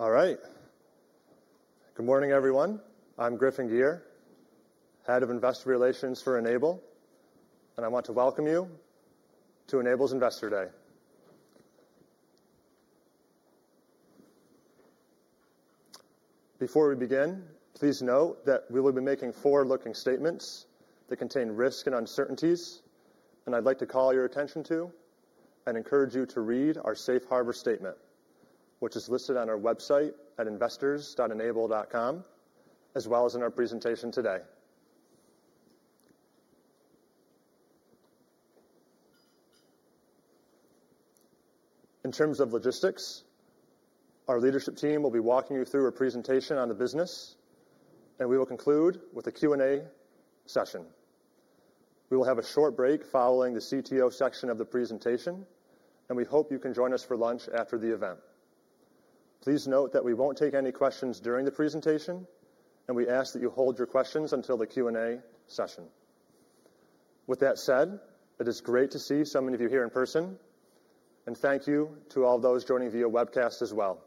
All right. Good morning, everyone. I'm Griffin Gyr, Head of Investor Relations for N-able, and I want to welcome you to N-able's Investor Day. Before we begin, please note that we will be making forward-looking statements that contain risk and uncertainties, and I'd like to call your attention to and encourage you to read our Safe Harbor Statement, which is listed on our website at investors.n-able.com, as well as in our presentation today. In terms of logistics, our leadership team will be walking you through a presentation on the business, and we will conclude with a Q&A session. We will have a short break following the CTO section of the presentation, and we hope you can join us for lunch after the event. Please note that we won't take any questions during the presentation, and we ask that you hold your questions until the Q&A session. With that said, it is great to see so many of you here in person, and thank you to all those joining via webcast as well.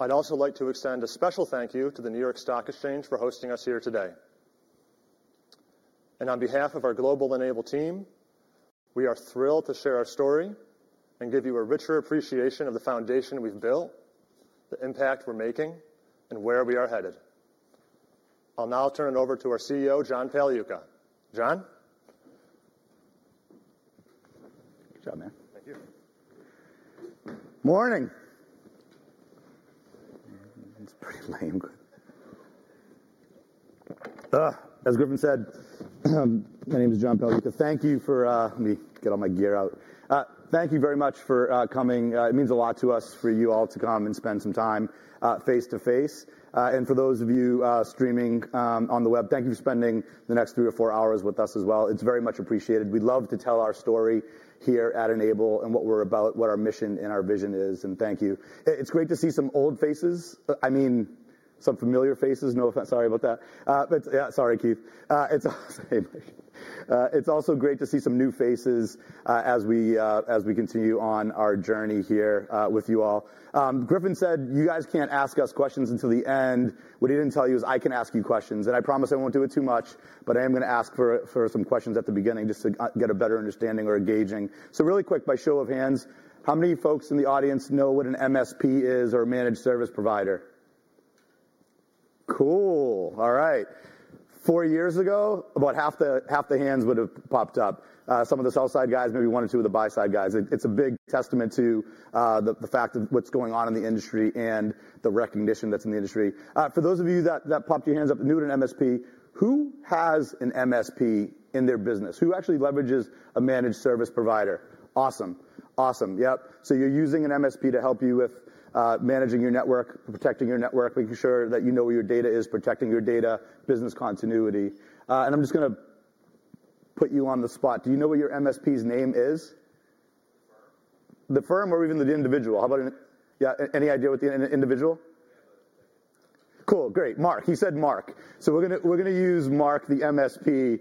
I'd also like to extend a special thank you to the New York Stock Exchange for hosting us here today. On behalf of our global N-able team, we are thrilled to share our story and give you a richer appreciation of the foundation we've built, the impact we're making, and where we are headed. I'll now turn it over to our CEO, John Pagliuca. John? John, man. Thank you. Morning. It's pretty lame. As Griffin said, my name is John Pagliuca. Thank you for—let me get all my gear out. Thank you very much for coming. It means a lot to us for you all to come and spend some time face to face. For those of you streaming on the web, thank you for spending the next three or four hours with us as well. It's very much appreciated. We'd love to tell our story here at N-able and what we're about, what our mission and our vision is, and thank you. It's great to see some old faces. I mean, some familiar faces. No offense. Sorry about that. Yeah, sorry, Keith. It's also great to see some new faces as we continue on our journey here with you all. Griffin said you guys can't ask us questions until the end. What he did not tell you is I can ask you questions, and I promise I will not do it too much, but I am going to ask for some questions at the beginning just to get a better understanding or engaging. Really quick, by show of hands, how many folks in the audience know what an MSP is or a managed service provider? Cool. All right. Four years ago, about half the hands would have popped up. Some of the sell-side guys, maybe one or two of the buy-side guys. It is a big testament to the fact of what is going on in the industry and the recognition that is in the industry. For those of you that popped your hands up, new to an MSP, who has an MSP in their business? Who actually leverages a managed service provider? Awesome. Awesome. Yep. You're using an MSP to help you with managing your network, protecting your network, making sure that you know where your data is, protecting your data, business continuity. I'm just going to put you on the spot. Do you know what your MSP's name is? The firm? The firm or even the individual? The firm. Yeah. Any idea what the individual? Yeah, the. Cool. Great. Mark. He said Mark. We are going to use Mark, the MSP,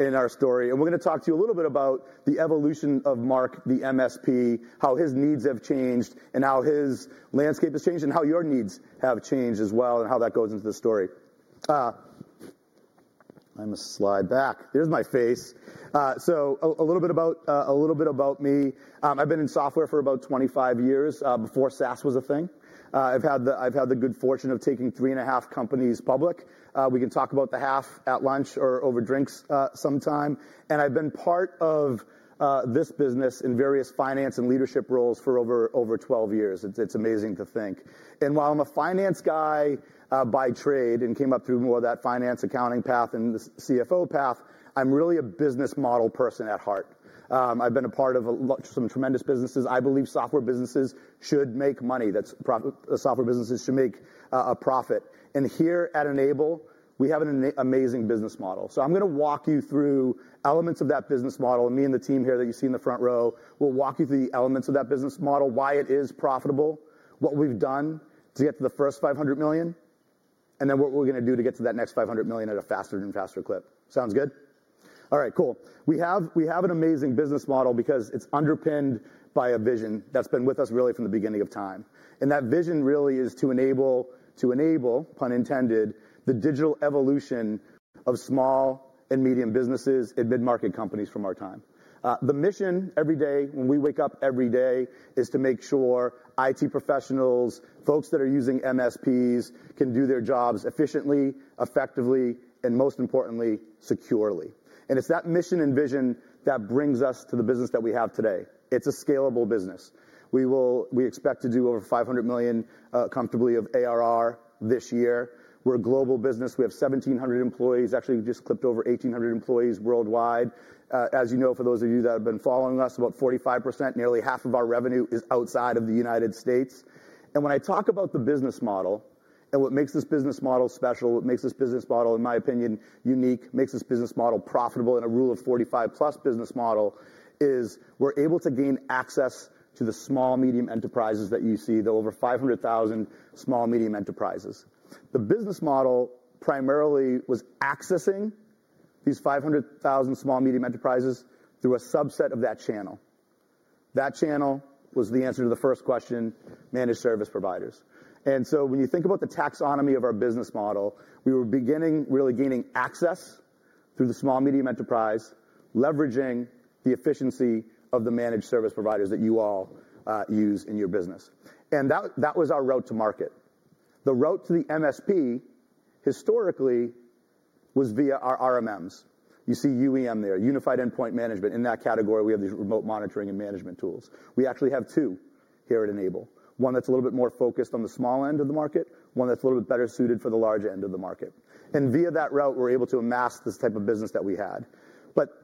in our story, and we are going to talk to you a little bit about the evolution of Mark, the MSP, how his needs have changed and how his landscape has changed and how your needs have changed as well and how that goes into the story. I am a slide back. There is my face. A little bit about me. I have been in software for about 25 years before SaaS was a thing. I have had the good fortune of taking three and a half companies public. We can talk about the half at lunch or over drinks sometime. I have been part of this business in various finance and leadership roles for over 12 years. It is amazing to think. While I'm a finance guy by trade and came up through more of that finance accounting path and the CFO path, I'm really a business model person at heart. I've been a part of some tremendous businesses. I believe software businesses should make money. That's probably a software business that should make a profit. Here at N-able, we have an amazing business model. I'm going to walk you through elements of that business model. Me and the team here that you see in the front row will walk you through the elements of that business model, why it is profitable, what we've done to get to the first $500 million, and then what we're going to do to get to that next $500 million at a faster and faster clip. Sounds good? All right. Cool. We have an amazing business model because it's underpinned by a vision that's been with us really from the beginning of time. That vision really is to enable, to enable, pun intended, the digital evolution of small and medium businesses and mid-market companies from our time. The mission every day, when we wake up every day, is to make sure IT professionals, folks that are using MSPs, can do their jobs efficiently, effectively, and most importantly, securely. It's that mission and vision that brings us to the business that we have today. It's a scalable business. We expect to do over $500 million comfortably of ARR this year. We're a global business. We have 1,700 employees. Actually, we just clipped over 1,800 employees worldwide. As you know, for those of you that have been following us, about 45%, nearly half of our revenue is outside of the U.S. When I talk about the business model and what makes this business model special, what makes this business model, in my opinion, unique, makes this business model profitable in a rule of 45-plus business model, is we're able to gain access to the small, medium enterprises that you see, the over 500,000 small, medium enterprises. The business model primarily was accessing these 500,000 small, medium enterprises through a subset of that channel. That channel was the answer to the first question, managed service providers. When you think about the taxonomy of our business model, we were beginning really gaining access through the small, medium enterprise, leveraging the efficiency of the managed service providers that you all use in your business. That was our route to market. The route to the MSP historically was via our RMMs. You see UEM there, Unified Endpoint Management. In that category, we have these remote monitoring and management tools. We actually have two here at N-able. One that's a little bit more focused on the small end of the market, one that's a little bit better suited for the large end of the market. Via that route, we're able to amass this type of business that we had.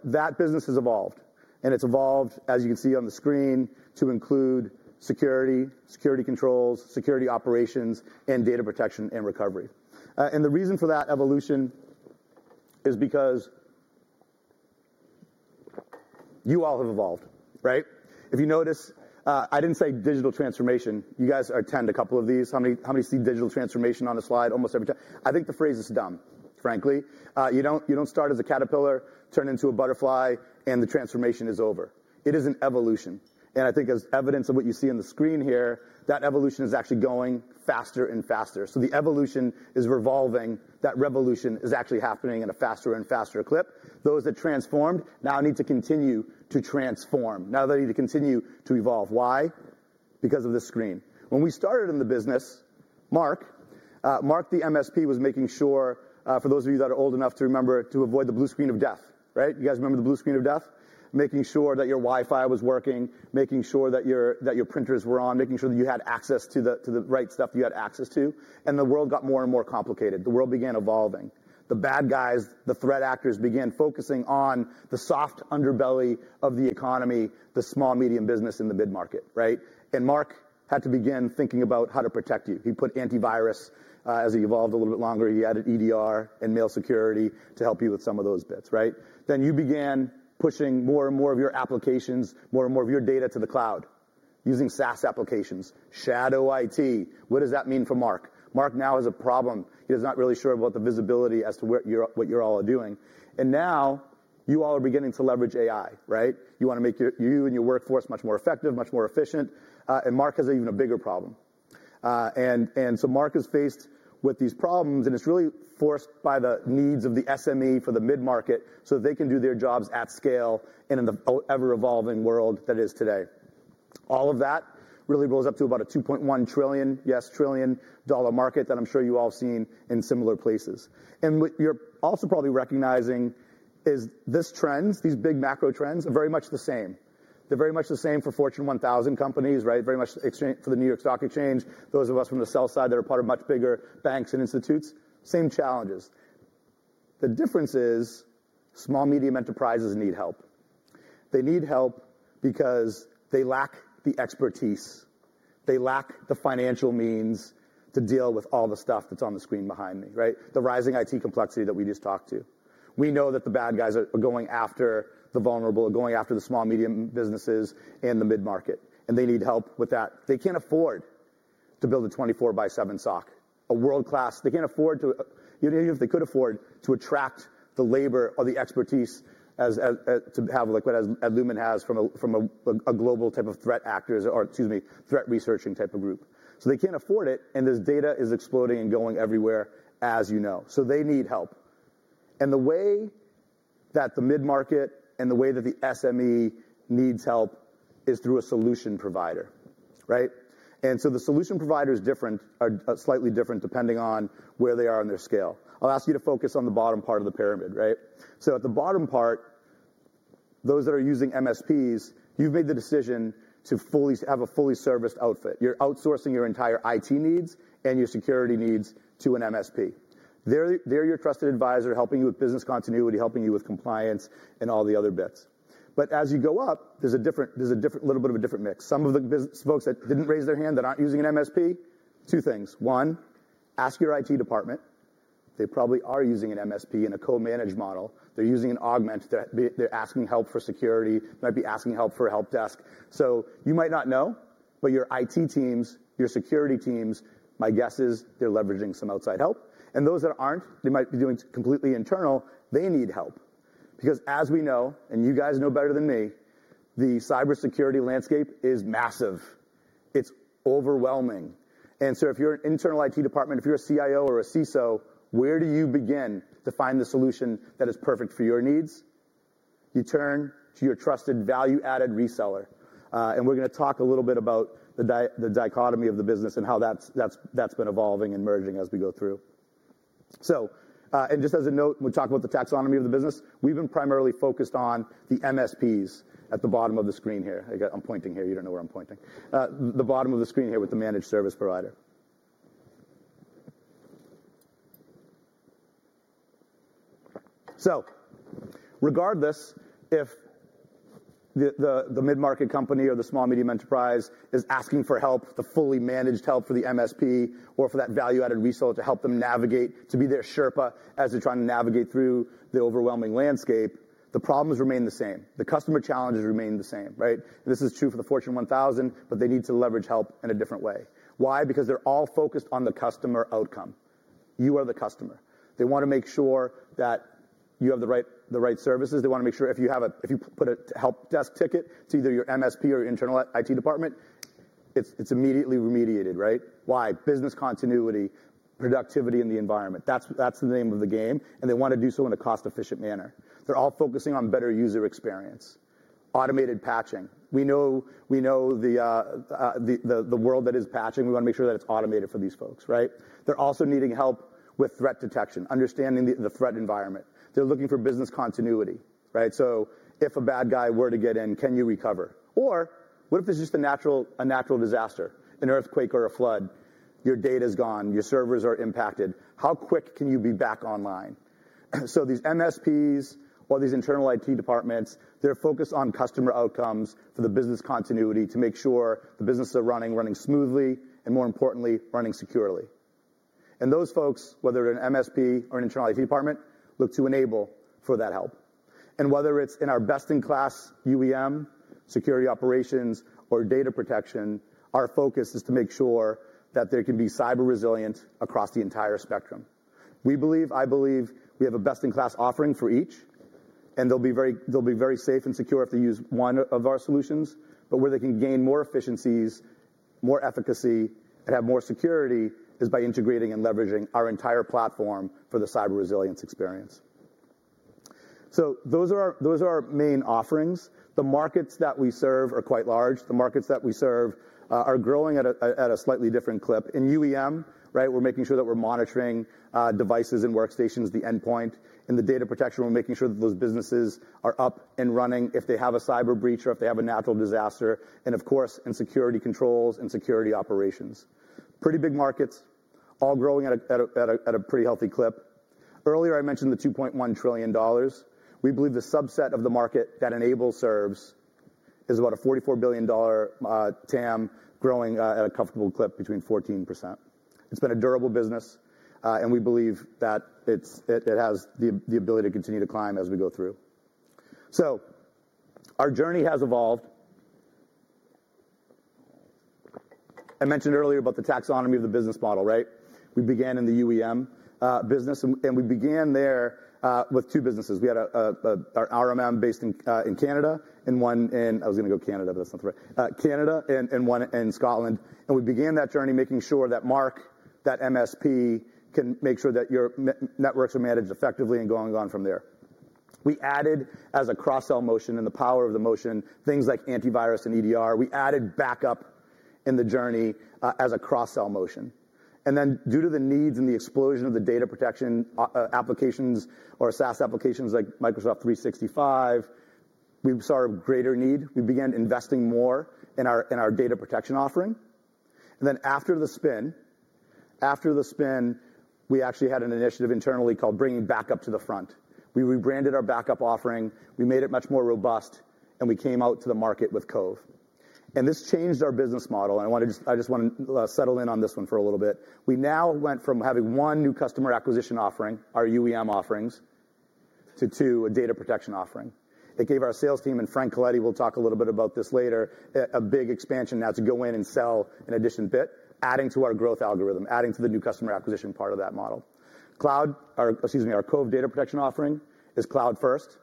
That business has evolved, and it's evolved, as you can see on the screen, to include security, security controls, security operations, and data protection and recovery. The reason for that evolution is because you all have evolved, right? If you notice, I didn't say digital transformation. You guys attend a couple of these. How many see digital transformation on a slide almost every time? I think the phrase is dumb, frankly. You do not start as a caterpillar, turn into a butterfly, and the transformation is over. It is an evolution. I think as evidence of what you see on the screen here, that evolution is actually going faster and faster. The evolution is revolving. That revolution is actually happening at a faster and faster clip. Those that transformed now need to continue to transform. Now they need to continue to evolve. Why? Because of this screen. When we started in the business, Mark, the MSP was making sure, for those of you that are old enough to remember, to avoid the blue screen of death, right? You guys remember the blue screen of death? Making sure that your Wi-Fi was working, making sure that your printers were on, making sure that you had access to the right stuff you had access to. The world got more and more complicated. The world began evolving. The bad guys, the threat actors, began focusing on the soft underbelly of the economy, the small, medium business in the mid-market, right? Mark had to begin thinking about how to protect you. He put antivirus as he evolved a little bit longer. He added EDR and mail security to help you with some of those bits, right? You began pushing more and more of your applications, more and more of your data to the cloud using SaaS applications. Shadow IT. What does that mean for Mark? Mark now has a problem. He's not really sure about the visibility as to what you're all doing. You all are beginning to leverage AI, right? You want to make you and your workforce much more effective, much more efficient. Mark has an even bigger problem. Mark is faced with these problems, and it is really forced by the needs of the SME for the mid-market so they can do their jobs at scale in an ever-evolving world that is today. All of that really rolls up to about a $2.1 trillion, yes, trillion dollar market that I am sure you all have seen in similar places. What you are also probably recognizing is these big macro trends are very much the same. They are very much the same for Fortune 1000 companies, right? Very much for the New York Stock Exchange, those of us from the sell-side that are part of much bigger banks and institutes, same challenges. The difference is small, medium enterprises need help. They need help because they lack the expertise. They lack the financial means to deal with all the stuff that's on the screen behind me, right? The rising IT complexity that we just talked to. We know that the bad guys are going after the vulnerable, are going after the small, medium businesses in the mid-market, and they need help with that. They can't afford to build a 24 by 7 SOC, a world-class. They can't afford to, even if they could afford, to attract the labor or the expertise to have what Adlumin has from a global type of threat actors or, excuse me, threat researching type of group. They can't afford it, and this data is exploding and going everywhere, as you know. They need help. The way that the mid-market and the way that the SME needs help is through a solution provider, right? The solution provider is different, slightly different depending on where they are on their scale. I'll ask you to focus on the bottom part of the pyramid, right? At the bottom part, those that are using MSPs, you've made the decision to have a fully serviced outfit. You're outsourcing your entire IT needs and your security needs to an MSP. They're your trusted advisor, helping you with business continuity, helping you with compliance and all the other bits. As you go up, there's a little bit of a different mix. Some of the folks that didn't raise their hand that aren't using an MSP, two things. One, ask your IT department. They probably are using an MSP and a co-managed model. They're using an augment. They're asking help for security. They might be asking help for help desk. You might not know, but your IT teams, your security teams, my guess is they're leveraging some outside help. Those that aren't, they might be doing completely internal, they need help. Because as we know, and you guys know better than me, the cybersecurity landscape is massive. It's overwhelming. If you're an internal IT department, if you're a CIO or a CISO, where do you begin to find the solution that is perfect for your needs? You turn to your trusted value-added reseller. We're going to talk a little bit about the dichotomy of the business and how that's been evolving and merging as we go through. Just as a note, we talk about the taxonomy of the business. We've been primarily focused on the MSPs at the bottom of the screen here. I'm pointing here. You don't know where I'm pointing. The bottom of the screen here with the managed service provider. Regardless if the mid-market company or the small, medium enterprise is asking for help, the fully managed help for the MSP or for that value-added reseller to help them navigate, to be their Sherpa as they're trying to navigate through the overwhelming landscape, the problems remain the same. The customer challenges remain the same, right? This is true for the Fortune 1000, but they need to leverage help in a different way. Why? Because they're all focused on the customer outcome. You are the customer. They want to make sure that you have the right services. They want to make sure if you put a help desk ticket to either your MSP or your internal IT department, it's immediately remediated, right? Why? Business continuity, productivity in the environment. That's the name of the game, and they want to do so in a cost-efficient manner. They're all focusing on better user experience. Automated patching. We know the world that is patching. We want to make sure that it's automated for these folks, right? They're also needing help with threat detection, understanding the threat environment. They're looking for business continuity, right? If a bad guy were to get in, can you recover? Or what if there's just a natural disaster, an earthquake or a flood? Your data is gone. Your servers are impacted. How quick can you be back online? These MSPs or these internal IT departments, they're focused on customer outcomes for the business continuity to make sure the business they're running, running smoothly and, more importantly, running securely. Those folks, whether they're an MSP or an internal IT department, look to N-able for that help. Whether it's in our best-in-class UEM, security operations, or data protection, our focus is to make sure that they can be cyber resilient across the entire spectrum. We believe, I believe, we have a best-in-class offering for each, and they'll be very safe and secure if they use one of our solutions. Where they can gain more efficiencies, more efficacy, and have more security is by integrating and leveraging our entire platform for the cyber resilience experience. Those are our main offerings. The markets that we serve are quite large. The markets that we serve are growing at a slightly different clip. In UEM, right, we're making sure that we're monitoring devices and workstations, the endpoint, and the data protection. We're making sure that those businesses are up and running if they have a cyber breach or if they have a natural disaster. Of course, in security controls and security operations. Pretty big markets, all growing at a pretty healthy clip. Earlier, I mentioned the $2.1 trillion. We believe the subset of the market that N-able serves is about a $44 billion TAM growing at a comfortable clip between 14%. It's been a durable business, and we believe that it has the ability to continue to climb as we go through. Our journey has evolved. I mentioned earlier about the taxonomy of the business model, right? We began in the UEM business, and we began there with two businesses. We had an RMM based in Canada and one in, I was going to go Canada, but that's not the right, Canada and one in Scotland. We began that journey making sure that MSP can make sure that your networks are managed effectively and going on from there. We added, as a cross-sell motion and the power of the motion, things like antivirus and EDR, we added backup in the journey as a cross-sell motion. Due to the needs and the explosion of the data protection applications or SaaS applications like Microsoft 365, we saw a greater need. We began investing more in our data protection offering. After the spin, after the spin, we actually had an initiative internally called Bringing Backup to the Front. We rebranded our backup offering. We made it much more robust, and we came out to the market with Cove. This changed our business model. I just want to settle in on this one for a little bit. We now went from having one new customer acquisition offering, our UEM offerings, to two, a data protection offering. It gave our sales team and Frank Coletti, we'll talk a little bit about this later, a big expansion now to go in and sell an addition bit, adding to our growth algorithm, adding to the new customer acquisition part of that model. Cloud, excuse me, our Cove data protection offering is cloud-first.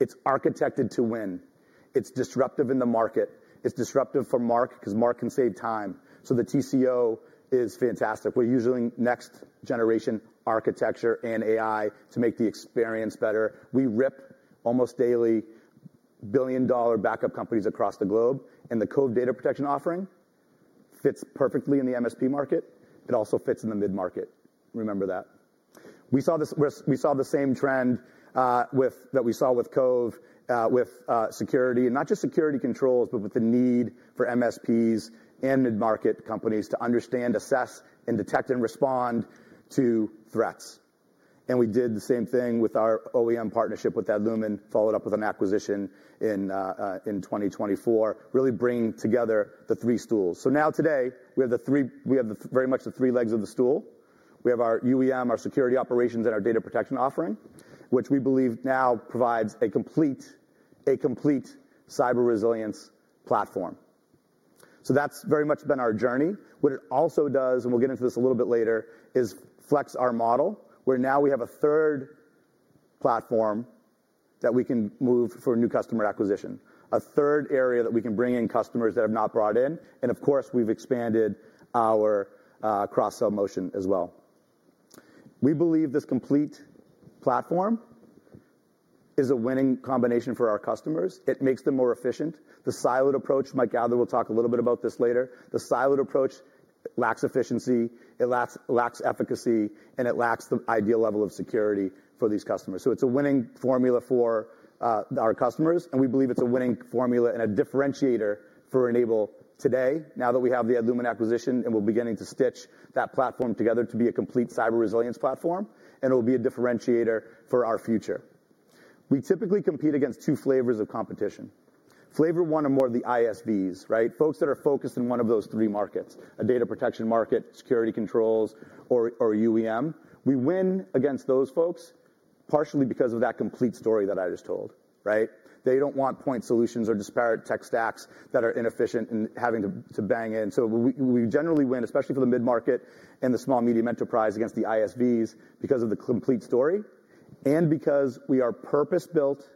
It's architected to win. It's disruptive in the market. It's disruptive for Mark because Mark can save time. The TCO is fantastic. We're using next-generation architecture and AI to make the experience better. We rip almost daily billion-dollar backup companies across the globe, and the Cove data protection offering fits perfectly in the MSP market. It also fits in the mid-market. Remember that. We saw the same trend that we saw with Cove, with security, and not just security controls, but with the need for MSPs and mid-market companies to understand, assess, and detect and respond to threats. We did the same thing with our OEM partnership with Adlumin, followed up with an acquisition in 2024, really bringing together the three stools. Now today, we have very much the three legs of the stool. We have our UEM, our security operations, and our data protection offering, which we believe now provides a complete cyber resilience platform. That is very much been our journey. What it also does, and we'll get into this a little bit later, is flex our model, where now we have a third platform that we can move for new customer acquisition, a third area that we can bring in customers that have not brought in. Of course, we've expanded our cross-sell motion as well. We believe this complete platform is a winning combination for our customers. It makes them more efficient. The siloed approach, Mike Adler will talk a little bit about this later. The siloed approach lacks efficiency, it lacks efficacy, and it lacks the ideal level of security for these customers. It is a winning formula for our customers, and we believe it is a winning formula and a differentiator for N-able today, now that we have the Adlumin acquisition and we are beginning to stitch that platform together to be a complete cyber resilience platform, and it will be a differentiator for our future. We typically compete against two flavors of competition. Flavor one are more of the ISVs, right? Folks that are focused in one of those three markets, a data protection market, security controls, or UEM. We win against those folks partially because of that complete story that I just told, right? They do not want point solutions or disparate tech stacks that are inefficient and having to bang in. We generally win, especially for the mid-market and the small, medium enterprise, against the ISVs because of the complete story and because we are purpose-built,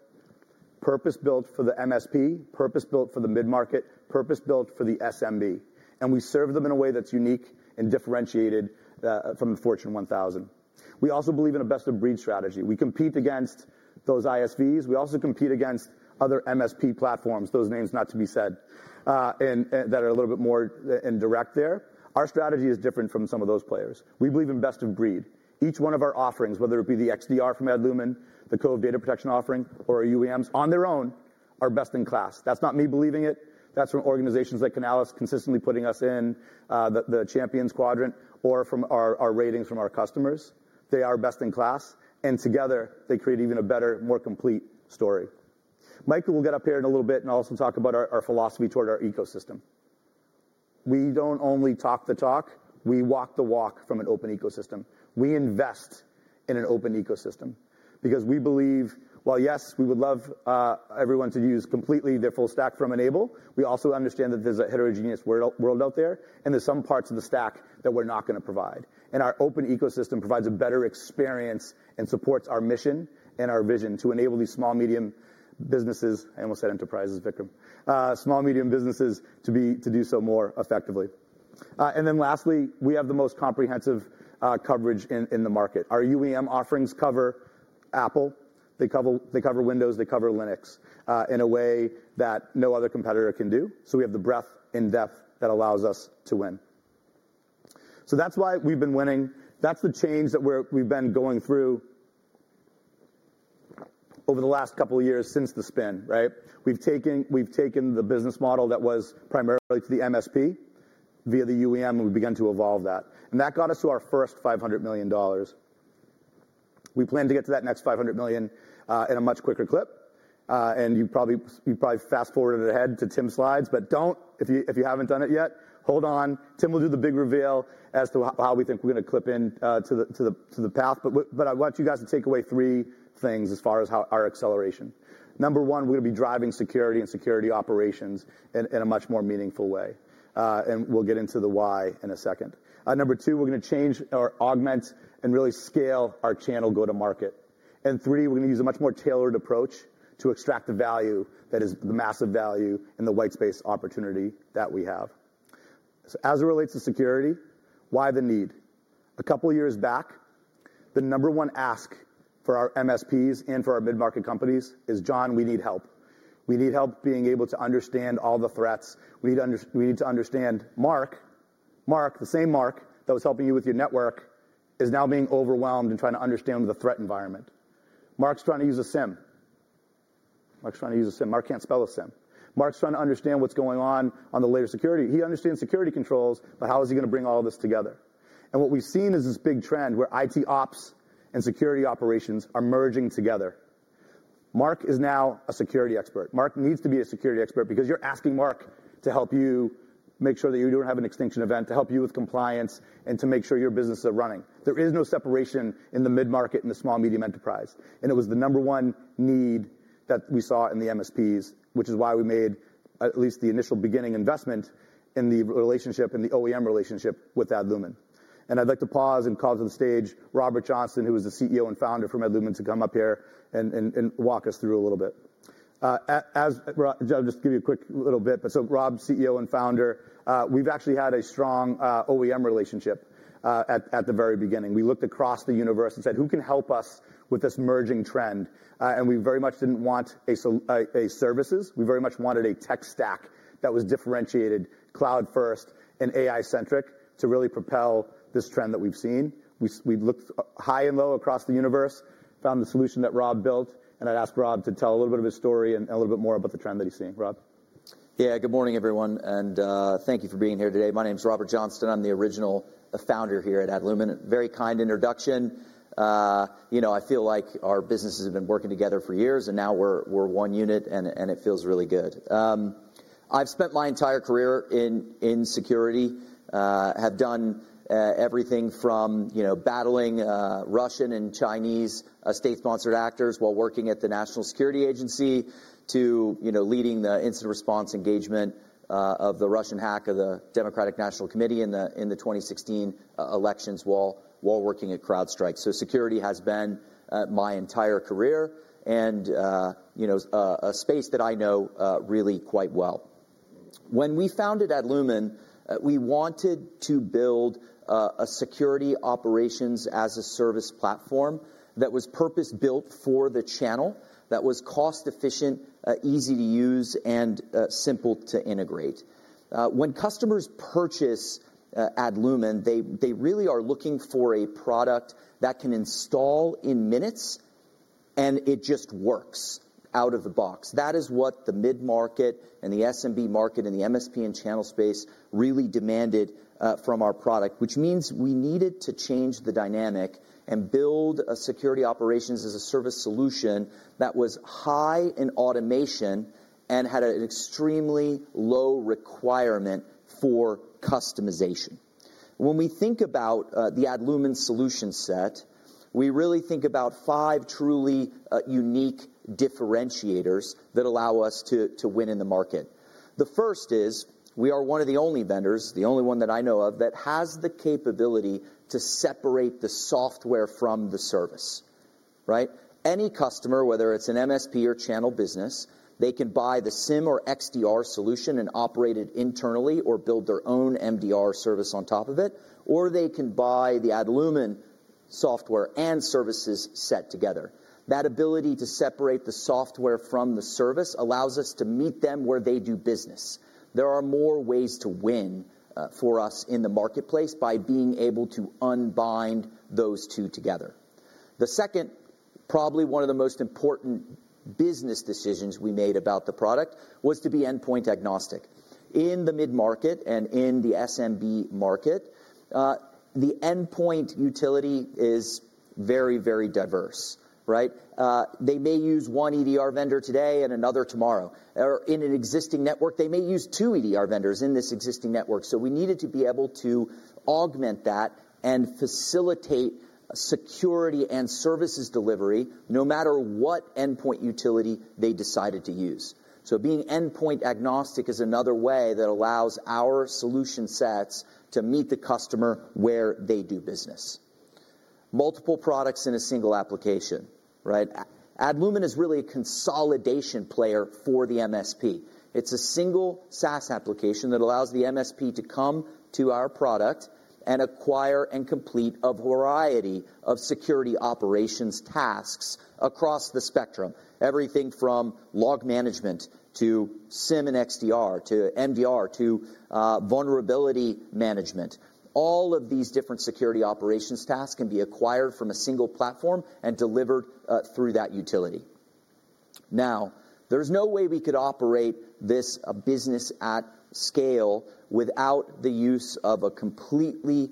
purpose-built for the MSP, purpose-built for the mid-market, purpose-built for the SMB. We serve them in a way that's unique and differentiated from the Fortune 1000. We also believe in a best-of-breed strategy. We compete against those ISVs. We also compete against other MSP platforms, those names not to be said, that are a little bit more indirect there. Our strategy is different from some of those players. We believe in best-of-breed. Each one of our offerings, whether it be the XDR from Adlumin, the Cove data protection offering, or UEMs on their own, are best in class. That's not me believing it. That's from organizations like Canalis, consistently putting us in the champions quadrant, or from our ratings from our customers. They are best in class, and together, they create even a better, more complete story. Michael will get up here in a little bit and also talk about our philosophy toward our ecosystem. We do not only talk the talk. We walk the walk from an open ecosystem. We invest in an open ecosystem because we believe, while yes, we would love everyone to use completely their full stack from N-able, we also understand that there is a heterogeneous world out there, and there are some parts of the stack that we are not going to provide. Our open ecosystem provides a better experience and supports our mission and our vision to enable these small, medium businesses, and we will say enterprises, Vikram, small, medium businesses to do so more effectively. Lastly, we have the most comprehensive coverage in the market. Our UEM offerings cover Apple. They cover Windows. They cover Linux in a way that no other competitor can do. We have the breadth and depth that allows us to win. That is why we have been winning. That is the change that we have been going through over the last couple of years since the spin, right? We have taken the business model that was primarily to the MSP via the UEM, and we began to evolve that. That got us to our first $500 million. We plan to get to that next $500 million in a much quicker clip. You probably fast-forwarded ahead to Tim's slides, but do not. If you have not done it yet, hold on. Tim will do the big reveal as to how we think we are going to clip into the path. I want you guys to take away three things as far as our acceleration. Number one, we're going to be driving security and security operations in a much more meaningful way. We'll get into the why in a second. Number two, we're going to change or augment and really scale our channel go-to-market. Three, we're going to use a much more tailored approach to extract the value that is the massive value and the white space opportunity that we have. As it relates to security, why the need? A couple of years back, the number one ask for our MSPs and for our mid-market companies is, "John, we need help. We need help being able to understand all the threats. We need to understand Mark. Mark, the same Mark that was helping you with your network, is now being overwhelmed and trying to understand the threat environment. Mark's trying to use a SIM. Mark's trying to use a SIM. Mark can't spell a SIM. Mark's trying to understand what's going on on the later security. He understands security controls, but how is he going to bring all this together? What we've seen is this big trend where IT ops and security operations are merging together. Mark is now a security expert. Mark needs to be a security expert because you're asking Mark to help you make sure that you don't have an extinction event, to help you with compliance, and to make sure your business is running. There is no separation in the mid-market and the small, medium enterprise. It was the number one need that we saw in the MSPs, which is why we made at least the initial beginning investment in the relationship, in the OEM relationship with Adlumin. I'd like to pause and call to the stage Robert Johnston, who is the CEO and founder from Adlumin, to come up here and walk us through a little bit. I'll just give you a quick little bit. Rob, CEO and founder, we've actually had a strong OEM relationship at the very beginning. We looked across the universe and said, "Who can help us with this merging trend?" We very much didn't want services. We very much wanted a tech stack that was differentiated, cloud-first, and AI-centric to really propel this trend that we've seen. We looked high and low across the universe, found the solution that Rob built, and I'd ask Rob to tell a little bit of his story and a little bit more about the trend that he's seeing. Rob? Yeah, good morning, everyone, and thank you for being here today. My name is Robert Johnston. I'm the original founder here at Adlumin. Very kind introduction. I feel like our businesses have been working together for years, and now we're one unit, and it feels really good. I've spent my entire career in security, have done everything from battling Russian and Chinese state-sponsored actors while working at the National Security Agency to leading the incident response engagement of the Russian hack of the Democratic National Committee in the 2016 elections while working at CrowdStrike. Security has been my entire career and a space that I know really quite well. When we founded Adlumin, we wanted to build a security operations-as-a-service platform that was purpose-built for the channel, that was cost-efficient, easy to use, and simple to integrate. When customers purchase Adlumin, they really are looking for a product that can install in minutes, and it just works out of the box. That is what the mid-market and the SMB market and the MSP and channel space really demanded from our product, which means we needed to change the dynamic and build a security operations-as-a-service solution that was high in automation and had an extremely low requirement for customization. When we think about the Adlumin solution set, we really think about five truly unique differentiators that allow us to win in the market. The first is we are one of the only vendors, the only one that I know of, that has the capability to separate the software from the service, right? Any customer, whether it's an MSP or channel business, they can buy the SIEM or XDR solution and operate it internally or build their own MDR service on top of it, or they can buy the Adlumin software and services set together. That ability to separate the software from the service allows us to meet them where they do business. There are more ways to win for us in the marketplace by being able to unbind those two together. The second, probably one of the most important business decisions we made about the product was to be endpoint agnostic. In the mid-market and in the SMB market, the endpoint utility is very, very diverse, right? They may use one EDR vendor today and another tomorrow. In an existing network, they may use two EDR vendors in this existing network. We needed to be able to augment that and facilitate security and services delivery no matter what endpoint utility they decided to use. Being endpoint agnostic is another way that allows our solution sets to meet the customer where they do business. Multiple products in a single application, right? Adlumin is really a consolidation player for the MSP. It is a single SaaS application that allows the MSP to come to our product and acquire and complete a variety of security operations tasks across the spectrum, everything from log management to SIM and XDR to MDR to vulnerability management. All of these different security operations tasks can be acquired from a single platform and delivered through that utility. There is no way we could operate this business at scale without the use of a completely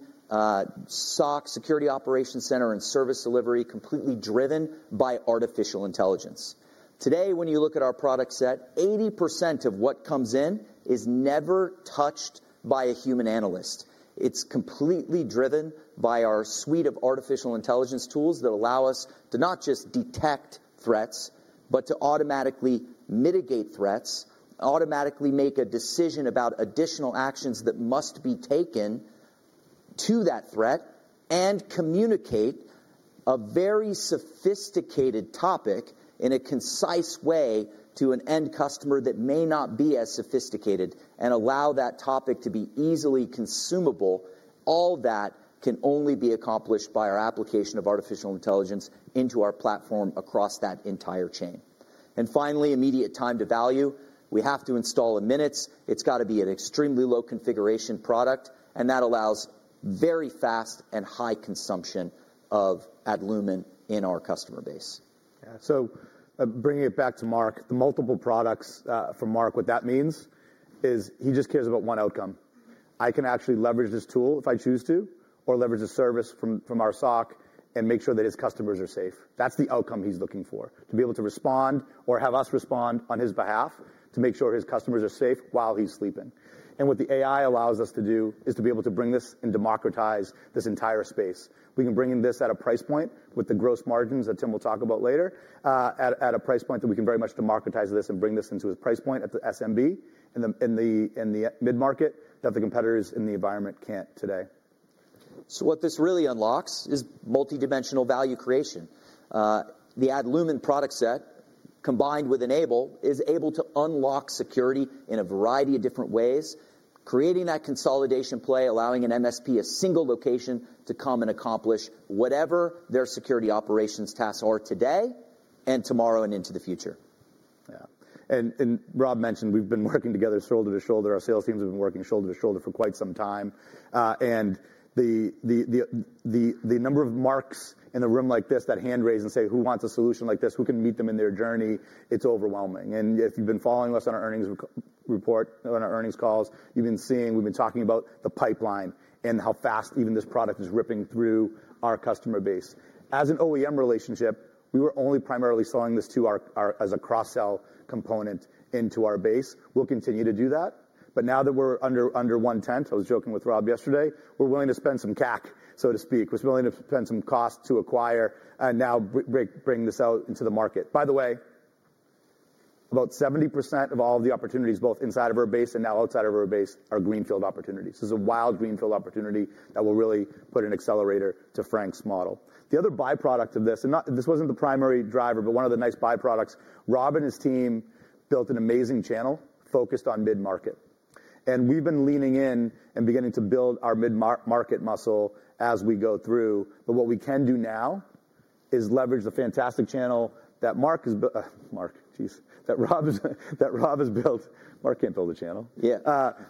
SOC security operations center and service delivery completely driven by artificial intelligence. Today, when you look at our product set, 80% of what comes in is never touched by a human analyst. It's completely driven by our suite of artificial intelligence tools that allow us to not just detect threats, but to automatically mitigate threats, automatically make a decision about additional actions that must be taken to that threat, and communicate a very sophisticated topic in a concise way to an end customer that may not be as sophisticated and allow that topic to be easily consumable. All that can only be accomplished by our application of artificial intelligence into our platform across that entire chain. Finally, immediate time to value. We have to install in minutes. It's got to be an extremely low configuration product, and that allows very fast and high consumption of Adlumin in our customer base. Yeah. Bringing it back to Mark, the multiple products from Mark, what that means is he just cares about one outcome. I can actually leverage this tool if I choose to, or leverage a service from our SOC and make sure that his customers are safe. That is the outcome he is looking for, to be able to respond or have us respond on his behalf to make sure his customers are safe while he is sleeping. What the AI allows us to do is to be able to bring this and democratize this entire space. We can bring in this at a price point with the gross margins that Tim will talk about later, at a price point that we can very much democratize this and bring this into his price point at the SMB and the mid-market that the competitors in the environment cannot today. What this really unlocks is multidimensional value creation. The Adlumin product set combined with N-able is able to unlock security in a variety of different ways, creating that consolidation play, allowing an MSP a single location to come and accomplish whatever their security operations tasks are today and tomorrow and into the future. Yeah. Rob mentioned we have been working together shoulder to shoulder. Our sales teams have been working shoulder to shoulder for quite some time. The number of Marks in a room like this that hand raise and say, "Who wants a solution like this? Who can meet them in their journey?" is overwhelming. If you have been following us on our earnings report, on our earnings calls, you have been seeing we have been talking about the pipeline and how fast even this product is ripping through our customer base. As an OEM relationship, we were only primarily selling this as a cross-sell component into our base. We will continue to do that. Now that we are under one tent, I was joking with Rob yesterday, we are willing to spend some CAC, so to speak. We're willing to spend some cost to acquire and now bring this out into the market. By the way, about 70% of all of the opportunities, both inside of our base and now outside of our base, are greenfield opportunities. This is a wild greenfield opportunity that will really put an accelerator to Frank's model. The other byproduct of this, and this was not the primary driver, but one of the nice byproducts, Rob and his team built an amazing channel focused on mid-market. We've been leaning in and beginning to build our mid-market muscle as we go through. What we can do now is leverage the fantastic channel that Rob has built. Mark, geez. That Rob has built. Mark cannot build a channel. Yeah.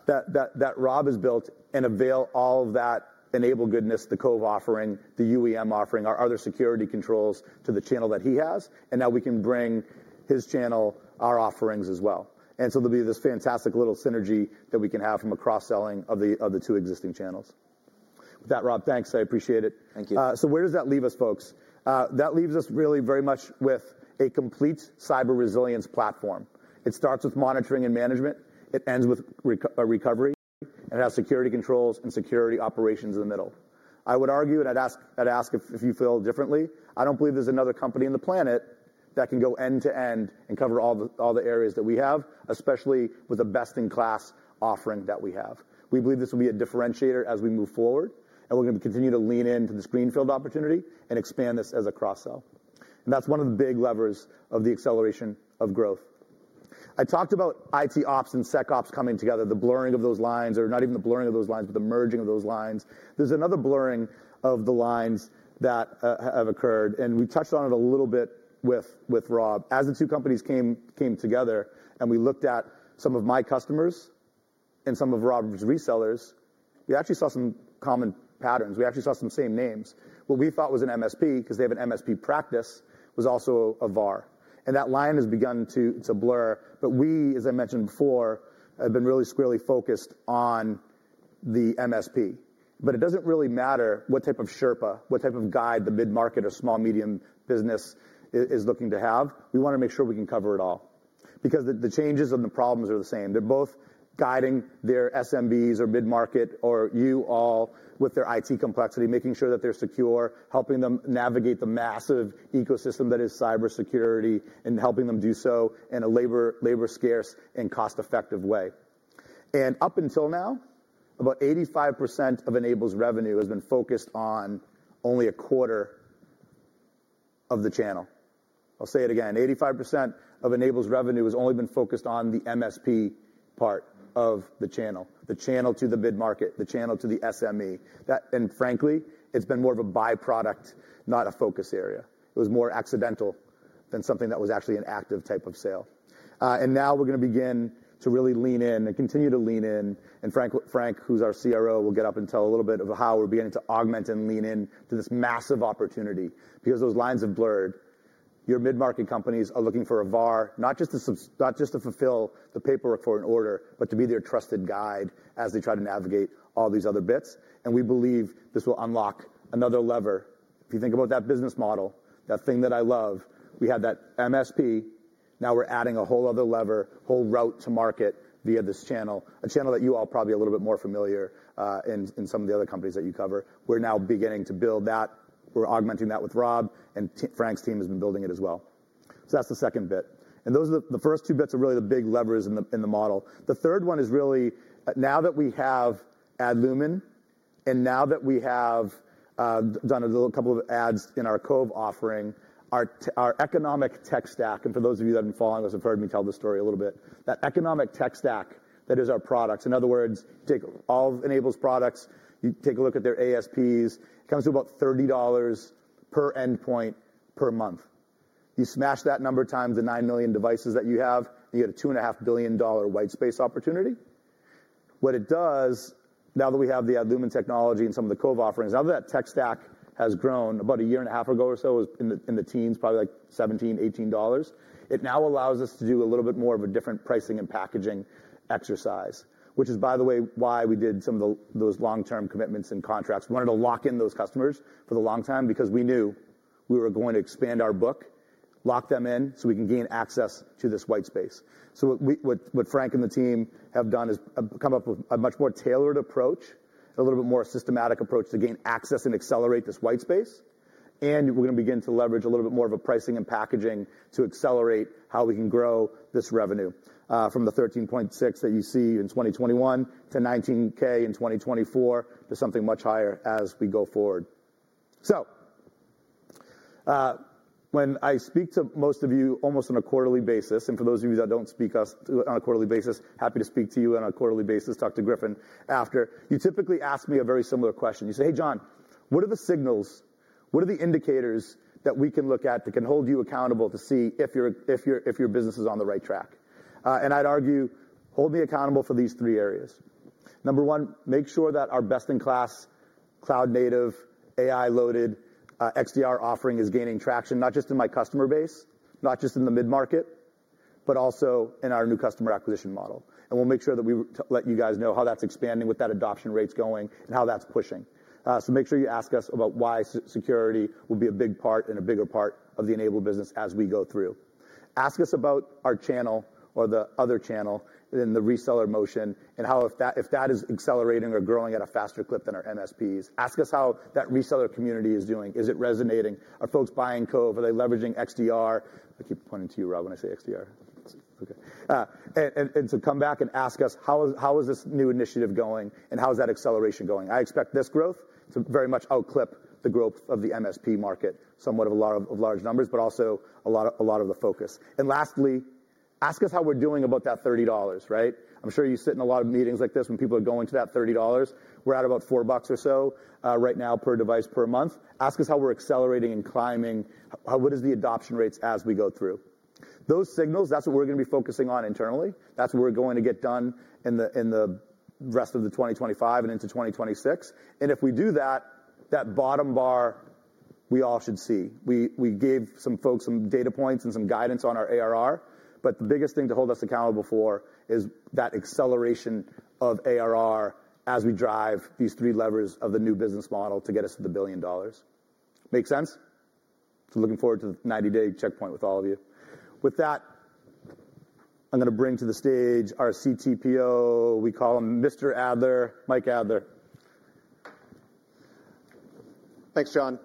That Rob has built and avail all of that N-able goodness, the Cove offering, the UEM offering, our other security controls to the channel that he has. Now we can bring his channel our offerings as well. There will be this fantastic little synergy that we can have from a cross-selling of the two existing channels. With that, Rob, thanks. I appreciate it. Thank you. Where does that leave us, folks? That leaves us really very much with a complete cyber resilience platform. It starts with monitoring and management. It ends with recovery. It has security controls and security operations in the middle. I would argue, and I'd ask if you feel differently, I don't believe there's another company on the planet that can go end to end and cover all the areas that we have, especially with the best-in-class offering that we have. We believe this will be a differentiator as we move forward, and we're going to continue to lean into this greenfield opportunity and expand this as a cross-sell. That's one of the big levers of the acceleration of growth. I talked about IT ops and SecOps coming together, the blurring of those lines, or not even the blurring of those lines, but the merging of those lines. is another blurring of the lines that have occurred, and we touched on it a little bit with Rob. As the two companies came together and we looked at some of my customers and some of Rob's resellers, we actually saw some common patterns. We actually saw some same names. What we thought was an MSP, because they have an MSP practice, was also a VAR. That line has begun to blur. As I mentioned before, we have been really squarely focused on the MSP. It does not really matter what type of Sherpa, what type of guide the mid-market or small, medium business is looking to have. We want to make sure we can cover it all because the changes and the problems are the same. They're both guiding their SMBs or mid-market or you all with their IT complexity, making sure that they're secure, helping them navigate the massive ecosystem that is cybersecurity and helping them do so in a labor-scarce and cost-effective way. Up until now, about 85% of N-able's revenue has been focused on only a quarter of the channel. I'll say it again. 85% of N-able's revenue has only been focused on the MSP part of the channel, the channel to the mid-market, the channel to the SME. Frankly, it's been more of a byproduct, not a focus area. It was more accidental than something that was actually an active type of sale. Now we're going to begin to really lean in and continue to lean in. Frank, who's our CRO, will get up and tell a little bit of how we're beginning to augment and lean into this massive opportunity because those lines have blurred. Your mid-market companies are looking for a VAR, not just to fulfill the paperwork for an order, but to be their trusted guide as they try to navigate all these other bits. We believe this will unlock another lever. If you think about that business model, that thing that I love, we had that MSP. Now we're adding a whole other lever, whole route to market via this channel, a channel that you all are probably a little bit more familiar in some of the other companies that you cover. We're now beginning to build that. We're augmenting that with Rob, and Frank's team has been building it as well. That is the second bit. The first two bits are really the big levers in the model. The third one is really now that we have Adlumin and now that we have done a couple of ads in our Cove offering, our economic tech stack, and for those of you that have been following us, have heard me tell the story a little bit, that economic tech stack that is our products. In other words, you take all of N-able's products, you take a look at their ASPs, it comes to about $30 per endpoint per month. You smash that number times the 9 million devices that you have, you get a $2.5 billion white space opportunity. What it does, now that we have the Adlumin technology and some of the Cove offerings, now that tech stack has grown, about a year and a half ago or so was in the teens, probably like $17, $18, it now allows us to do a little bit more of a different pricing and packaging exercise, which is, by the way, why we did some of those long-term commitments and contracts. We wanted to lock in those customers for the long time because we knew we were going to expand our book, lock them in so we can gain access to this white space. What Frank and the team have done is come up with a much more tailored approach, a little bit more systematic approach to gain access and accelerate this white space. We are going to begin to leverage a little bit more of pricing and packaging to accelerate how we can grow this revenue from the $13.6 million that you see in 2021 to $19 million in 2024 to something much higher as we go forward. When I speak to most of you almost on a quarterly basis, and for those of you that do not speak to us on a quarterly basis, happy to speak to you on a quarterly basis, talk to Griffin after, you typically ask me a very similar question. You say, "Hey, John, what are the signals, what are the indicators that we can look at that can hold you accountable to see if your business is on the right track?" I would argue, hold me accountable for these three areas. Number one, make sure that our best-in-class cloud-native AI-loaded XDR offering is gaining traction, not just in my customer base, not just in the mid-market, but also in our new customer acquisition model. We will make sure that we let you guys know how that's expanding, what that adoption rate's going, and how that's pushing. Make sure you ask us about why security will be a big part and a bigger part of the N-able business as we go through. Ask us about our channel or the other channel in the reseller motion and how, if that is accelerating or growing at a faster clip than our MSPs, ask us how that reseller community is doing. Is it resonating? Are folks buying Cove? Are they leveraging XDR? I keep pointing to you, Rob, when I say XDR. Okay. To come back and ask us, how is this new initiative going and how is that acceleration going? I expect this growth to very much outclip the growth of the MSP market, somewhat of a law of large numbers, but also a lot of the focus. Lastly, ask us how we're doing about that $30, right? I'm sure you sit in a lot of meetings like this when people are going to that $30. We're at about $4 or so right now per device per month. Ask us how we're accelerating and climbing. What is the adoption rates as we go through? Those signals, that's what we're going to be focusing on internally. That's what we're going to get done in the rest of 2025 and into 2026. If we do that, that bottom bar, we all should see. We gave some folks some data points and some guidance on our ARR, but the biggest thing to hold us accountable for is that acceleration of ARR as we drive these three levers of the new business model to get us to the billion dollars. Makes sense? Looking forward to the 90-day checkpoint with all of you. With that, I'm going to bring to the stage our CTPO. We call him Mr. Adler, Mike Adler. Thanks, John.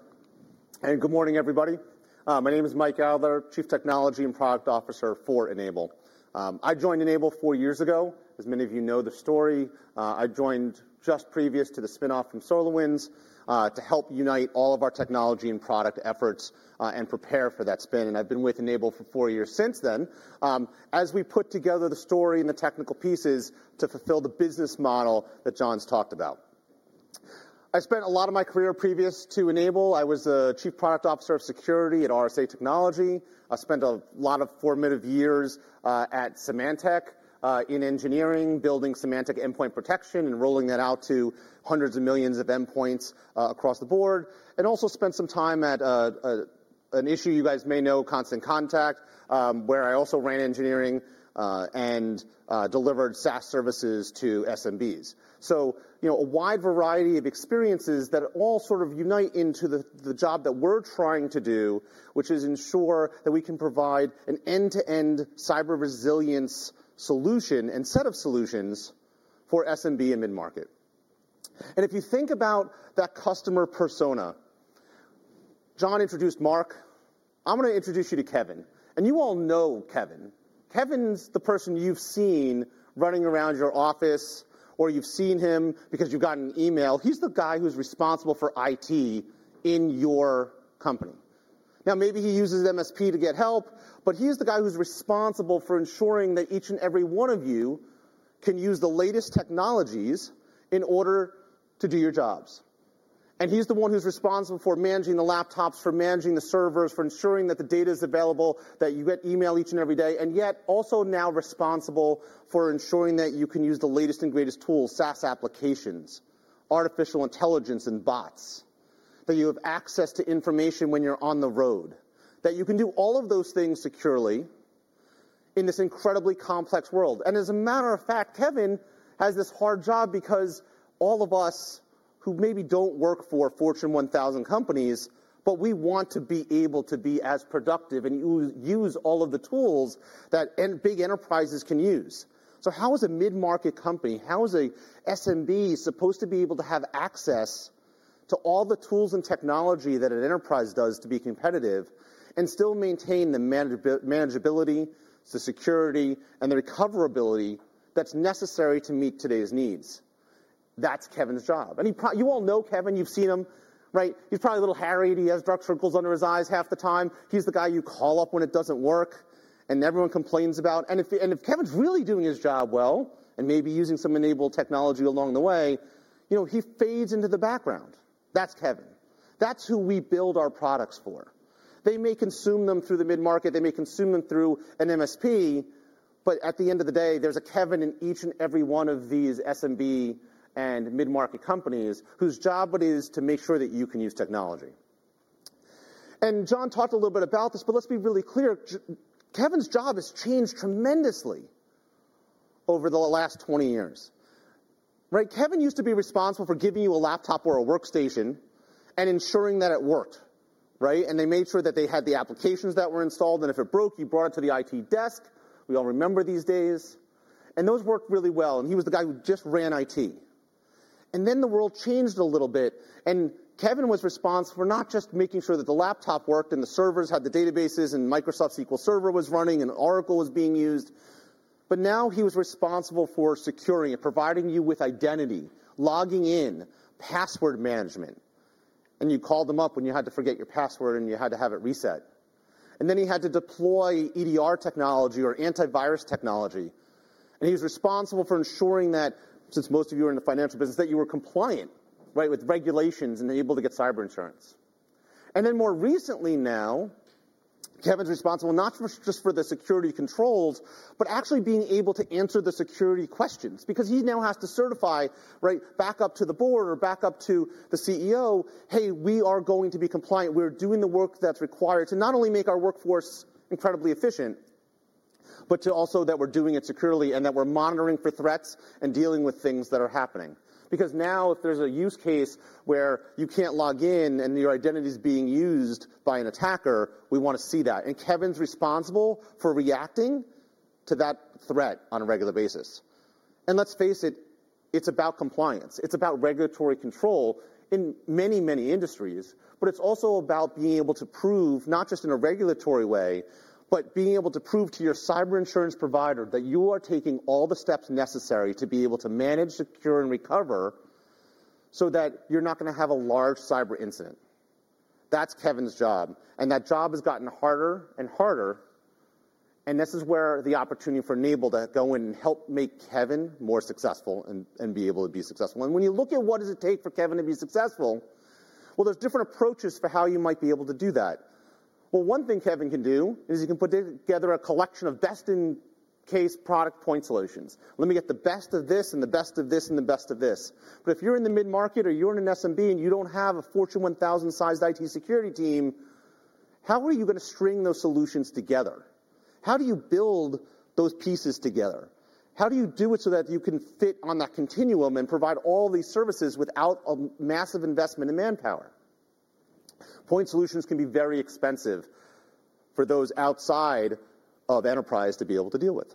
Good morning, everybody. My name is Mike Adler, Chief Technology and Product Officer for N-able. I joined N-able four years ago. As many of you know the story, I joined just previous to the spinoff from SolarWinds to help unite all of our technology and product efforts and prepare for that spin. I have been with N-able for four years since then as we put together the story and the technical pieces to fulfill the business model that John's talked about. I spent a lot of my career previous to N-able. I was the Chief Product Officer of Security at RSA Technology. I spent a lot of formative years at Symantec in engineering, building Symantec endpoint protection and rolling that out to hundreds of millions of endpoints across the board. I also spent some time at an issue you guys may know, Constant Contact, where I also ran engineering and delivered SaaS services to SMBs. A wide variety of experiences that all sort of unite into the job that we're trying to do, which is ensure that we can provide an end-to-end cyber resilience solution and set of solutions for SMB and mid-market. If you think about that customer persona, John introduced Mark. I'm going to introduce you to Kevin. You all know Kevin. Kevin's the person you've seen running around your office or you've seen him because you've gotten an email. He's the guy who's responsible for IT in your company. Maybe he uses MSP to get help, but he is the guy who's responsible for ensuring that each and every one of you can use the latest technologies in order to do your jobs. He is the one who is responsible for managing the laptops, for managing the servers, for ensuring that the data is available, that you get email each and every day, yet also now responsible for ensuring that you can use the latest and greatest tools, SaaS applications, artificial intelligence, and bots, that you have access to information when you are on the road, that you can do all of those things securely in this incredibly complex world. As a matter of fact, Kevin has this hard job because all of us who maybe do not work for Fortune 1000 companies, but we want to be able to be as productive and use all of the tools that big enterprises can use. How is a mid-market company, how is an SMB supposed to be able to have access to all the tools and technology that an enterprise does to be competitive and still maintain the manageability, the security, and the recoverability that's necessary to meet today's needs? That's Kevin's job. You all know Kevin. You've seen him, right? He's probably a little harried. He has dark circles under his eyes half the time. He's the guy you call up when it doesn't work and everyone complains about. If Kevin's really doing his job well and maybe using some N-able technology along the way, he fades into the background. That's Kevin. That's who we build our products for. They may consume them through the mid-market. They may consume them through an MSP, but at the end of the day, there's a Kevin in each and every one of these SMB and mid-market companies whose job it is to make sure that you can use technology. John talked a little bit about this, but let's be really clear. Kevin's job has changed tremendously over the last 20 years. Kevin used to be responsible for giving you a laptop or a workstation and ensuring that it worked, right? They made sure that they had the applications that were installed. If it broke, you brought it to the IT desk. We all remember these days. Those worked really well. He was the guy who just ran IT. The world changed a little bit. Kevin was responsible for not just making sure that the laptop worked and the servers had the databases and Microsoft SQL Server was running and Oracle was being used, but now he was responsible for securing it, providing you with identity, logging in, password management. You called them up when you had to forget your password and you had to have it reset. He had to deploy EDR technology or antivirus technology. He was responsible for ensuring that, since most of you are in the financial business, you were compliant with regulations and able to get cyber insurance. More recently now, Kevin's responsible not just for the security controls, but actually being able to answer the security questions because he now has to certify back up to the board or back up to the CEO, "Hey, we are going to be compliant. We're doing the work that's required to not only make our workforce incredibly efficient, but also that we're doing it securely and that we're monitoring for threats and dealing with things that are happening. Because now if there's a use case where you can't log in and your identity is being used by an attacker, we want to see that. Kevin's responsible for reacting to that threat on a regular basis. Let's face it, it's about compliance. It's about regulatory control in many, many industries, but it's also about being able to prove not just in a regulatory way, but being able to prove to your cyber insurance provider that you are taking all the steps necessary to be able to manage, secure, and recover so that you're not going to have a large cyber incident. That's Kevin's job. That job has gotten harder and harder. This is where the opportunity for N-able to go in and help make Kevin more successful and be able to be successful. When you look at what does it take for Kevin to be successful, there are different approaches for how you might be able to do that. One thing Kevin can do is he can put together a collection of best-in-case product point solutions. Let me get the best of this and the best of this and the best of this. If you're in the mid-market or you're in an SMB and you do not have a Fortune 1000-sized IT security team, how are you going to string those solutions together? How do you build those pieces together? How do you do it so that you can fit on that continuum and provide all these services without a massive investment in manpower? Point solutions can be very expensive for those outside of enterprise to be able to deal with.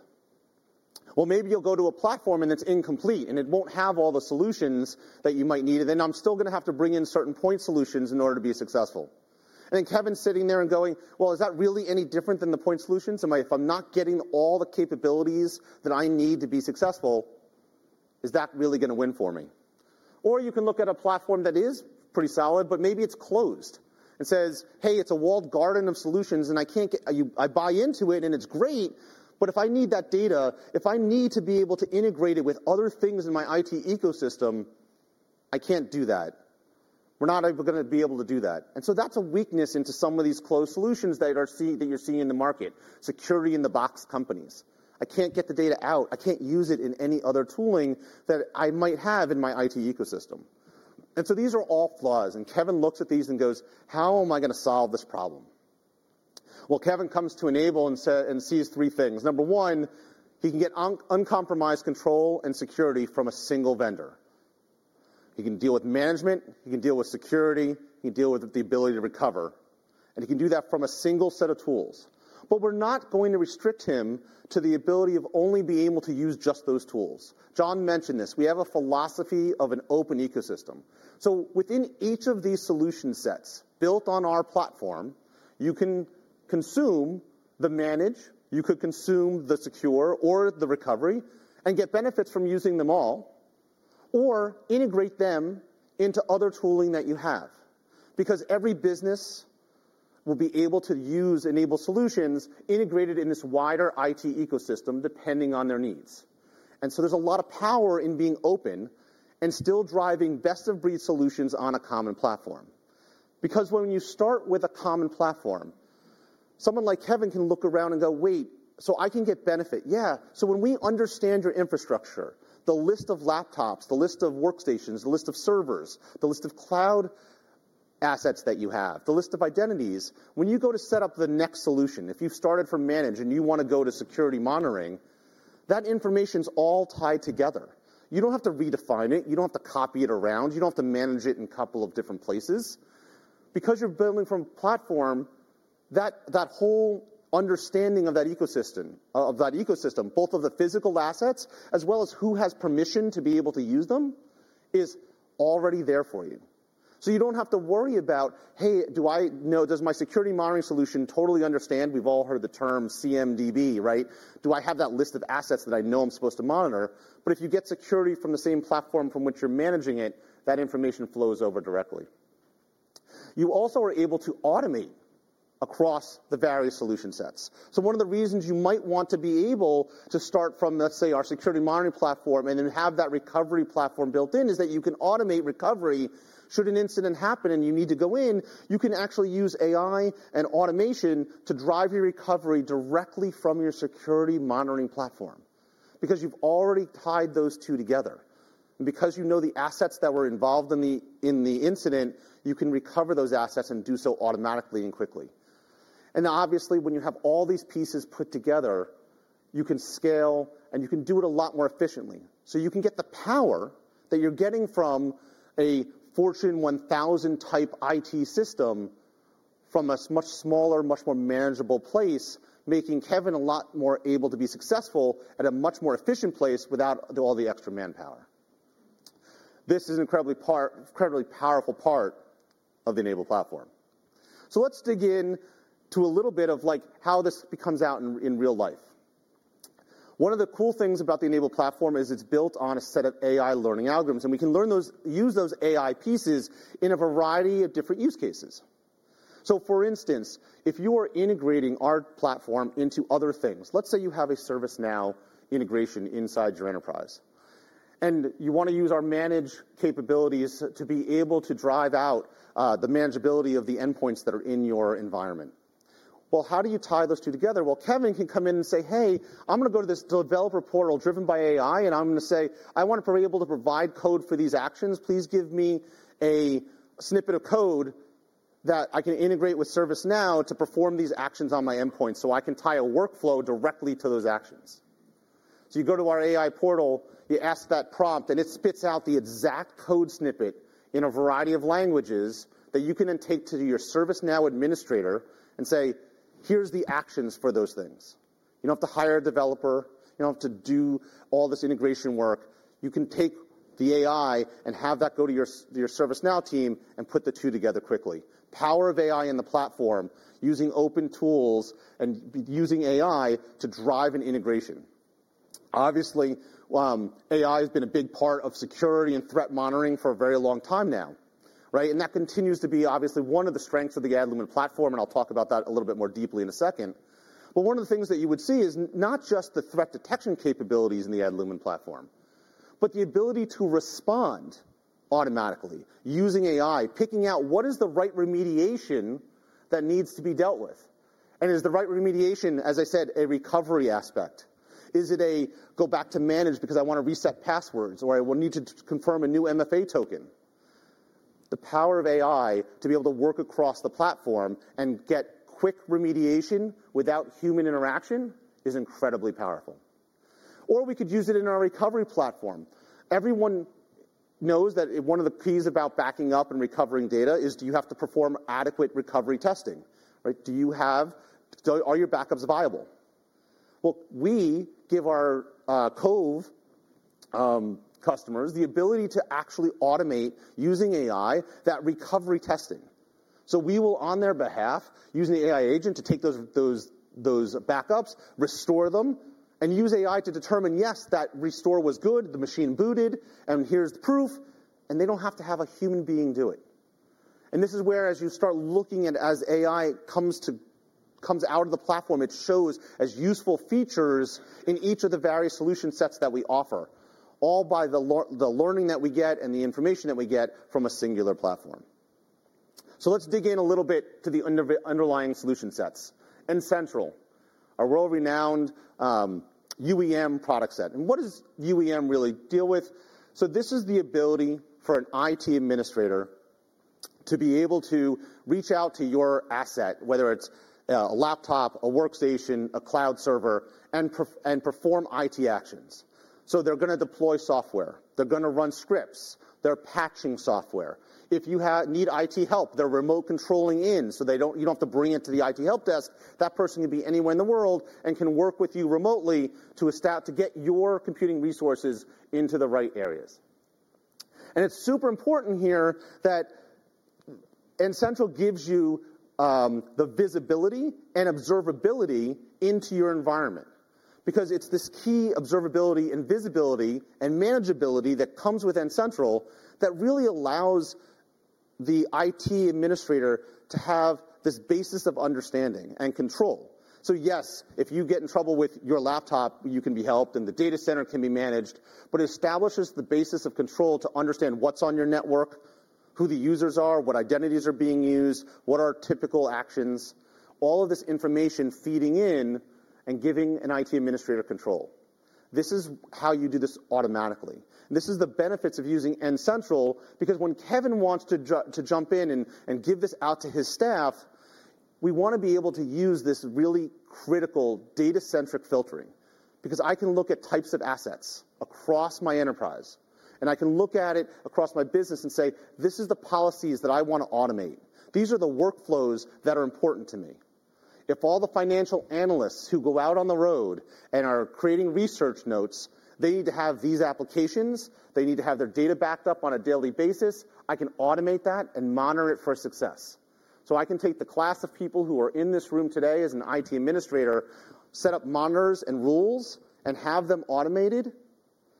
Maybe you'll go to a platform and it's incomplete and it won't have all the solutions that you might need. Then I'm still going to have to bring in certain point solutions in order to be successful. Kevin's sitting there and going, "Well, is that really any different than the point solutions? If I'm not getting all the capabilities that I need to be successful, is that really going to win for me? You can look at a platform that is pretty solid, but maybe it's closed and says, "Hey, it's a walled garden of solutions and I buy into it and it's great, but if I need that data, if I need to be able to integrate it with other things in my IT ecosystem, I can't do that. We're not going to be able to do that." That is a weakness in some of these closed solutions that you're seeing in the market, security-in-the-box companies. I can't get the data out. I can't use it in any other tooling that I might have in my IT ecosystem. These are all flaws. Kevin looks at these and goes, "How am I going to solve this problem?" Kevin comes to N-able and sees three things. Number one, he can get uncompromised control and security from a single vendor. He can deal with management. He can deal with security. He can deal with the ability to recover. He can do that from a single set of tools. We are not going to restrict him to the ability of only being able to use just those tools. John mentioned this. We have a philosophy of an open ecosystem. Within each of these solution sets built on our platform, you can consume the manage, you could consume the secure or the recovery and get benefits from using them all, or integrate them into other tooling that you have. Because every business will be able to use N-able solutions integrated in this wider IT ecosystem depending on their needs. There is a lot of power in being open and still driving best-of-breed solutions on a common platform. When you start with a common platform, someone like Kevin can look around and go, "Wait, so I can get benefit?" Yeah. When we understand your infrastructure, the list of laptops, the list of workstations, the list of servers, the list of cloud assets that you have, the list of identities, when you go to set up the next solution, if you've started from manage and you want to go to security monitoring, that information is all tied together. You do not have to redefine it. You do not have to copy it around. You do not have to manage it in a couple of different places. Because you're building from a platform, that whole understanding of that ecosystem, both of the physical assets as well as who has permission to be able to use them, is already there for you. You don't have to worry about, "Hey, do I know does my security monitoring solution totally understand?" We've all heard the term CMDB, right? Do I have that list of assets that I know I'm supposed to monitor? If you get security from the same platform from which you're managing it, that information flows over directly. You also are able to automate across the various solution sets. One of the reasons you might want to be able to start from, let's say, our security monitoring platform and then have that recovery platform built in is that you can automate recovery. Should an incident happen and you need to go in, you can actually use AI and automation to drive your recovery directly from your security monitoring platform because you've already tied those two together. Because you know the assets that were involved in the incident, you can recover those assets and do so automatically and quickly. Obviously, when you have all these pieces put together, you can scale and you can do it a lot more efficiently. You can get the power that you're getting from a Fortune 1000-type IT system from a much smaller, much more manageable place, making Kevin a lot more able to be successful at a much more efficient place without all the extra manpower. This is an incredibly powerful part of the N-able platform. Let's dig into a little bit of how this comes out in real life. One of the cool things about the N-able platform is it's built on a set of AI learning algorithms. And we can use those AI pieces in a variety of different use cases. For instance, if you are integrating our platform into other things, let's say you have a ServiceNow integration inside your enterprise. And you want to use our manage capabilities to be able to drive out the manageability of the endpoints that are in your environment. How do you tie those two together? Kevin can come in and say, "Hey, I'm going to go to this developer portal driven by AI, and I'm going to say, I want to be able to provide code for these actions. Please give me a snippet of code that I can integrate with ServiceNow to perform these actions on my endpoints so I can tie a workflow directly to those actions. You go to our AI portal, you ask that prompt, and it spits out the exact code snippet in a variety of languages that you can then take to your ServiceNow administrator and say, "Here's the actions for those things." You do not have to hire a developer. You do not have to do all this integration work. You can take the AI and have that go to your ServiceNow team and put the two together quickly. Power of AI in the platform using open tools and using AI to drive an integration. Obviously, AI has been a big part of security and threat monitoring for a very long time now, right? That continues to be obviously one of the strengths of the Adlumin platform. I'll talk about that a little bit more deeply in a second. One of the things that you would see is not just the threat detection capabilities in the Adlumin platform, but the ability to respond automatically using AI, picking out what is the right remediation that needs to be dealt with. Is the right remediation, as I said, a recovery aspect? Is it a go back to manage because I want to reset passwords or I will need to confirm a new MFA token? The power of AI to be able to work across the platform and get quick remediation without human interaction is incredibly powerful. We could use it in our recovery platform. Everyone knows that one of the keys about backing up and recovering data is do you have to perform adequate recovery testing, right? Are your backups viable? We give our Cove customers the ability to actually automate using AI that recovery testing. We will, on their behalf, use the AI agent to take those backups, restore them, and use AI to determine, yes, that restore was good, the machine booted, and here is the proof. They do not have to have a human being do it. This is where, as you start looking at, as AI comes out of the platform, it shows as useful features in each of the various solution sets that we offer, all by the learning that we get and the information that we get from a singular platform. Let us dig in a little bit to the underlying solution sets. End Central, a world-renowned UEM product set. What does UEM really deal with? This is the ability for an IT administrator to be able to reach out to your asset, whether it's a laptop, a workstation, a cloud server, and perform IT actions. They're going to deploy software. They're going to run scripts. They're patching software. If you need IT help, they're remote controlling in, so you don't have to bring it to the IT help desk. That person can be anywhere in the world and can work with you remotely to get your computing resources into the right areas. It is super important here that End Central gives you the visibility and observability into your environment because it's this key observability and visibility and manageability that comes with End Central that really allows the IT administrator to have this basis of understanding and control. Yes, if you get in trouble with your laptop, you can be helped and the data center can be managed, but it establishes the basis of control to understand what's on your network, who the users are, what identities are being used, what are typical actions, all of this information feeding in and giving an IT administrator control. This is how you do this automatically. This is the benefits of using End Central because when Kevin wants to jump in and give this out to his staff, we want to be able to use this really critical data-centric filtering because I can look at types of assets across my enterprise. And I can look at it across my business and say, "This is the policies that I want to automate. These are the workflows that are important to me. If all the financial analysts who go out on the road and are creating research notes, they need to have these applications. They need to have their data backed up on a daily basis. I can automate that and monitor it for success. I can take the class of people who are in this room today as an IT administrator, set up monitors and rules, and have them automated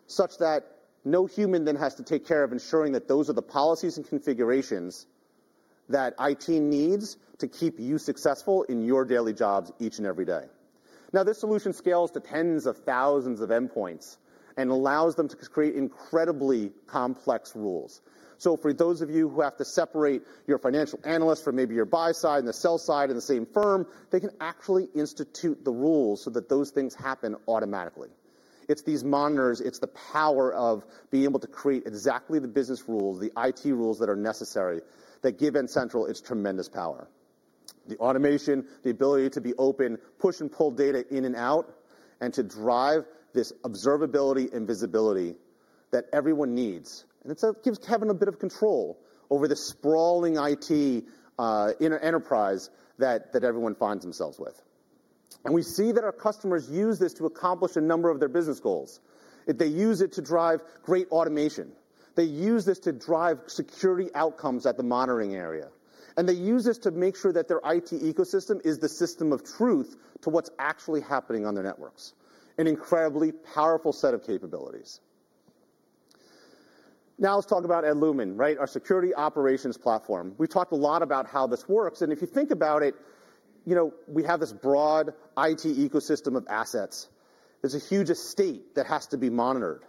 such that no human then has to take care of ensuring that those are the policies and configurations that IT needs to keep you successful in your daily jobs each and every day. Now, this solution scales to tens of thousands of endpoints and allows them to create incredibly complex rules. For those of you who have to separate your financial analysts from maybe your buy side and the sell side in the same firm, they can actually institute the rules so that those things happen automatically. It is these monitors. It is the power of being able to create exactly the business rules, the IT rules that are necessary that give End Central its tremendous power. The automation, the ability to be open, push and pull data in and out, and to drive this observability and visibility that everyone needs. It gives Kevin a bit of control over the sprawling IT enterprise that everyone finds themselves with. We see that our customers use this to accomplish a number of their business goals. They use it to drive great automation. They use this to drive security outcomes at the monitoring area. They use this to make sure that their IT ecosystem is the system of truth to what's actually happening on their networks. An incredibly powerful set of capabilities. Now let's talk about Adlumin, right? Our security operations platform. We've talked a lot about how this works. If you think about it, we have this broad IT ecosystem of assets. There's a huge estate that has to be monitored.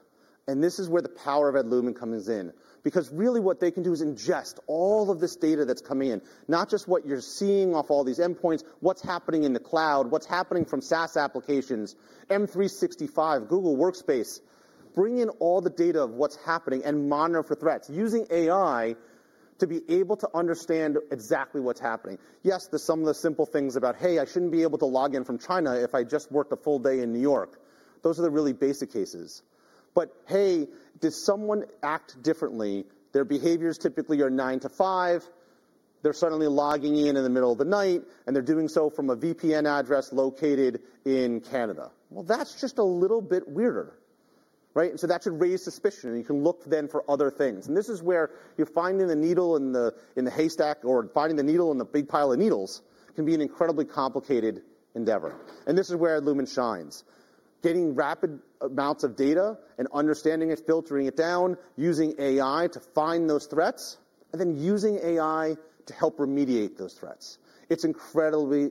This is where the power of Adlumin comes in because really what they can do is ingest all of this data that's coming in, not just what you're seeing off all these endpoints, what's happening in the cloud, what's happening from SaaS applications, M365, Google Workspace, bring in all the data of what's happening and monitor for threats using AI to be able to understand exactly what's happening. Yes, there's some of the simple things about, "Hey, I shouldn't be able to log in from China if I just worked a full day in New York." Those are the really basic cases. "Hey, does someone act differently? Their behaviors typically are 9:00 A.M. to 5:00 P.M. They're suddenly logging in in the middle of the night, and they're doing so from a VPN address located in Canada." That is just a little bit weirder, right? That should raise suspicion. You can look then for other things. This is where you're finding the needle in the haystack or finding the needle in the big pile of needles can be an incredibly complicated endeavor. This is where Adlumin shines. Getting rapid amounts of data and understanding it, filtering it down, using AI to find those threats, and then using AI to help remediate those threats. It's incredibly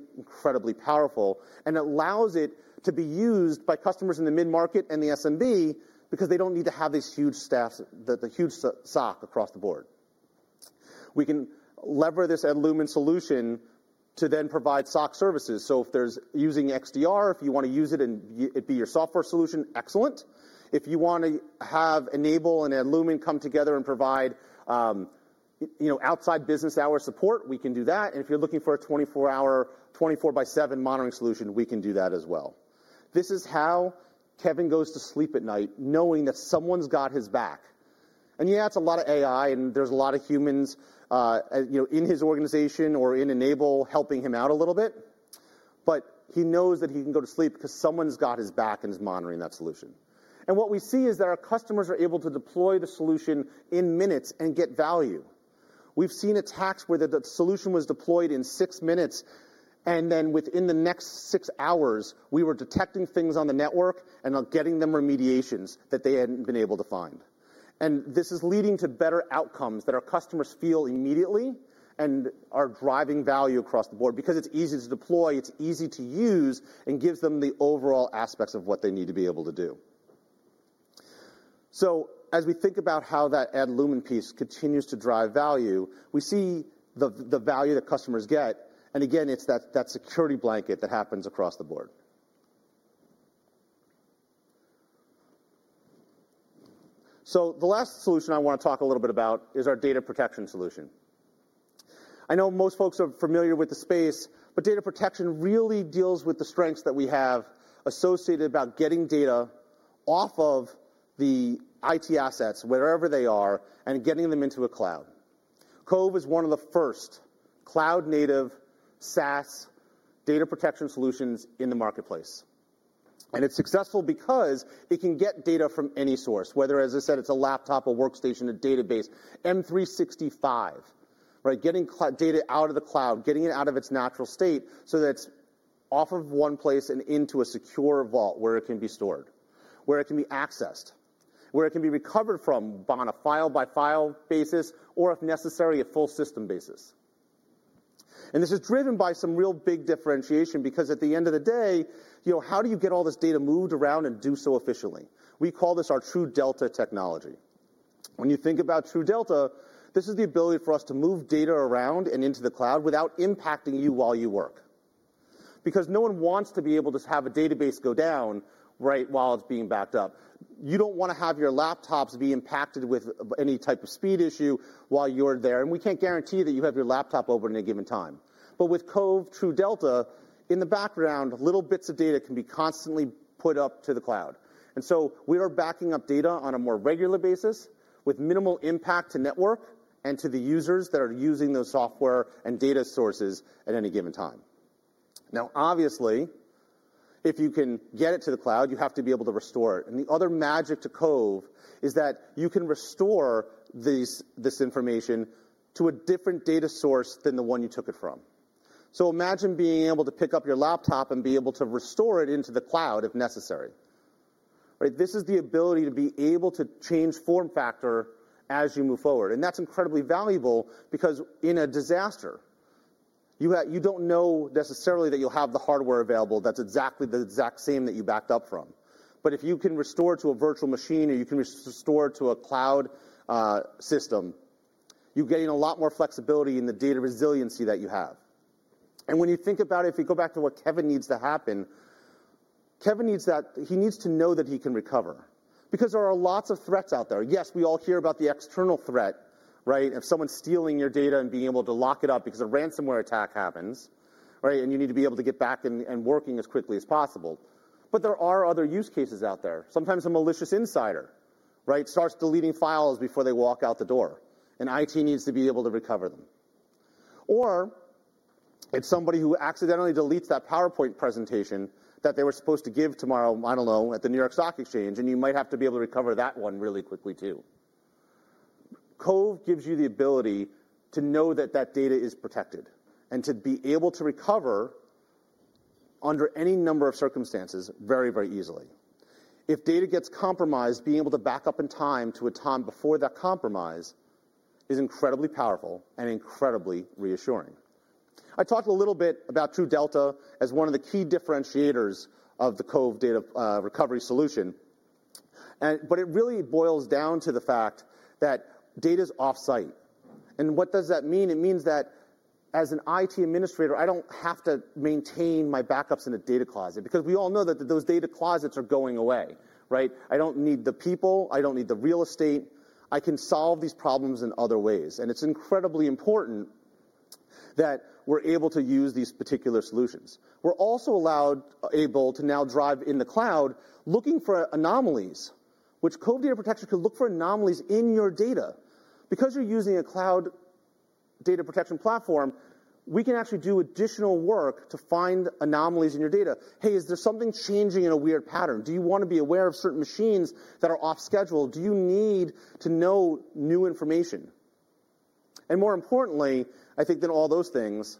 powerful. It allows it to be used by customers in the mid-market and the SMB because they don't need to have this huge SOC across the board. We can lever this Adlumin solution to then provide SOC services. If there's using XDR, if you want to use it and it be your software solution, excellent. If you want to have N-able and Adlumin come together and provide outside business hour support, we can do that. If you're looking for a 24-by-7 monitoring solution, we can do that as well. This is how Kevin goes to sleep at night knowing that someone's got his back. Yeah, it's a lot of AI, and there's a lot of humans in his organization or in N-able helping him out a little bit. He knows that he can go to sleep because someone's got his back and is monitoring that solution. What we see is that our customers are able to deploy the solution in minutes and get value. We've seen attacks where the solution was deployed in six minutes, and then within the next six hours, we were detecting things on the network and getting them remediations that they had not been able to find. This is leading to better outcomes that our customers feel immediately and are driving value across the board because it's easy to deploy, it's easy to use, and gives them the overall aspects of what they need to be able to do. As we think about how that Adlumin piece continues to drive value, we see the value that customers get. Again, it's that security blanket that happens across the board. The last solution I want to talk a little bit about is our data protection solution. I know most folks are familiar with the space, but data protection really deals with the strengths that we have associated with getting data off of the IT assets, wherever they are, and getting them into a cloud. Cove is one of the first cloud-native SaaS data protection solutions in the marketplace. It is successful because it can get data from any source, whether, as I said, it is a laptop, a workstation, a database, M365, right? Getting data out of the cloud, getting it out of its natural state so that it is off of one place and into a secure vault where it can be stored, where it can be accessed, where it can be recovered from on a file-by-file basis, or if necessary, a full system basis. This is driven by some real big differentiation because at the end of the day, how do you get all this data moved around and do so efficiently? We call this our True Delta technology. When you think about True Delta, this is the ability for us to move data around and into the cloud without impacting you while you work because no one wants to be able to have a database go down, right, while it's being backed up. You don't want to have your laptops be impacted with any type of speed issue while you're there. We can't guarantee that you have your laptop open at any given time. With Cove True Delta, in the background, little bits of data can be constantly put up to the cloud. We are backing up data on a more regular basis with minimal impact to network and to the users that are using those software and data sources at any given time. Obviously, if you can get it to the cloud, you have to be able to restore it. The other magic to Cove is that you can restore this information to a different data source than the one you took it from. Imagine being able to pick up your laptop and be able to restore it into the cloud if necessary, right? This is the ability to be able to change form factor as you move forward. That is incredibly valuable because in a disaster, you do not know necessarily that you will have the hardware available that is exactly the exact same that you backed up from. If you can restore to a virtual machine or you can restore to a cloud system, you're getting a lot more flexibility in the data resiliency that you have. When you think about it, if you go back to what Kevin needs to happen, Kevin needs that he needs to know that he can recover because there are lots of threats out there. Yes, we all hear about the external threat, right? If someone's stealing your data and being able to lock it up because a ransomware attack happens, right? You need to be able to get back and working as quickly as possible. There are other use cases out there. Sometimes a malicious insider, right, starts deleting files before they walk out the door. IT needs to be able to recover them. Or it's somebody who accidentally deletes that PowerPoint presentation that they were supposed to give tomorrow, I don't know, at the New York Stock Exchange, and you might have to be able to recover that one really quickly too. Cove gives you the ability to know that that data is protected and to be able to recover under any number of circumstances very, very easily. If data gets compromised, being able to back up in time to a time before that compromise is incredibly powerful and incredibly reassuring. I talked a little bit about True Delta as one of the key differentiators of the Cove data recovery solution. It really boils down to the fact that data is off-site. What does that mean? It means that as an IT administrator, I don't have to maintain my backups in a data closet because we all know that those data closets are going away, right? I don't need the people. I don't need the real estate. I can solve these problems in other ways. It's incredibly important that we're able to use these particular solutions. We're also able to now drive in the cloud looking for anomalies, which Cove Data Protection could look for anomalies in your data. Because you're using a cloud data protection platform, we can actually do additional work to find anomalies in your data. Hey, is there something changing in a weird pattern? Do you want to be aware of certain machines that are off schedule? Do you need to know new information? More importantly, I think than all those things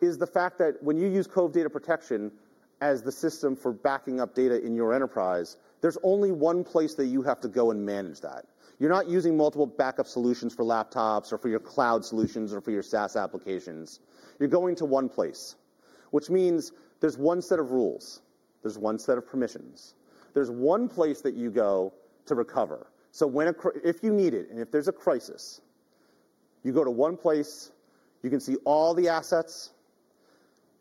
is the fact that when you use Cove Data Protection as the system for backing up data in your enterprise, there's only one place that you have to go and manage that. You're not using multiple backup solutions for laptops or for your cloud solutions or for your SaaS applications. You're going to one place, which means there's one set of rules. There's one set of permissions. There's one place that you go to recover. If you need it and if there's a crisis, you go to one place, you can see all the assets.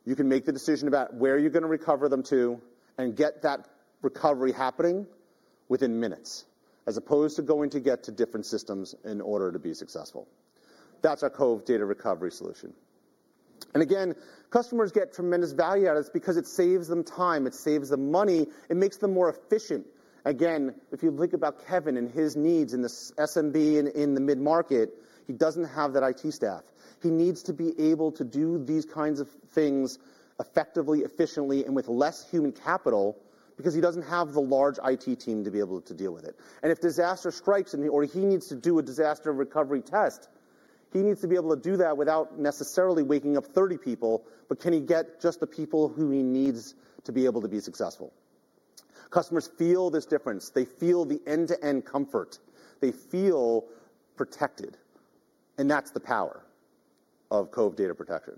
You can make the decision about where you're going to recover them to and get that recovery happening within minutes as opposed to going to get to different systems in order to be successful. That's our Cove Data Recovery solution. Again, customers get tremendous value out of this because it saves them time. It saves them money. It makes them more efficient. If you think about Kevin and his needs in the SMB and in the mid-market, he doesn't have that IT staff. He needs to be able to do these kinds of things effectively, efficiently, and with less human capital because he doesn't have the large IT team to be able to deal with it. If disaster strikes and he needs to do a disaster recovery test, he needs to be able to do that without necessarily waking up 30 people, but can he get just the people who he needs to be able to be successful? Customers feel this difference. They feel the end-to-end comfort. They feel protected. That's the power of Cove Data Protection.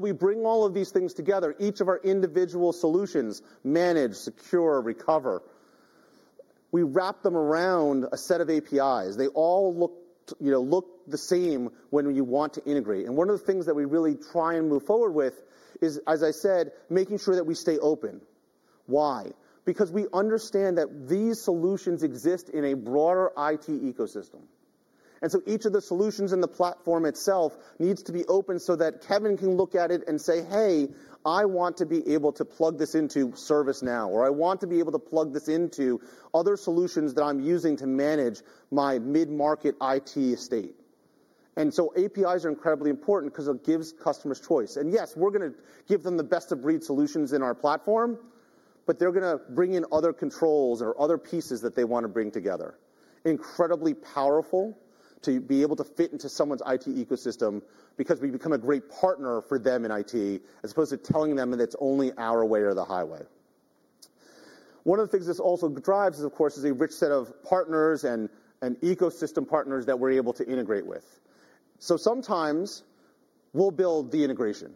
We bring all of these things together. Each of our individual solutions manage, secure, recover. We wrap them around a set of APIs. They all look the same when you want to integrate. One of the things that we really try and move forward with is, as I said, making sure that we stay open. Why? Because we understand that these solutions exist in a broader IT ecosystem. Each of the solutions in the platform itself needs to be open so that Kevin can look at it and say, "Hey, I want to be able to plug this into ServiceNow," or, "I want to be able to plug this into other solutions that I'm using to manage my mid-market IT estate." APIs are incredibly important because it gives customers choice. Yes, we're going to give them the best-of-breed solutions in our platform, but they're going to bring in other controls or other pieces that they want to bring together. Incredibly powerful to be able to fit into someone's IT ecosystem because we become a great partner for them in IT as opposed to telling them that it's only our way or the highway. One of the things this also drives is, of course, a rich set of partners and ecosystem partners that we're able to integrate with. Sometimes we'll build the integration,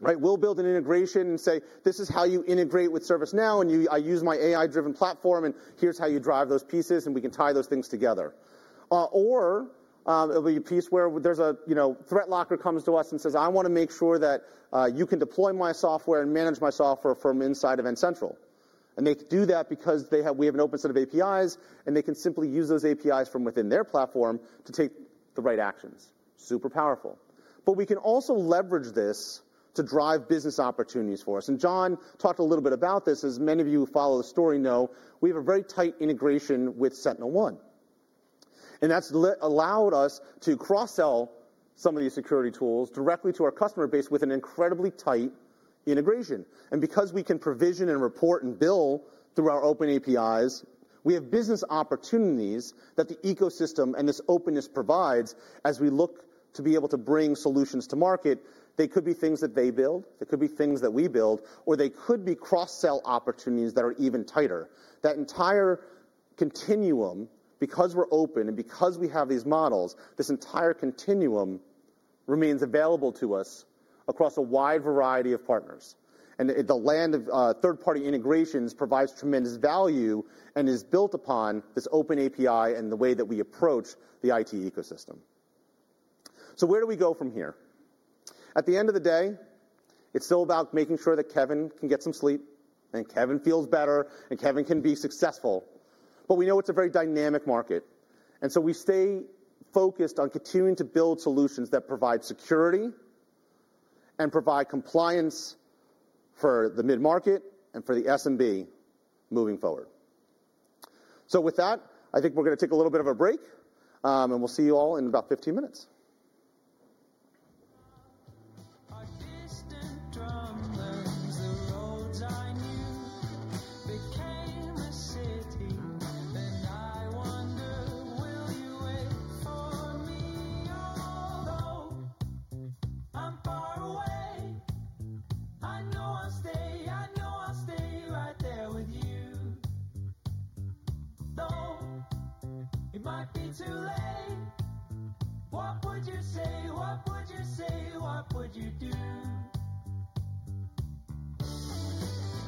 right? We'll build an integration and say, "This is how you integrate with ServiceNow, and I use my AI-driven platform, and here's how you drive those pieces, and we can tie those things together." Or it'll be a piece where there's a ThreatLocker comes to us and says, "I want to make sure that you can deploy my software and manage my software from inside of End Central." They do that because we have an open set of APIs, and they can simply use those APIs from within their platform to take the right actions. Super powerful. We can also leverage this to drive business opportunities for us. John talked a little bit about this. As many of you who follow the story know, we have a very tight integration with SentinelOne. That has allowed us to cross-sell some of these security tools directly to our customer base with an incredibly tight integration. Because we can provision and report and bill through our open APIs, we have business opportunities that the ecosystem and this openness provides as we look to be able to bring solutions to market. They could be things that they build. They could be things that we build, or they could be cross-sell opportunities that are even tighter. That entire continuum, because we are open and because we have these models, this entire continuum remains available to us across a wide variety of partners. The land of third-party integrations provides tremendous value and is built upon this open API and the way that we approach the IT ecosystem. Where do we go from here? At the end of the day, it's still about making sure that Kevin can get some sleep, and Kevin feels better, and Kevin can be successful. We know it's a very dynamic market. We stay focused on continuing to build solutions that provide security and provide compliance for the mid-market and for the SMB moving forward. With that, I think we're going to take a little bit of a break, and we'll see you allin about 15 minutes. Our distant drumlins, the roads I knew became a city. I wonder, will you wait for me? Although I'm far away, I know I'll stay. I know I'll stay right there with you. Though it might be too late, what would you say? What would you say? What would you do? My filter high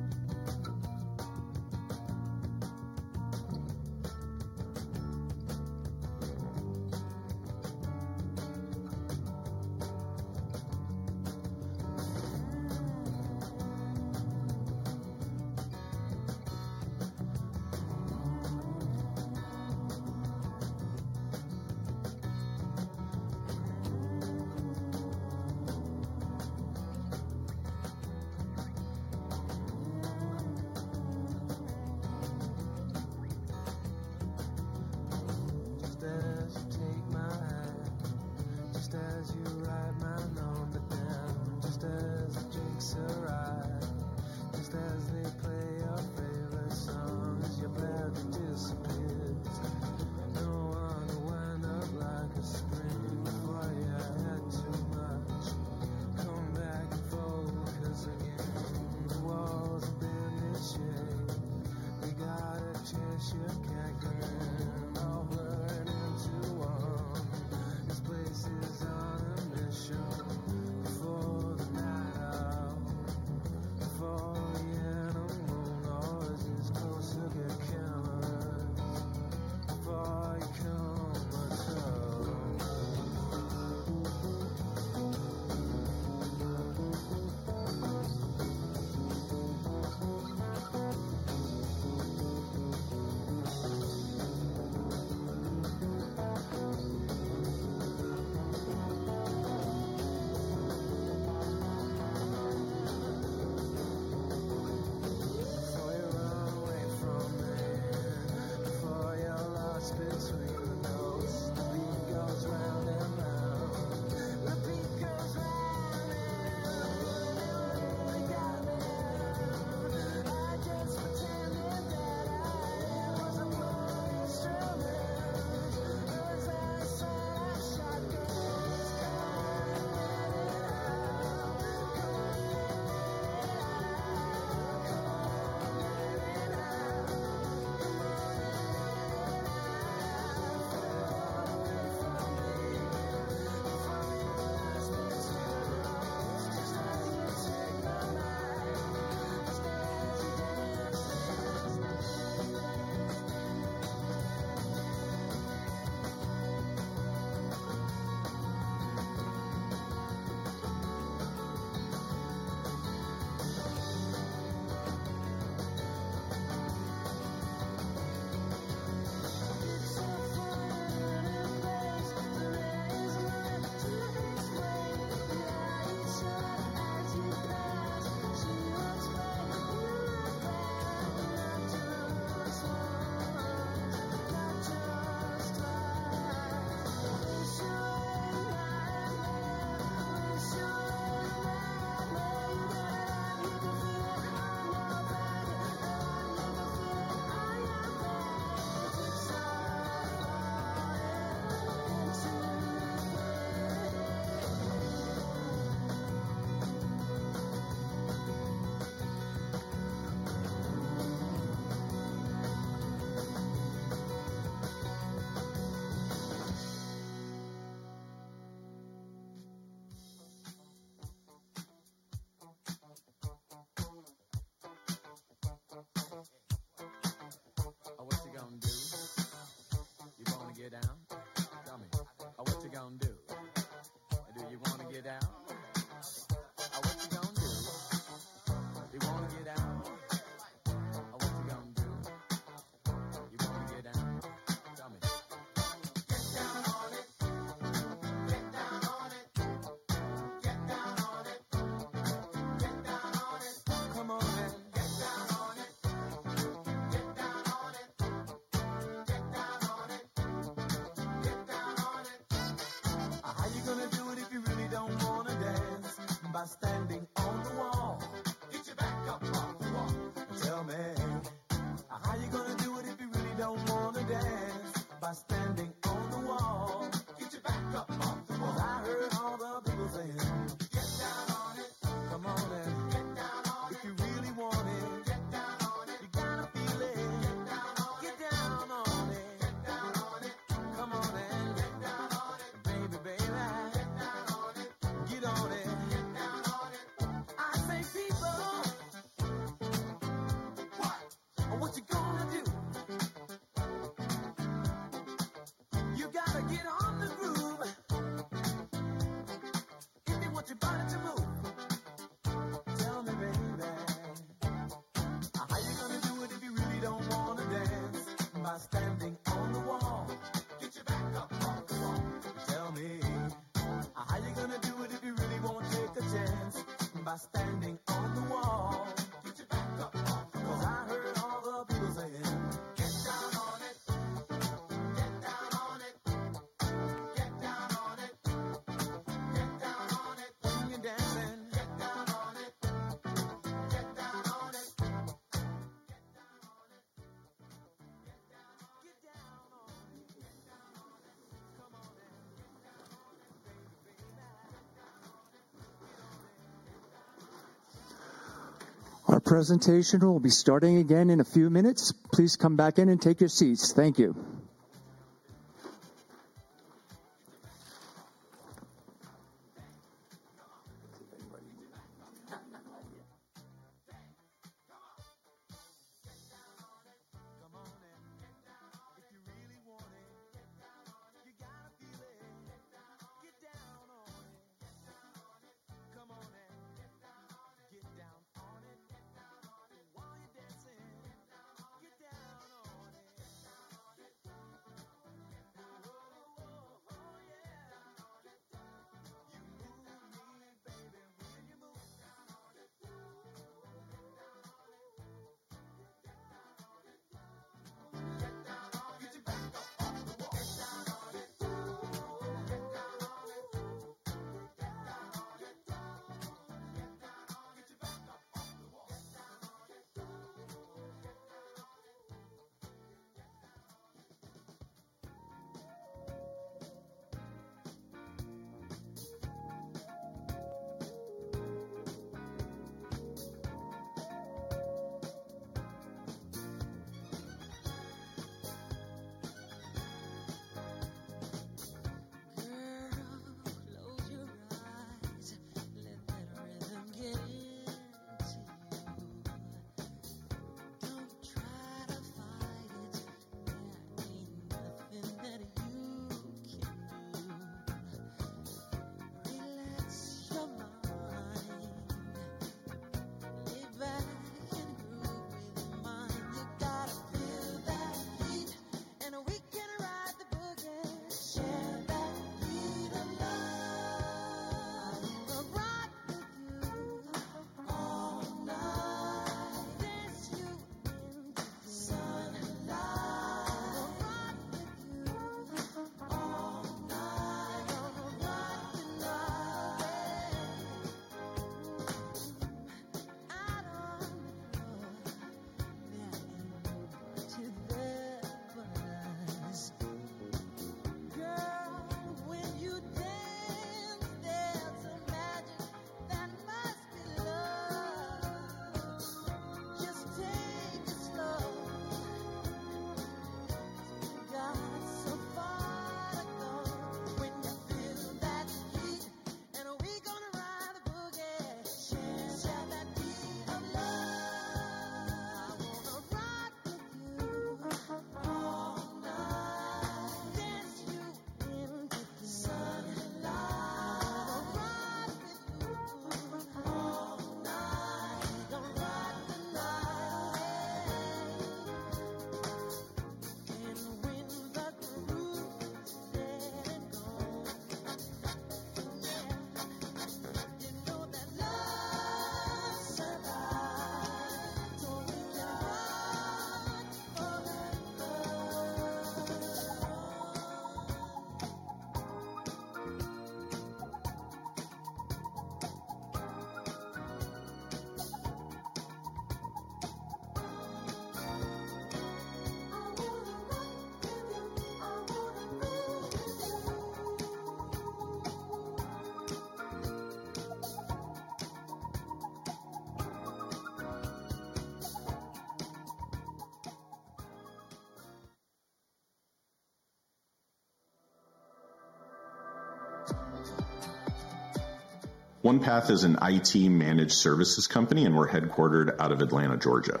OnePath is an IT managed services company, and we're headquartered out of Atlanta, Georgia.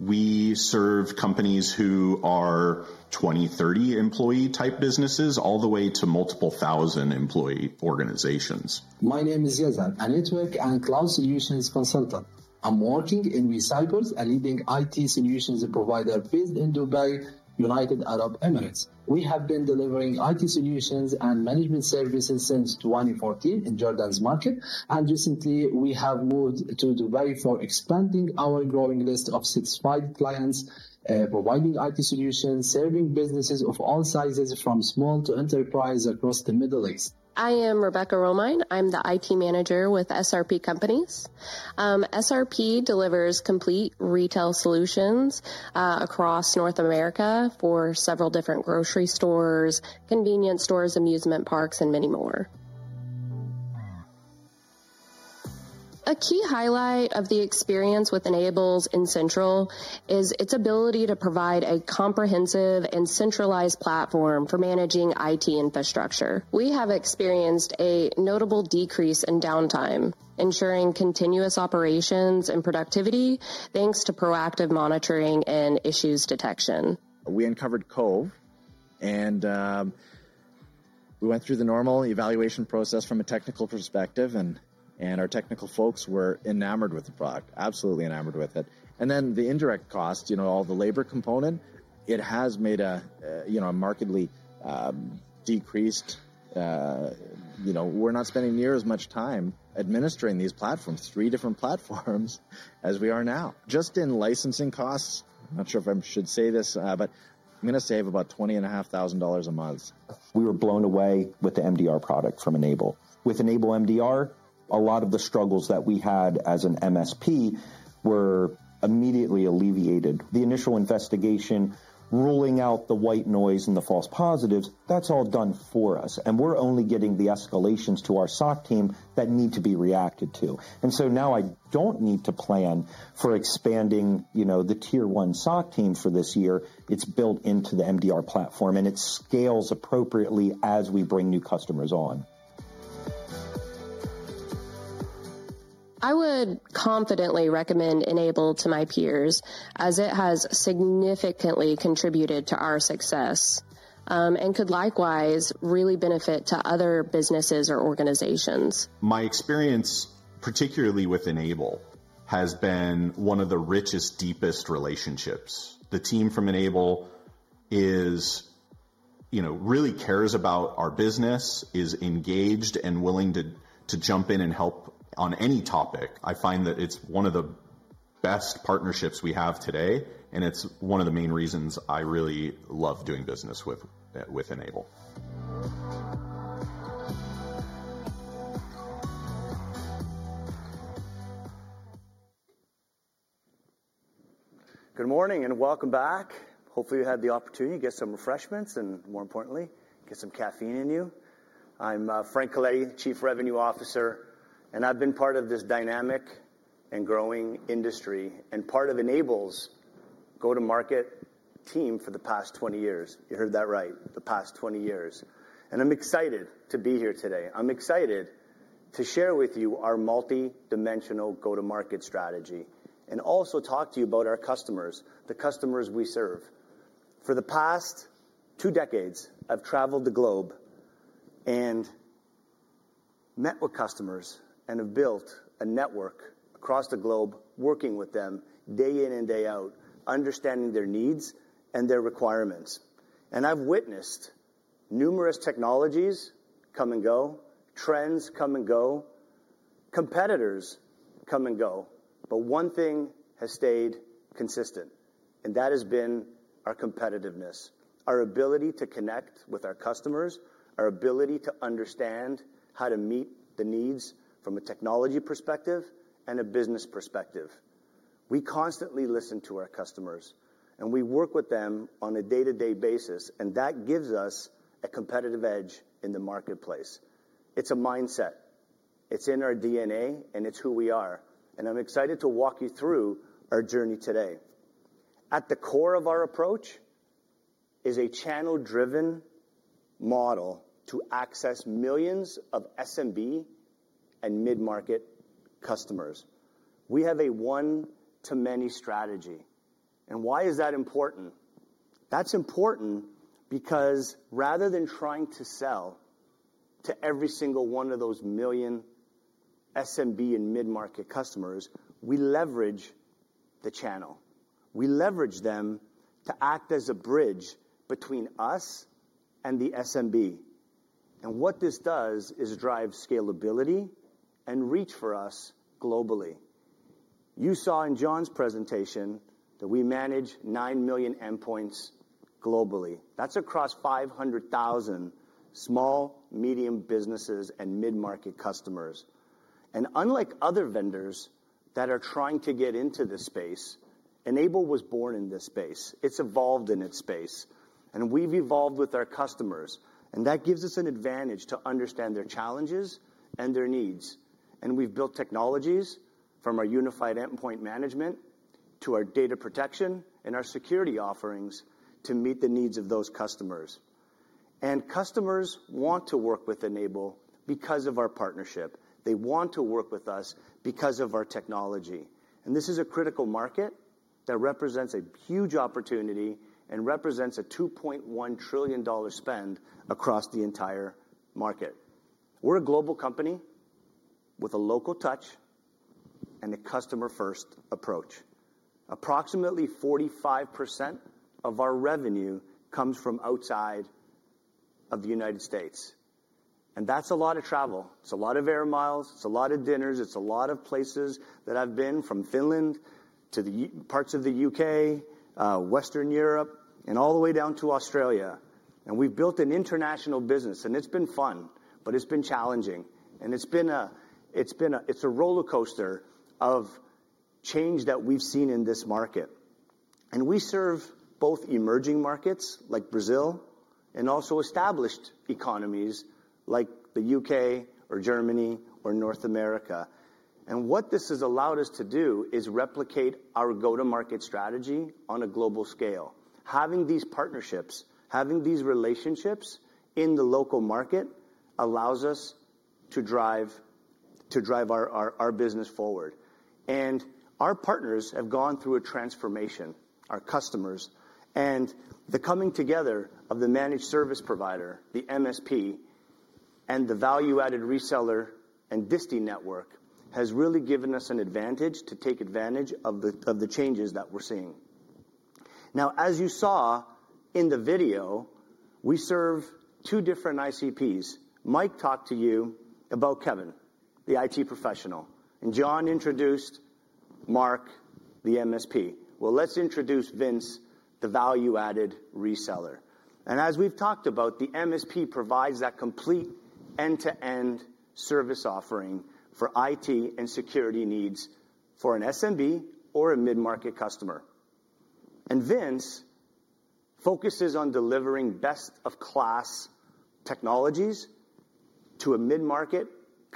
We serve companies who are 20, 30 employee type businesses all the way to multiple thousand employee organizations. My name is Yazan, a network and cloud solutions consultant. I'm working in ReCycles, a leading IT solutions provider based in Dubai, United Arab Emirates. We have been delivering IT solutions and management services since 2014 in Jordan's market, and recently we have moved to Dubai for expanding our growing list of 65 clients, providing IT solutions serving businesses of all sizes, from small to enterprise across the Middle East. I am Rebecca Romine. I'm the IT manager with SRP Companies. SRP delivers complete retail solutions across North America for several different grocery stores, convenience stores, amusement parks, and many more. A key highlight of the experience with N-able's End Central is its ability to provide a comprehensive and centralized platform for managing IT infrastructure. We have experienced a notable decrease in downtime, ensuring continuous operations and productivity thanks to proactive monitoring and issues detection. We uncovered Cove, and we went through the normal evaluation process from a technical perspective, and our technical folks were enamored with the product, absolutely enamored with it. You know, all the labor component, it has made a markedly decreased. We're not spending near as much time administering these platforms, three different platforms, as we are now. Just in licensing costs, I'm not sure if I should say this, but I'm going to save about $20,500 a month. We were blown away with the MDR product from N-able. With N-able MDR, a lot of the struggles that we had as an MSP were immediately alleviated. The initial investigation, ruling out the white noise and the false positives, that is all done for us, and we are only getting the escalations to our SOC team that need to be reacted to. Now I do not need to plan for expanding the tier one SOC team for this year. It is built into the MDR platform, and it scales appropriately as we bring new customers on. I would confidently recommend N-able to my peers as it has significantly contributed to our success and could likewise really benefit other businesses or organizations. My experience, particularly with N-able, has been one of the richest, deepest relationships. The team from N-able really cares about our business, is engaged, and willing to jump in and help on any topic. I find that it's one of the best partnerships we have today, and it's one of the main reasons I really love doing business with N-able. Good morning and welcome back. Hopefully, you had the opportunity to get some refreshments and, more importantly, get some caffeine in you. I'm Frank Coletti, Chief Revenue Officer, and I've been part of this dynamic and growing industry and part of N-able's go-to-market team for the past 20 years. You heard that right, the past 20 years. I'm excited to be here today. I'm excited to share with you our multi-dimensional go-to-market strategy and also talk to you about our customers, the customers we serve. For the past two decades, I've traveled the globe and met with customers and have built a network across the globe, working with them day in and day out, understanding their needs and their requirements. I have witnessed numerous technologies come and go, trends come and go, competitors come and go, but one thing has stayed consistent, and that has been our competitiveness, our ability to connect with our customers, our ability to understand how to meet the needs from a technology perspective and a business perspective. We constantly listen to our customers, and we work with them on a day-to-day basis, and that gives us a competitive edge in the marketplace. It is a mindset. It is in our DNA, and it is who we are. I am excited to walk you through our journey today. At the core of our approach is a channel-driven model to access millions of SMB and mid-market customers. We have a one-to-many strategy. Why is that important? That is important because rather than trying to sell to every single one of those million SMB and mid-market customers, we leverage the channel. We leverage them to act as a bridge between us and the SMB. What this does is drive scalability and reach for us globally. You saw in John's presentation that we manage 9 million endpoints globally. That is across 500,000 small, medium businesses and mid-market customers. Unlike other vendors that are trying to get into this space, N-able was born in this space. It has evolved in its space, and we have evolved with our customers. That gives us an advantage to understand their challenges and their needs. We have built technologies from our unified endpoint management to our data protection and our security offerings to meet the needs of those customers. Customers want to work with N-able because of our partnership. They want to work with us because of our technology. This is a critical market that represents a huge opportunity and represents a $2.1 trillion spend across the entire market. We're a global company with a local touch and a customer-first approach. Approximately 45% of our revenue comes from outside of the U.S. That's a lot of travel. It's a lot of air miles. It's a lot of dinners. It's a lot of places that I've been from Finland to parts of the U.K., Western Europe, and all the way down to Australia. We've built an international business, and it's been fun, but it's been challenging. It's been a roller coaster of change that we've seen in this market. We serve both emerging markets like Brazil and also established economies like the U.K. or Germany or North America. What this has allowed us to do is replicate our go-to-market strategy on a global scale. Having these partnerships, having these relationships in the local market allows us to drive our business forward. Our partners have gone through a transformation, our customers. The coming together of the managed service provider, the MSP, and the value-added reseller and distribution network has really given us an advantage to take advantage of the changes that we're seeing. As you saw in the video, we serve two different ICPs. Mike talked to you about Kevin, the IT professional, and John introduced Mark, the MSP. Let's introduce Vince, the value-added reseller. As we've talked about, the MSP provides that complete end-to-end service offering for IT and security needs for an SMB or a mid-market customer. Vince focuses on delivering best-of-class technologies to a mid-market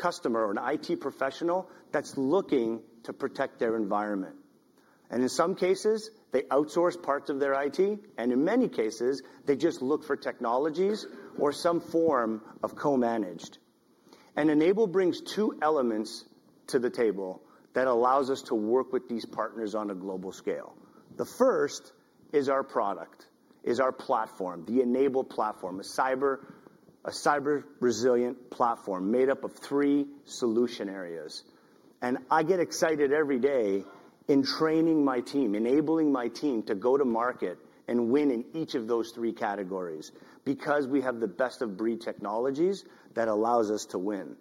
customer or an IT professional that's looking to protect their environment. In some cases, they outsource parts of their IT, and in many cases, they just look for technologies or some form of co-managed. N-able brings two elements to the table that allows us to work with these partners on a global scale. The first is our product, is our platform, the N-able platform, a cyber-resilient platform made up of three solution areas. I get excited every day in training my team, enabling my team to go to market and win in each of those three categories because we have the best-of-breed technologies that allows us to win.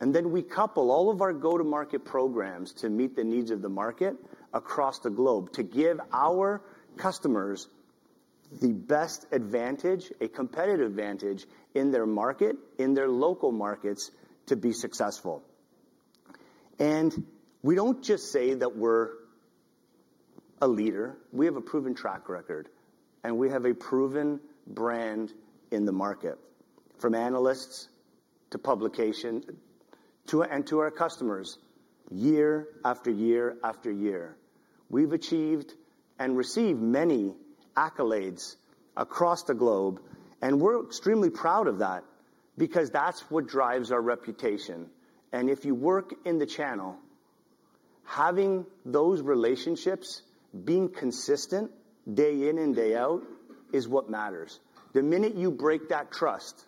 We couple all of our go-to-market programs to meet the needs of the market across the globe to give our customers the best advantage, a competitive advantage in their market, in their local markets to be successful. We do not just say that we are a leader. We have a proven track record, and we have a proven brand in the market from analysts to publication and to our customers year after year after year. We have achieved and received many accolades across the globe, and we are extremely proud of that because that is what drives our reputation. If you work in the channel, having those relationships, being consistent day in and day out is what matters. The minute you break that trust,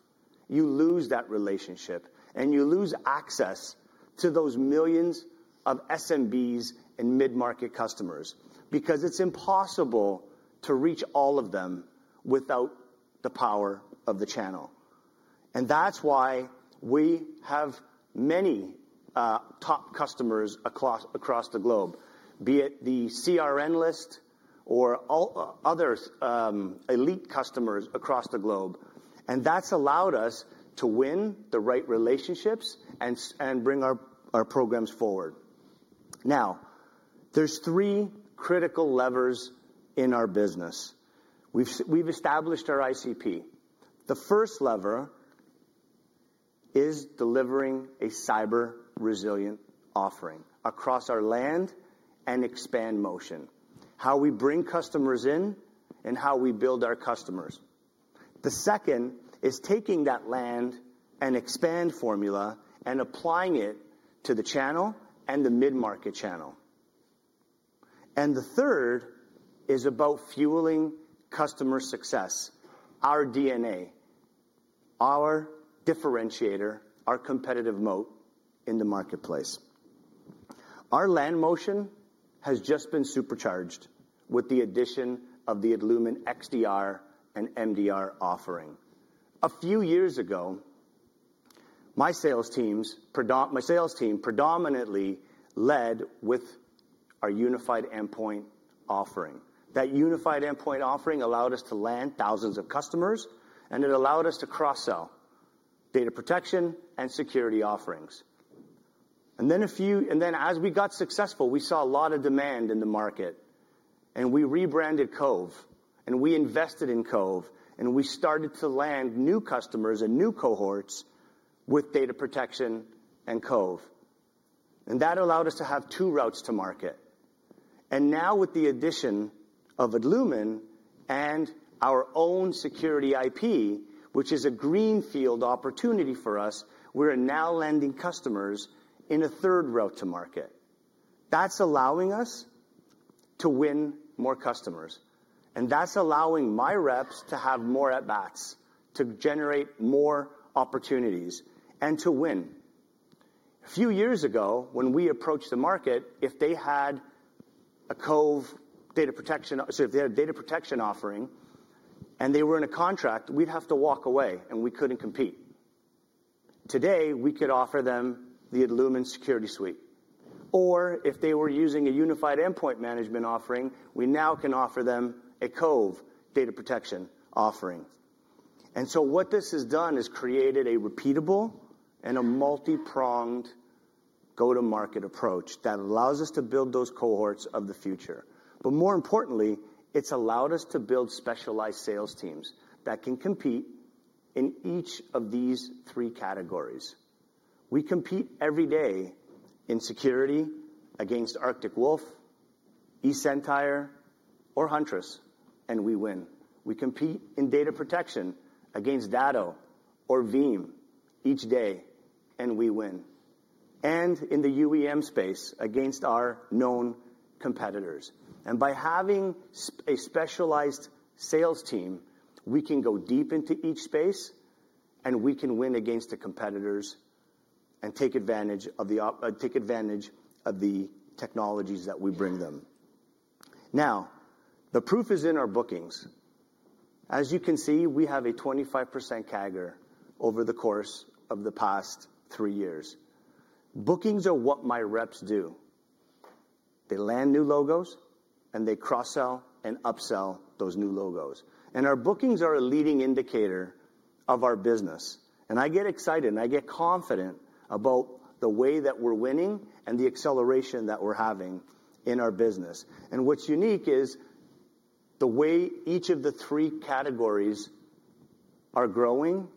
you lose that relationship, and you lose access to those millions of SMBs and mid-market customers because it's impossible to reach all of them without the power of the channel. That is why we have many top customers across the globe, be it the CRN list or other elite customers across the globe. That has allowed us to win the right relationships and bring our programs forward. Now, there are three critical levers in our business. We have established our ICP. The first lever is delivering a cyber-resilient offering across our land and expand motion, how we bring customers in and how we build our customers. The second is taking that land and expand formula and applying it to the channel and the mid-market channel. The third is about fueling customer success, our DNA, our differentiator, our competitive moat in the marketplace. Our land motion has just been supercharged with the addition of the Adlumin XDR and MDR offering. A few years ago, my sales team predominantly led with our unified endpoint offering. That unified endpoint offering allowed us to land thousands of customers, and it allowed us to cross-sell data protection and security offerings. As we got successful, we saw a lot of demand in the market, and we rebranded Cove, and we invested in Cove, and we started to land new customers and new cohorts with data protection and Cove. That allowed us to have two routes to market. Now with the addition of Adlumin and our own security IP, which is a greenfield opportunity for us, we're now landing customers in a third route to market. That's allowing us to win more customers, and that's allowing my reps to have more at-bats to generate more opportunities and to win. A few years ago, when we approached the market, if they had a Cove Data Protection, so if they had a data protection offering and they were in a contract, we'd have to walk away, and we couldn't compete. Today, we could offer them the Adlumin security suite. Or if they were using a unified endpoint management offering, we now can offer them a Cove Data Protection offering. What this has done is created a repeatable and a multi-pronged go-to-market approach that allows us to build those cohorts of the future. More importantly, it's allowed us to build specialized sales teams that can compete in each of these three categories. We compete every day in security against Arctic Wolf, eSentire, or Huntress, and we win. We compete in data protection against Datto or Veeam each day, and we win. In the UEM space against our known competitors. By having a specialized sales team, we can go deep into each space, and we can win against the competitors and take advantage of the technologies that we bring them. Now, the proof is in our bookings. As you can see, we have a 25% CAGR over the course of the past three years. Bookings are what my reps do. They land new logos, and they cross-sell and upsell those new logos. Our bookings are a leading indicator of our business. I get excited, and I get confident about the way that we're winning and the acceleration that we're having in our business. What is unique is the way each of the three categories are growing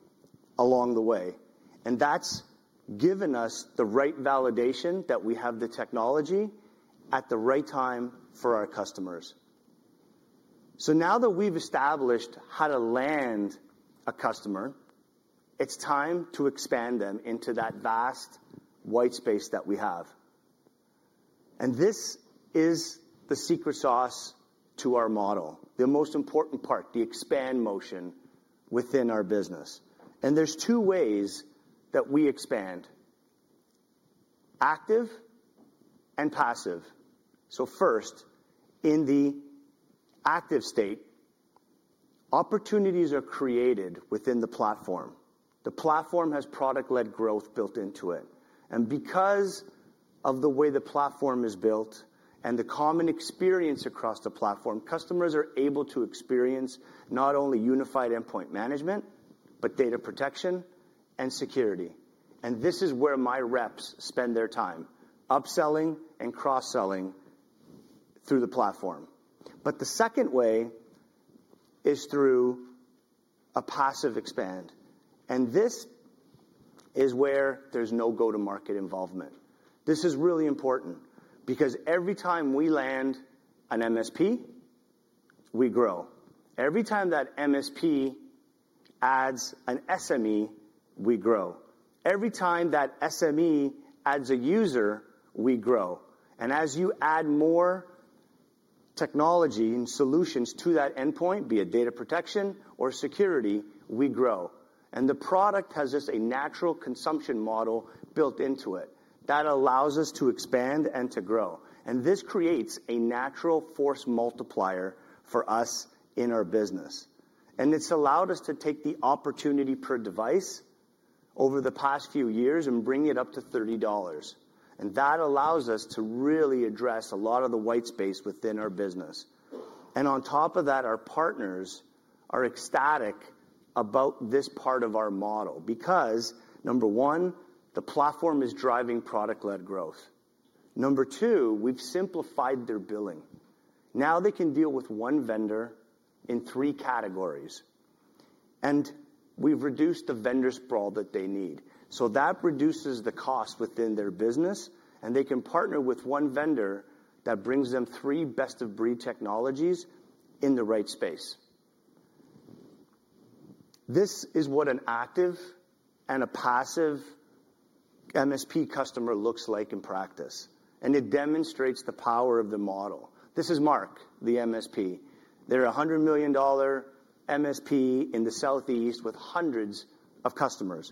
along the way. That has given us the right validation that we have the technology at the right time for our customers. Now that we have established how to land a customer, it is time to expand them into that vast white space that we have. This is the secret sauce to our model, the most important part, the expand motion within our business. There are two ways that we expand, active and passive. First, in the active state, opportunities are created within the platform. The platform has product-led growth built into it. Because of the way the platform is built and the common experience across the platform, customers are able to experience not only unified endpoint management, but data protection and security. This is where my reps spend their time, upselling and cross-selling through the platform. The second way is through a passive expand. This is where there is no go-to-market involvement. This is really important because every time we land an MSP, we grow. Every time that MSP adds an SME, we grow. Every time that SME adds a user, we grow. As you add more technology and solutions to that endpoint, be it data protection or security, we grow. The product has just a natural consumption model built into it that allows us to expand and to grow. This creates a natural force multiplier for us in our business. It has allowed us to take the opportunity per device over the past few years and bring it up to $30. That allows us to really address a lot of the white space within our business. On top of that, our partners are ecstatic about this part of our model because, number one, the platform is driving product-led growth. Number two, we have simplified their billing. Now they can deal with one vendor in three categories. We have reduced the vendor sprawl that they need. That reduces the cost within their business, and they can partner with one vendor that brings them three best-of-breed technologies in the right space. This is what an active and a passive MSP customer looks like in practice. It demonstrates the power of the model. This is Mark, the MSP. They are a $100 million MSP in the Southeast with hundreds of customers.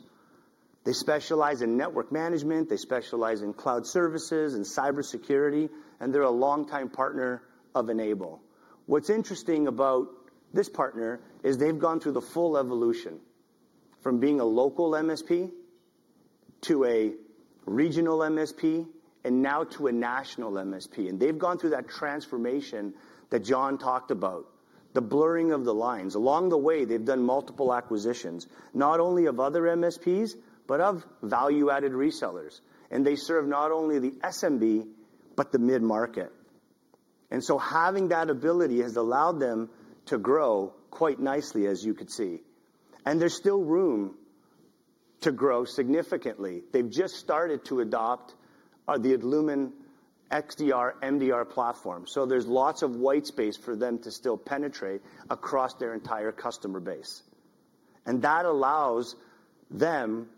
They specialize in network management. They specialize in cloud services and cybersecurity. They are a longtime partner of N-able. What's interesting about this partner is they've gone through the full evolution from being a local MSP to a regional MSP and now to a national MSP. They've gone through that transformation that John talked about, the blurring of the lines. Along the way, they've done multiple acquisitions, not only of other MSPs, but of value-added resellers. They serve not only the SMB, but the mid-market. Having that ability has allowed them to grow quite nicely, as you could see. There's still room to grow significantly. They've just started to adopt the Adlumin XDR, MDR platform. There is lots of white space for them to still penetrate across their entire customer base. That allows them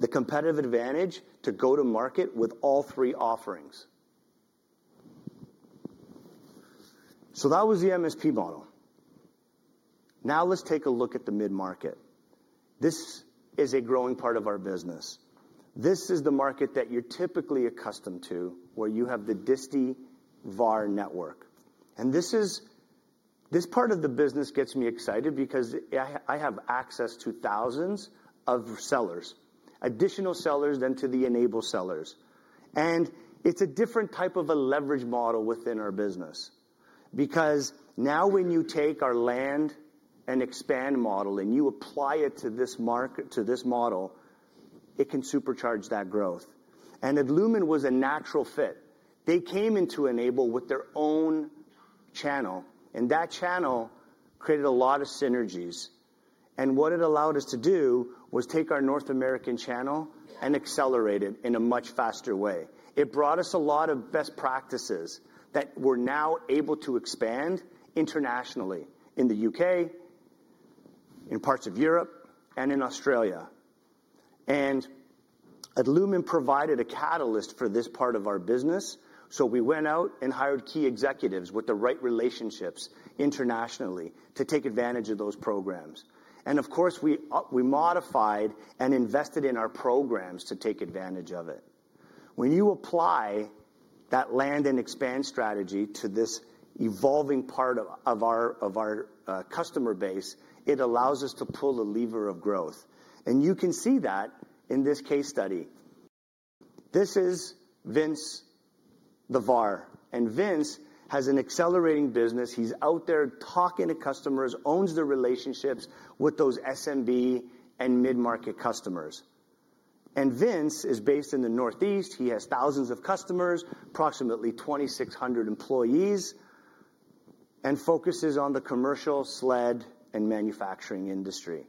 the competitive advantage to go to market with all three offerings. That was the MSP model. Now let's take a look at the mid-market. This is a growing part of our business. This is the market that you're typically accustomed to, where you have the disty VAR network. This part of the business gets me excited because I have access to thousands of sellers, additional sellers than to the N-able sellers. It is a different type of a leverage model within our business because now when you take our land and expand model and you apply it to this model, it can supercharge that growth. Adlumin was a natural fit. They came into N-able with their own channel, and that channel created a lot of synergies. What it allowed us to do was take our North American channel and accelerate it in a much faster way. It brought us a lot of best practices that we're now able to expand internationally in the U.K., in parts of Europe, and in Australia. Illumen provided a catalyst for this part of our business. We went out and hired key executives with the right relationships internationally to take advantage of those programs. Of course, we modified and invested in our programs to take advantage of it. When you apply that land and expand strategy to this evolving part of our customer base, it allows us to pull the lever of growth. You can see that in this case study. This is Vince the VAR. Vince has an accelerating business. He's out there talking to customers, owns the relationships with those SMB and mid-market customers. Vince is based in the Northeast. He has thousands of customers, approximately 2,600 employees, and focuses on the commercial, sled, and manufacturing industry.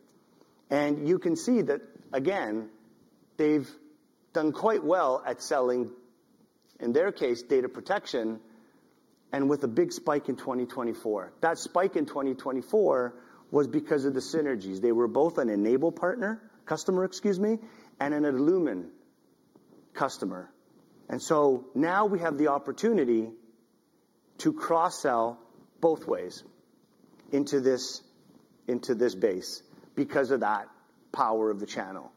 You can see that, again, they've done quite well at selling, in their case, data protection and with a big spike in 2024. That spike in 2024 was because of the synergies. They were both an N-able partner, customer, excuse me, and an Adlumin customer. Now we have the opportunity to cross-sell both ways into this base because of that power of the channel.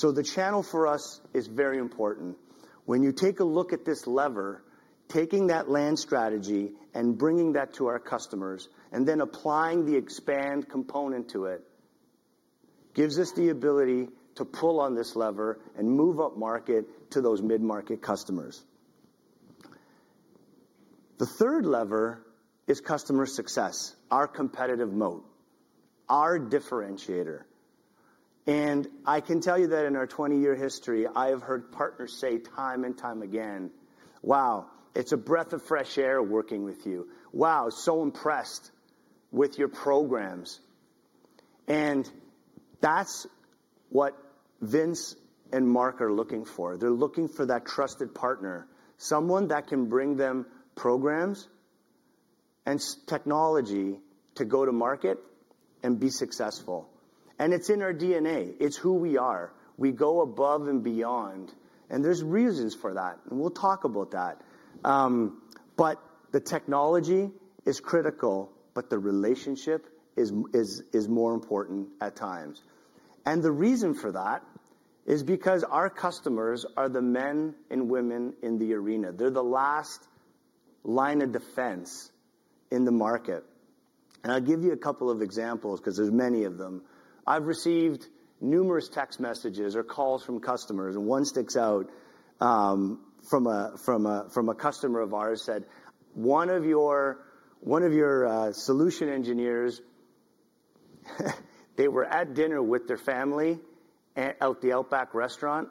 The channel for us is very important. When you take a look at this lever, taking that land strategy and bringing that to our customers and then applying the expand component to it gives us the ability to pull on this lever and move up market to those mid-market customers. The third lever is customer success, our competitive moat, our differentiator. I can tell you that in our 20-year history, I have heard partners say time and time again, "Wow, it's a breath of fresh air working with you. Wow, so impressed with your programs." That is what Vince and Mark are looking for. They are looking for that trusted partner, someone that can bring them programs and technology to go to market and be successful. It is in our DNA. It is who we are. We go above and beyond. There are reasons for that. We will talk about that. The technology is critical, but the relationship is more important at times. The reason for that is because our customers are the men and women in the arena. They are the last line of defense in the market. I will give you a couple of examples because there are many of them. I have received numerous text messages or calls from customers. One sticks out from a customer of ours who said, "One of your solution engineers, they were at dinner with their family at the Outback restaurant,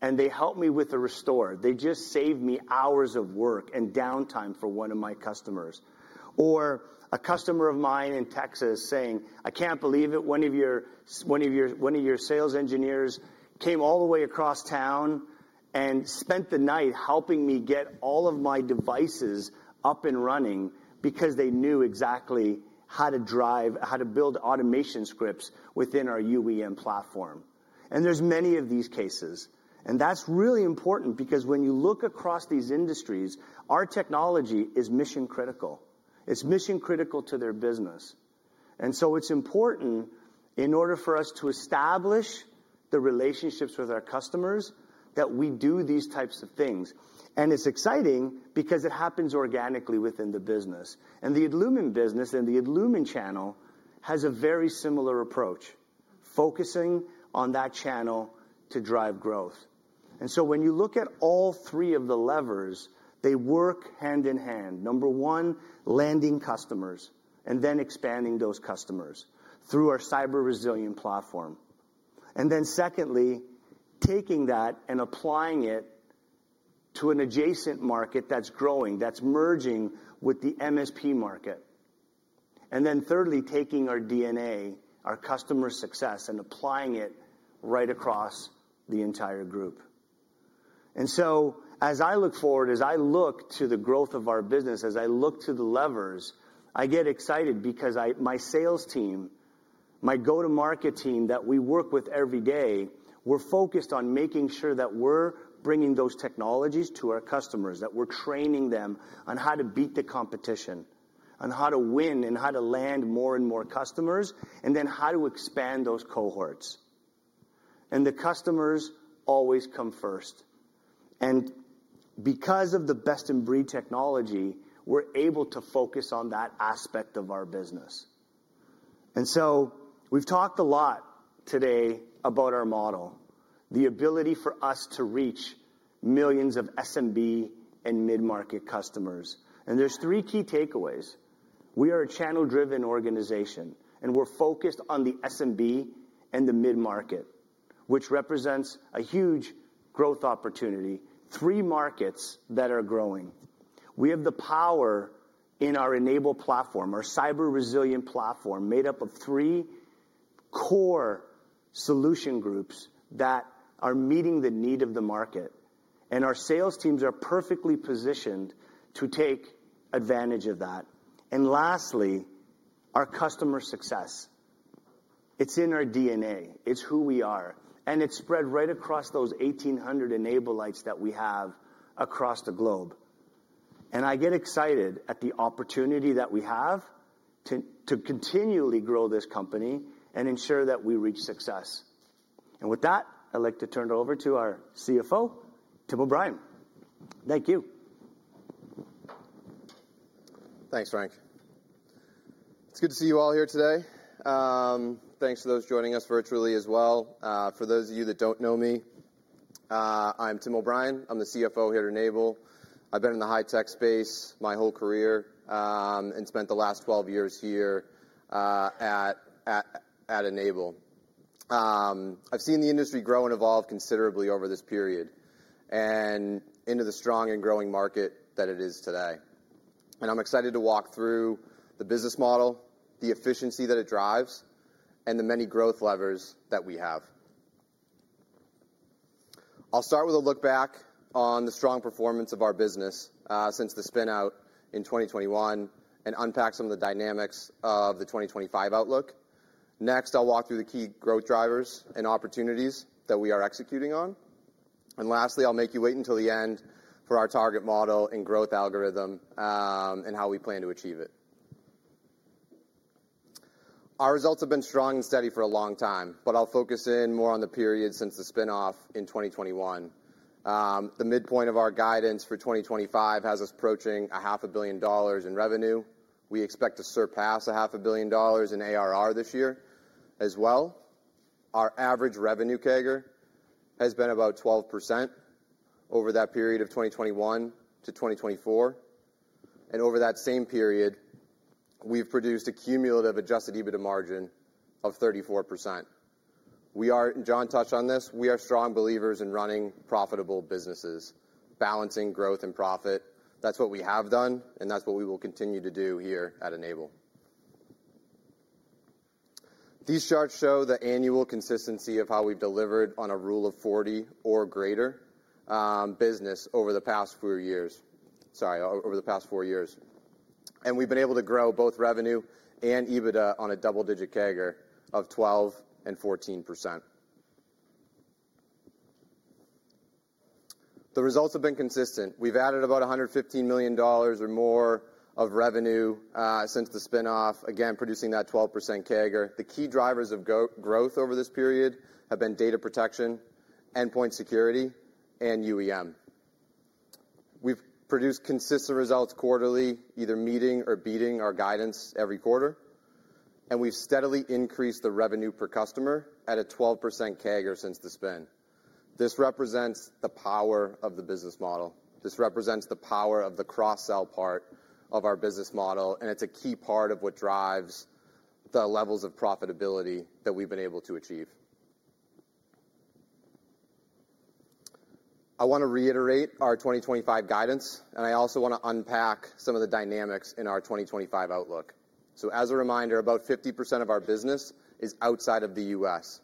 and they helped me with a restore. They just saved me hours of work and downtime for one of my customers." A customer of mine in Texas said, "I can't believe it. One of your sales engineers came all the way across town and spent the night helping me get all of my devices up and running because they knew exactly how to build automation scripts within our UEM platform." There are many of these cases. That is really important because when you look across these industries, our technology is mission-critical. It is mission-critical to their business. It is important in order for us to establish the relationships with our customers that we do these types of things. It is exciting because it happens organically within the business. The Adlumin business and the Adlumin channel have a very similar approach, focusing on that channel to drive growth. When you look at all three of the levers, they work hand in hand. Number one, landing customers and then expanding those customers through our cyber-resilient platform. Secondly, taking that and applying it to an adjacent market that is growing, that is merging with the MSP market. Thirdly, taking our DNA, our customer success, and applying it right across the entire group. As I look forward, as I look to the growth of our business, as I look to the levers, I get excited because my sales team, my go-to-market team that we work with every day, we're focused on making sure that we're bringing those technologies to our customers, that we're training them on how to beat the competition, on how to win, and how to land more and more customers, and then how to expand those cohorts. The customers always come first. Because of the best-of-breed technology, we're able to focus on that aspect of our business. We've talked a lot today about our model, the ability for us to reach millions of SMB and mid-market customers. There are three key takeaways. We are a channel-driven organization, and we're focused on the SMB and the mid-market, which represents a huge growth opportunity, three markets that are growing. We have the power in our N-able platform, our cyber-resilient platform made up of three core solution groups that are meeting the need of the market. Our sales teams are perfectly positioned to take advantage of that. Lastly, our customer success. It's in our DNA. It's who we are. It's spread right across those 1,800 N-ablites that we have across the globe. I get excited at the opportunity that we have to continually grow this company and ensure that we reach success. With that, I'd like to turn it over to our CFO, Tim O'Brien. Thank you. Thanks, Frank. It's good to see you all here today. Thanks to those joining us virtually as well. For those of you that don't know me, I'm Tim O'Brien. I'm the CFO here at N-able. I've been in the high-tech space my whole career and spent the last 12 years here at N-able. I've seen the industry grow and evolve considerably over this period and into the strong and growing market that it is today. I'm excited to walk through the business model, the efficiency that it drives, and the many growth levers that we have. I'll start with a look back on the strong performance of our business since the spinout in 2021 and unpack some of the dynamics of the 2025 outlook. Next, I'll walk through the key growth drivers and opportunities that we are executing on. Lastly, I'll make you wait until the end for our target model and growth algorithm and how we plan to achieve it. Our results have been strong and steady for a long time, but I'll focus in more on the period since the spinoff in 2021. The midpoint of our guidance for 2025 has us approaching $500 million in revenue. We expect to surpass $500 million in ARR this year as well. Our average revenue CAGR has been about 12% over that period of 2021 to 2024. Over that same period, we've produced a cumulative adjusted EBITDA margin of 34%. John touched on this. We are strong believers in running profitable businesses, balancing growth and profit. That's what we have done, and that's what we will continue to do here at N-able. These charts show the annual consistency of how we've delivered on a rule of 40 or greater business over the past four years. Sorry, over the past four years. We've been able to grow both revenue and EBITDA on a double-digit CAGR of 12% and 14%. The results have been consistent. We've added about $115 million or more of revenue since the spinoff, again, producing that 12% CAGR. The key drivers of growth over this period have been data protection, endpoint security, and UEM. We've produced consistent results quarterly, either meeting or beating our guidance every quarter. We've steadily increased the revenue per customer at a 12% CAGR since the spin. This represents the power of the business model. This represents the power of the cross-sell part of our business model. It is a key part of what drives the levels of profitability that we have been able to achieve. I want to reiterate our 2025 guidance, and I also want to unpack some of the dynamics in our 2025 outlook. As a reminder, about 50% of our business is outside of the U.S.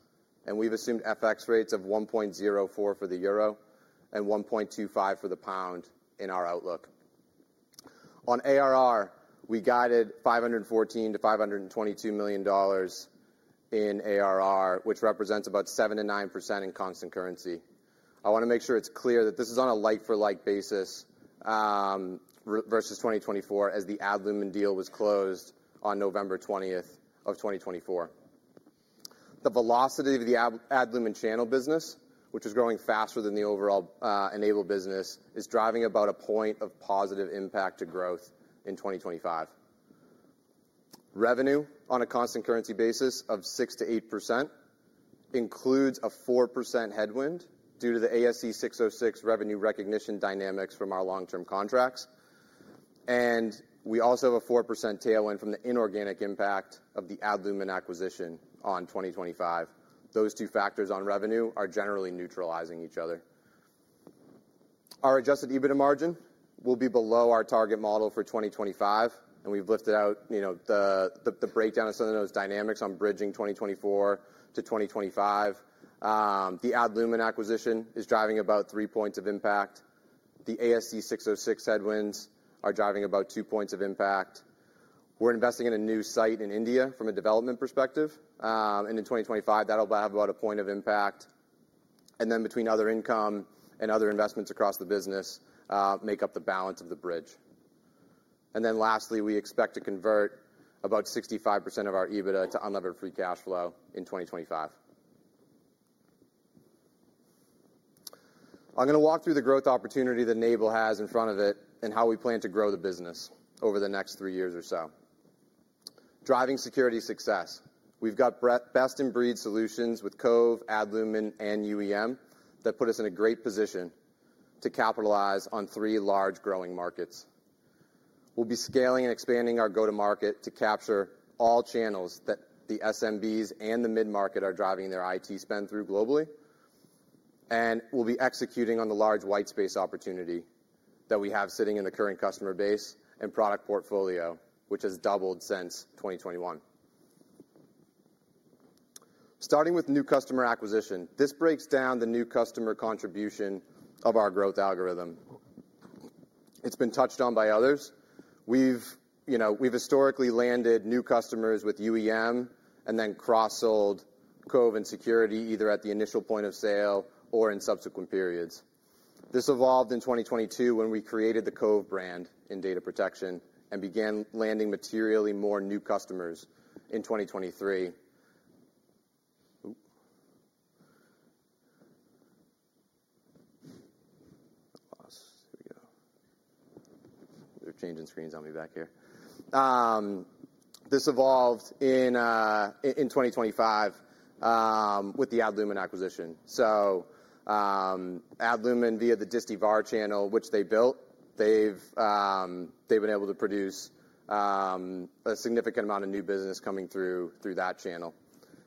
We have assumed FX rates of 1.04 for the euro and 1.25 for the pound in our outlook. On ARR, we guided $514-$522 million in ARR, which represents about 7%-9% in constant currency. I want to make sure it is clear that this is on a like-for-like basis versus 2024 as the Adlumin deal was closed on November 20 of 2024. The velocity of the Adlumin channel business, which is growing faster than the overall N-able business, is driving about a point of positive impact to growth in 2025. Revenue on a constant currency basis of 6-8% includes a 4% headwind due to the ASC 606 revenue recognition dynamics from our long-term contracts. We also have a 4% tailwind from the inorganic impact of the Adlumin acquisition on 2025. Those two factors on revenue are generally neutralizing each other. Our adjusted EBITDA margin will be below our target model for 2025. We have lifted out the breakdown of some of those dynamics on bridging 2024 to 2025. The Adlumin acquisition is driving about three points of impact. The ASC 606 headwinds are driving about two points of impact. We are investing in a new site in India from a development perspective. In 2025, that will have about a point of impact. Between other income and other investments across the business, those make up the balance of the bridge. Lastly, we expect to convert about 65% of our EBITDA to unlevered free cash flow in 2025. I'm going to walk through the growth opportunity that N-able has in front of it and how we plan to grow the business over the next three years or so. Driving security success. We've got best-of-breed solutions with Cove, Adlumin, and UEM that put us in a great position to capitalize on three large growing markets. We'll be scaling and expanding our go-to-market to capture all channels that the SMBs and the mid-market are driving their IT spend through globally. We'll be executing on the large white space opportunity that we have sitting in the current customer base and product portfolio, which has doubled since 2021. Starting with new customer acquisition, this breaks down the new customer contribution of our growth algorithm. It's been touched on by others. We've historically landed new customers with UEM and then cross-sold Cove and security either at the initial point of sale or in subsequent periods. This evolved in 2022 when we created the Cove brand in data protection and began landing materially more new customers in 2023. Here we go. They're changing screens on me back here. This evolved in 2025 with the Adlumin acquisition. So Adlumin, via the disty VAR channel, which they built, they've been able to produce a significant amount of new business coming through that channel.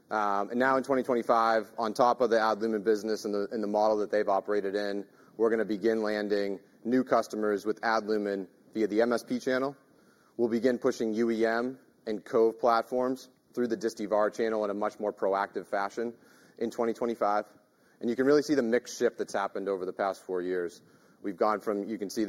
Now in 2025, on top of the Adlumin business and the model that they've operated in, we're going to begin landing new customers with Adlumin via the MSP channel. We'll begin pushing UEM and Cove platforms through the disty VAR channel in a much more proactive fashion in 2025. You can really see the mix shift that's happened over the past four years. We've gone from, you can see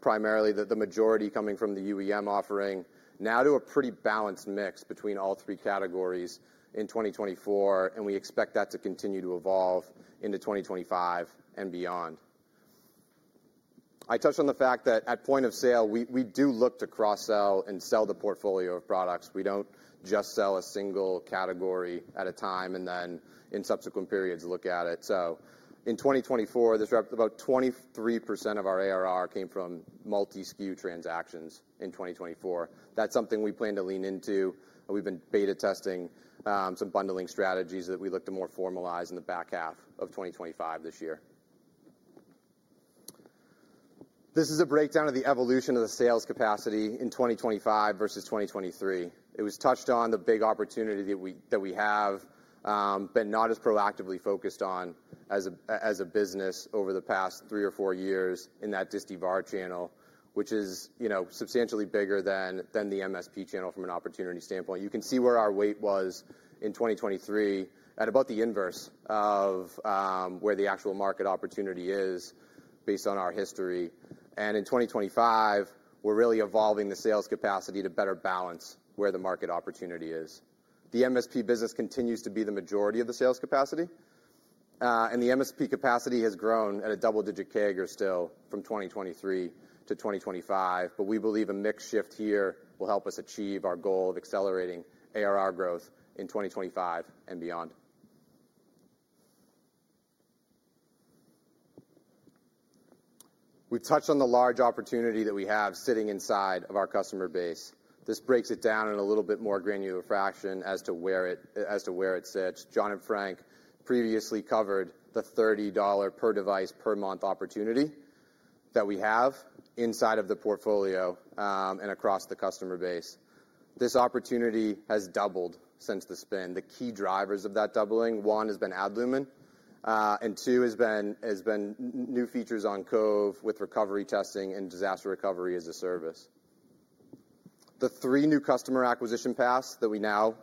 primarily the majority coming from the UEM offering now to a pretty balanced mix between all three categories in 2024. We expect that to continue to evolve into 2025 and beyond. I touched on the fact that at point of sale, we do look to cross-sell and sell the portfolio of products. We don't just sell a single category at a time and then in subsequent periods look at it. In 2024, about 23% of our ARR came from multi-SKU transactions in 2024. That's something we plan to lean into. We've been beta testing some bundling strategies that we look to more formalize in the back half of 2025 this year. This is a breakdown of the evolution of the sales capacity in 2025 versus 2023. It was touched on the big opportunity that we have, but not as proactively focused on as a business over the past three or four years in that disty VAR channel, which is substantially bigger than the MSP channel from an opportunity standpoint. You can see where our weight was in 2023 at about the inverse of where the actual market opportunity is based on our history. In 2025, we are really evolving the sales capacity to better balance where the market opportunity is. The MSP business continues to be the majority of the sales capacity. The MSP capacity has grown at a double-digit CAGR still from 2023 to 2025. We believe a mix shift here will help us achieve our goal of accelerating ARR growth in 2025 and beyond. We have touched on the large opportunity that we have sitting inside of our customer base. This breaks it down in a little bit more granular fraction as to where it sits. John and Frank previously covered the $30 per device per month opportunity that we have inside of the portfolio and across the customer base. This opportunity has doubled since the spin. The key drivers of that doubling, one has been Adlumin, and two has been new features on Cove with recovery testing and disaster recovery as a service. The three new customer acquisition paths that we now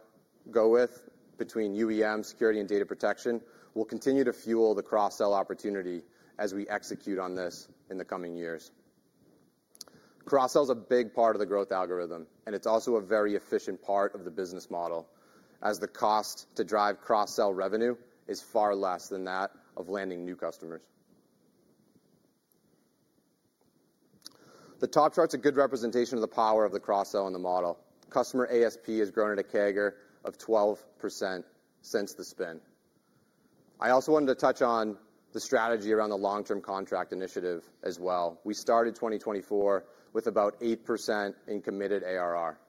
go with between UEM, security, and data protection will continue to fuel the cross-sell opportunity as we execute on this in the coming years. Cross-sell is a big part of the growth algorithm, and it's also a very efficient part of the business model as the cost to drive cross-sell revenue is far less than that of landing new customers. The top chart's a good representation of the power of the cross-sell in the model. Customer ASP has grown at a CAGR of 12% since the spin. I also wanted to touch on the strategy around the long-term contract initiative as well. We started 2024 with about 8% in committed ARR.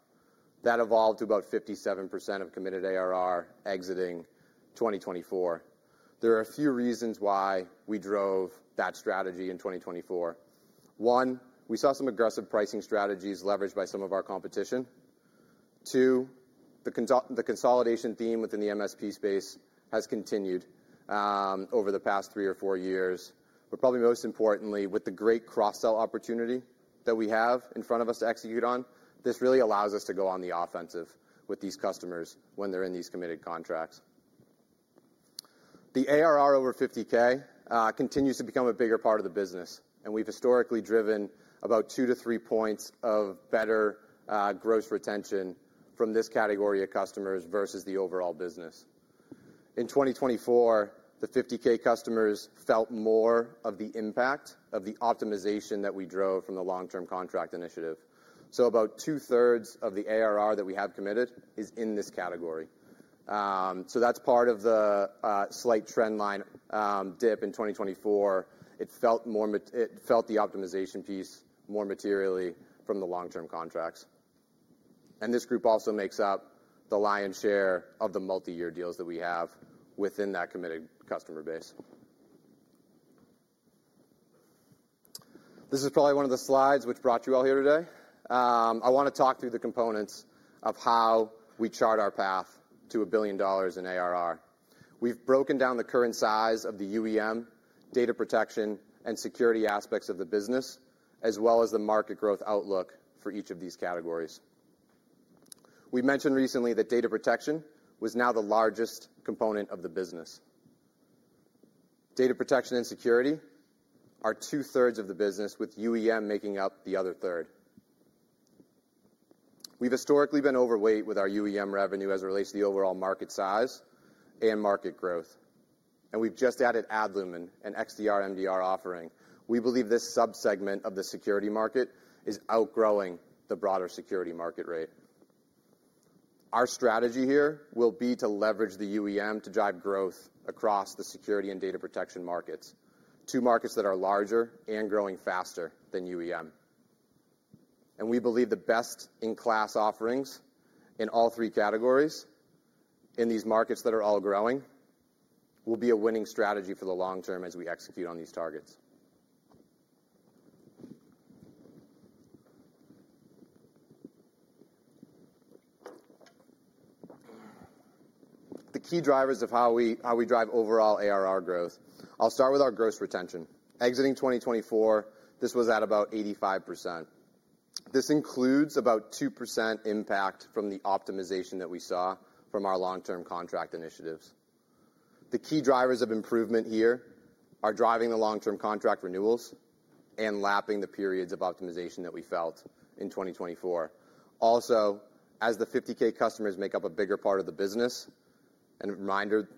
That evolved to about 57% of committed ARR exiting 2024. There are a few reasons why we drove that strategy in 2024. One, we saw some aggressive pricing strategies leveraged by some of our competition. Two, the consolidation theme within the MSP space has continued over the past three or four years. Probably most importantly, with the great cross-sell opportunity that we have in front of us to execute on, this really allows us to go on the offensive with these customers when they're in these committed contracts. The ARR over $50,000 continues to become a bigger part of the business. We have historically driven about two to three percentage points of better gross retention from this category of customers versus the overall business. In 2024, the $50,000 customers felt more of the impact of the optimization that we drove from the long-term contract initiative. About two-thirds of the ARR that we have committed is in this category. That is part of the slight trendline dip in 2024. It felt the optimization piece more materially from the long-term contracts. This group also makes up the lion's share of the multi-year deals that we have within that committed customer base. This is probably one of the slides which brought you all here today. I want to talk through the components of how we chart our path to a billion dollars in ARR. We've broken down the current size of the UEM, data protection, and security aspects of the business, as well as the market growth outlook for each of these categories. We mentioned recently that data protection was now the largest component of the business. Data protection and security are two-thirds of the business, with UEM making up the other third. We've historically been overweight with our UEM revenue as it relates to the overall market size and market growth. We have just added Adlumin and XDR MDR offering. We believe this subsegment of the security market is outgrowing the broader security market rate. Our strategy here will be to leverage the UEM to drive growth across the security and data protection markets, two markets that are larger and growing faster than UEM. We believe the best-in-class offerings in all three categories in these markets that are all growing will be a winning strategy for the long term as we execute on these targets. The key drivers of how we drive overall ARR growth. I'll start with our gross retention. Exiting 2024, this was at about 85%. This includes about 2% impact from the optimization that we saw from our long-term contract initiatives. The key drivers of improvement here are driving the long-term contract renewals and lapping the periods of optimization that we felt in 2024. Also, as the 50K customers make up a bigger part of the business, and reminder,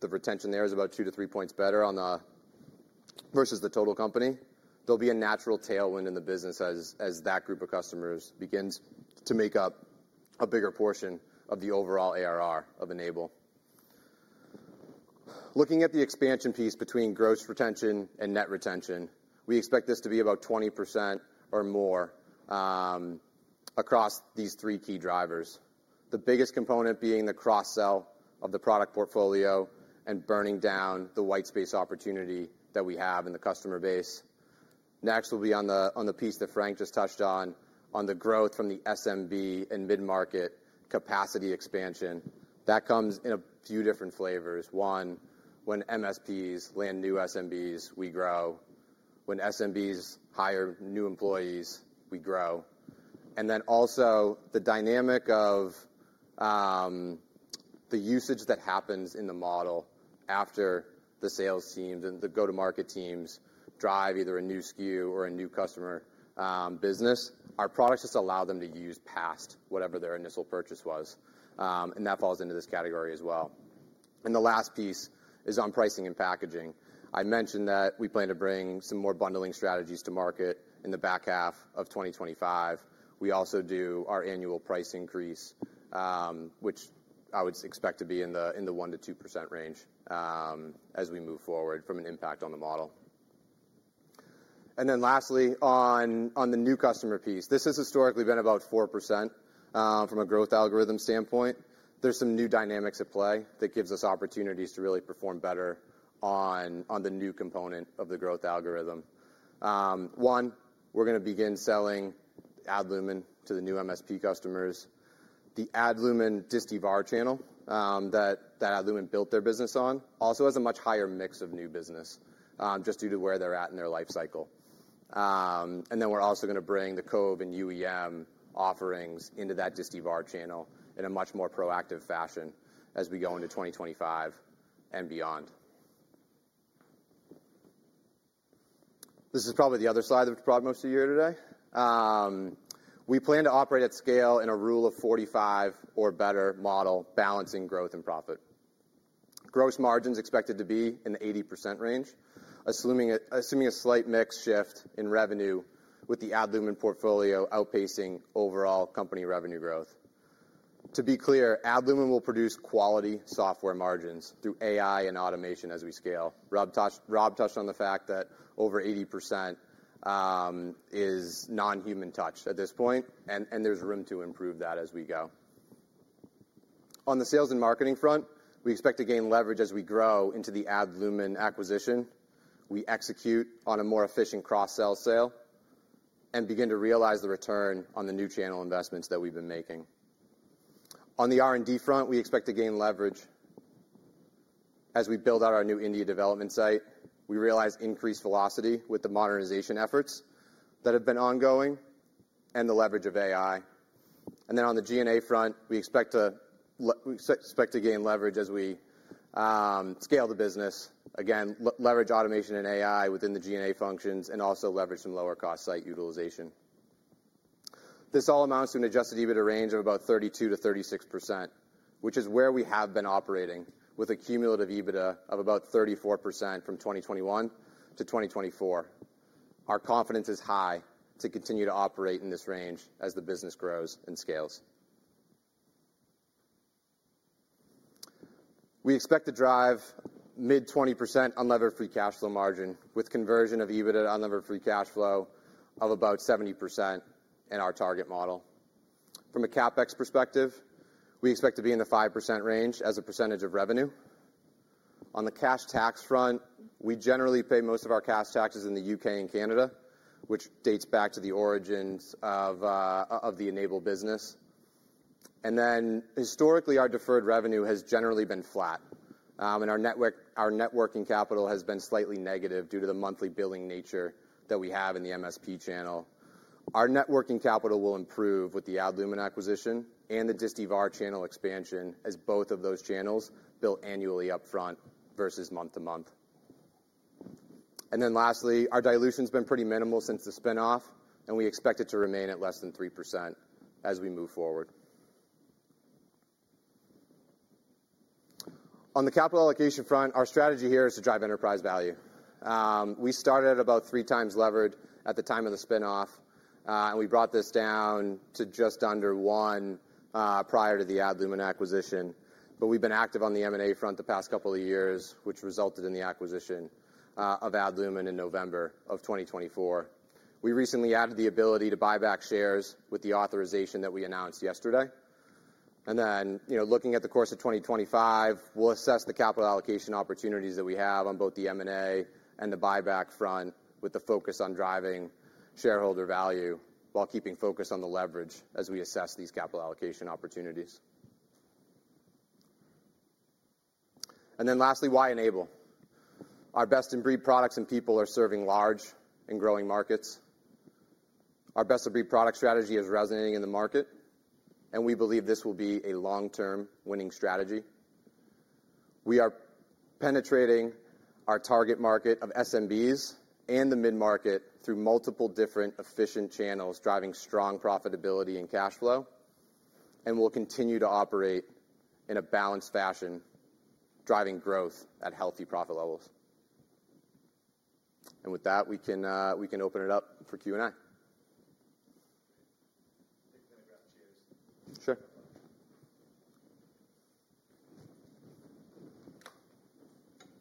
the retention there is about two to three points better versus the total company, there'll be a natural tailwind in the business as that group of customers begins to make up a bigger portion of the overall ARR of N-able. Looking at the expansion piece between gross retention and net retention, we expect this to be about 20% or more across these three key drivers, the biggest component being the cross-sell of the product portfolio and burning down the white space opportunity that we have in the customer base. Next, we will be on the piece that Frank just touched on, on the growth from the SMB and mid-market capacity expansion. That comes in a few different flavors. One, when MSPs land new SMBs, we grow. When SMBs hire new employees, we grow. Also, the dynamic of the usage that happens in the model after the sales teams and the go-to-market teams drive either a new SKU or a new customer business. Our products just allow them to use past whatever their initial purchase was. That falls into this category as well. The last piece is on pricing and packaging. I mentioned that we plan to bring some more bundling strategies to market in the back half of 2025. We also do our annual price increase, which I would expect to be in the 1-2% range as we move forward from an impact on the model. Lastly, on the new customer piece, this has historically been about 4% from a growth algorithm standpoint. There are some new dynamics at play that give us opportunities to really perform better on the new component of the growth algorithm. One, we are going to begin selling Adlumin to the new MSP customers. The Adlumin Disty Var channel that Adlumin built their business on also has a much higher mix of new business just due to where they are at in their life cycle. We are also going to bring the Cove and UEM offerings into that disty VAR channel in a much more proactive fashion as we go into 2025 and beyond. This is probably the other slide that has brought most of you here today. We plan to operate at scale in a rule of 45 or better model balancing growth and profit. Gross margins are expected to be in the 80% range, assuming a slight mix shift in revenue with the Adlumin portfolio outpacing overall company revenue growth. To be clear, Adlumin will produce quality software margins through AI and automation as we scale. Rob touched on the fact that over 80% is non-human touch at this point, and there is room to improve that as we go. On the sales and marketing front, we expect to gain leverage as we grow into the Adlumin acquisition. We execute on a more efficient cross-sell sale and begin to realize the return on the new channel investments that we've been making. On the R&D front, we expect to gain leverage as we build out our new India development site. We realize increased velocity with the modernization efforts that have been ongoing and the leverage of AI. On the G&A front, we expect to gain leverage as we scale the business, again, leverage automation and AI within the G&A functions, and also leverage some lower-cost site utilization. This all amounts to an adjusted EBITDA range of about 32%-36%, which is where we have been operating with a cumulative EBITDA of about 34% from 2021 to 2024. Our confidence is high to continue to operate in this range as the business grows and scales. We expect to drive mid 20% unlevered free cash flow margin with conversion of EBITDA to unlevered free cash flow of about 70% in our target model. From a CapEx perspective, we expect to be in the 5% range as a percentage of revenue. On the cash tax front, we generally pay most of our cash taxes in the U.K. and Canada, which dates back to the origins of the N-able business. Historically, our deferred revenue has generally been flat. Our net working capital has been slightly negative due to the monthly billing nature that we have in the MSP channel. Our net working capital will improve with the Adlumin acquisition and the Disty Var channel expansion as both of those channels bill annually upfront versus month to month. Lastly, our dilution has been pretty minimal since the spinoff, and we expect it to remain at less than 3% as we move forward. On the capital allocation front, our strategy here is to drive enterprise value. We started at about three times leverage at the time of the spinoff, and we brought this down to just under one prior to the Adlumin acquisition. We have been active on the M&A front the past couple of years, which resulted in the acquisition of Adlumin in November of 2024. We recently added the ability to buy back shares with the authorization that we announced yesterday. Looking at the course of 2025, we'll assess the capital allocation opportunities that we have on both the M&A and the buyback front with the focus on driving shareholder value while keeping focus on the leverage as we assess these capital allocation opportunities. Lastly, why N-able? Our best-in-breed products and people are serving large and growing markets. Our best-in-breed product strategy is resonating in the market, and we believe this will be a long-term winning strategy. We are penetrating our target market of SMBs and the mid-market through multiple different efficient channels, driving strong profitability and cash flow, and we'll continue to operate in a balanced fashion, driving growth at healthy profit levels. With that, we can open it up for Q&A. Take a demographic cheers. Sure.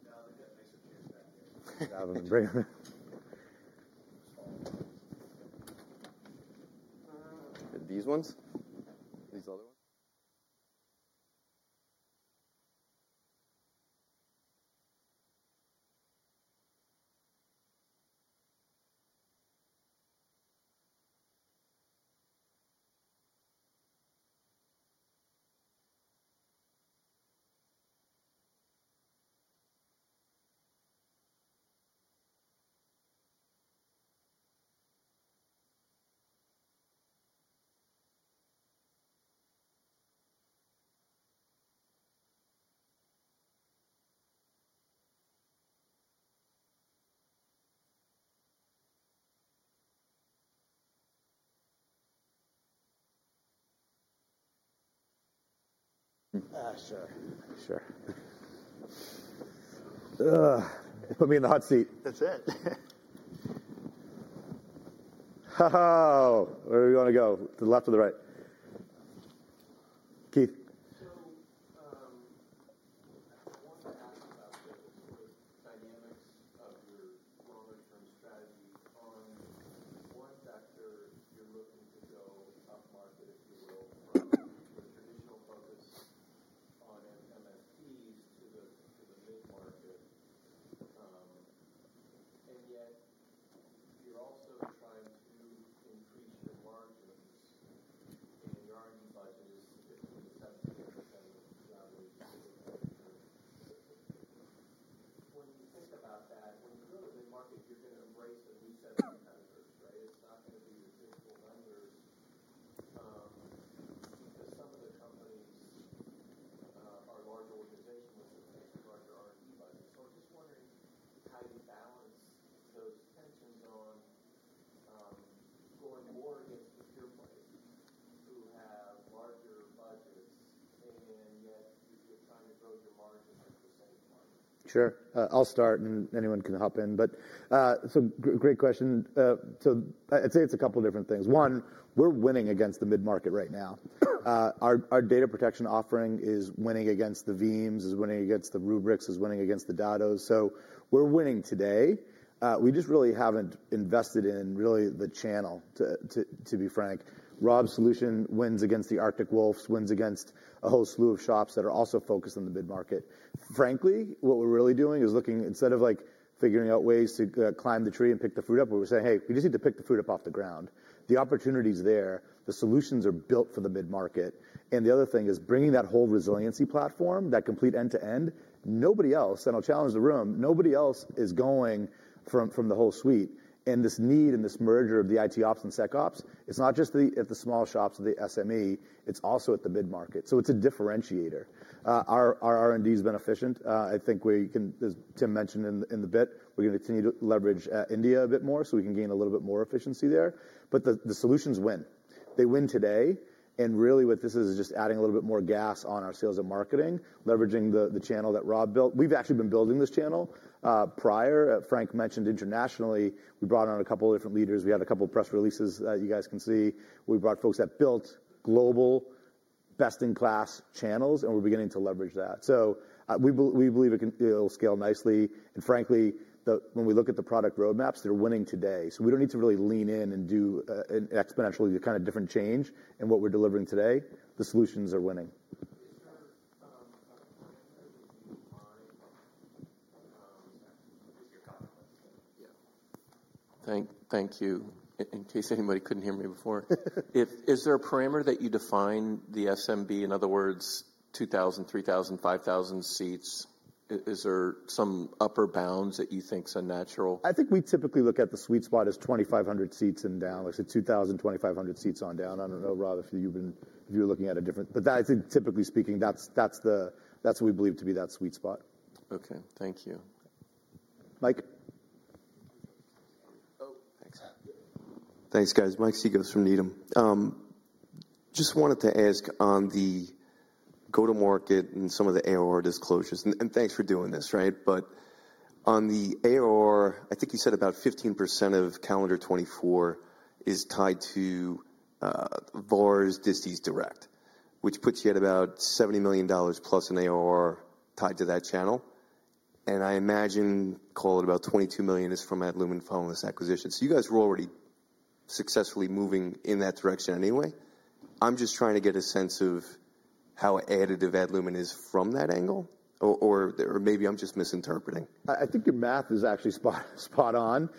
Now they've got nicer chairs back there. These ones? These other ones? Sure. Sure. Put me in the hot seat. That's it. Where do we want to go? The left or the right? Keith. a whole slew of shops that are also focused on the mid-market. Frankly, what we're really doing is looking instead of figuring out ways to climb the tree and pick the fruit up, we were saying, "Hey, we just need to pick the fruit up off the ground." The opportunity's there. The solutions are built for the mid-market. The other thing is bringing that whole resiliency platform, that complete end-to-end. Nobody else—I will challenge the room—nobody else is going from the whole suite. This need and this merger of the IT ops and SecOps, it is not just at the small shops of the SME, it is also at the mid-market. It is a differentiator. Our R&D has been efficient. I think we can, as Tim mentioned in the bit, we are going to continue to leverage India a bit more so we can gain a little bit more efficiency there. The solutions win. They win today. What this is is just adding a little bit more gas on our sales and marketing, leveraging the channel that Rob built. We have actually been building this channel prior. Frank mentioned internationally, we brought on a couple of different leaders. We had a couple of press releases that you guys can see. We brought folks that built global best-in-class channels, and we're beginning to leverage that. We believe it'll scale nicely. Frankly, when we look at the product roadmaps, they're winning today. We do not need to really lean in and do an exponentially kind of different change in what we're delivering today. The solutions are winning. Is there a parameter that you define? Yeah. Thank you. In case anybody couldn't hear me before, is there a parameter that you define the SMB? In other words, 2,000, 3,000, 5,000 seats? Is there some upper bounds that you think are natural? I think we typically look at the sweet spot as 2,500 seats in Dallas at 2,000, 2,500 seats on down. I don't know, Rob, if you're looking at a different—but that is typically speaking, that's what we believe to be that sweet spot. Okay. Thank you. Mike. Oh, thanks. Thanks, guys. Mike Cikos from Needham & Company. Just wanted to ask on the go-to-market and some of the ARR disclosures. And thanks for doing this, right? On the ARR, I think you said about 15% of calendar 2024 is tied to VARs, Disty's Direct, which puts you at about $70 million plus in ARR tied to that channel. I imagine, call it about $22 million is from Adlumin following this acquisition. You guys were already successfully moving in that direction anyway. I'm just trying to get a sense of how additive Adlumin is from that angle, or maybe I'm just misinterpreting. I think your math is actually spot on.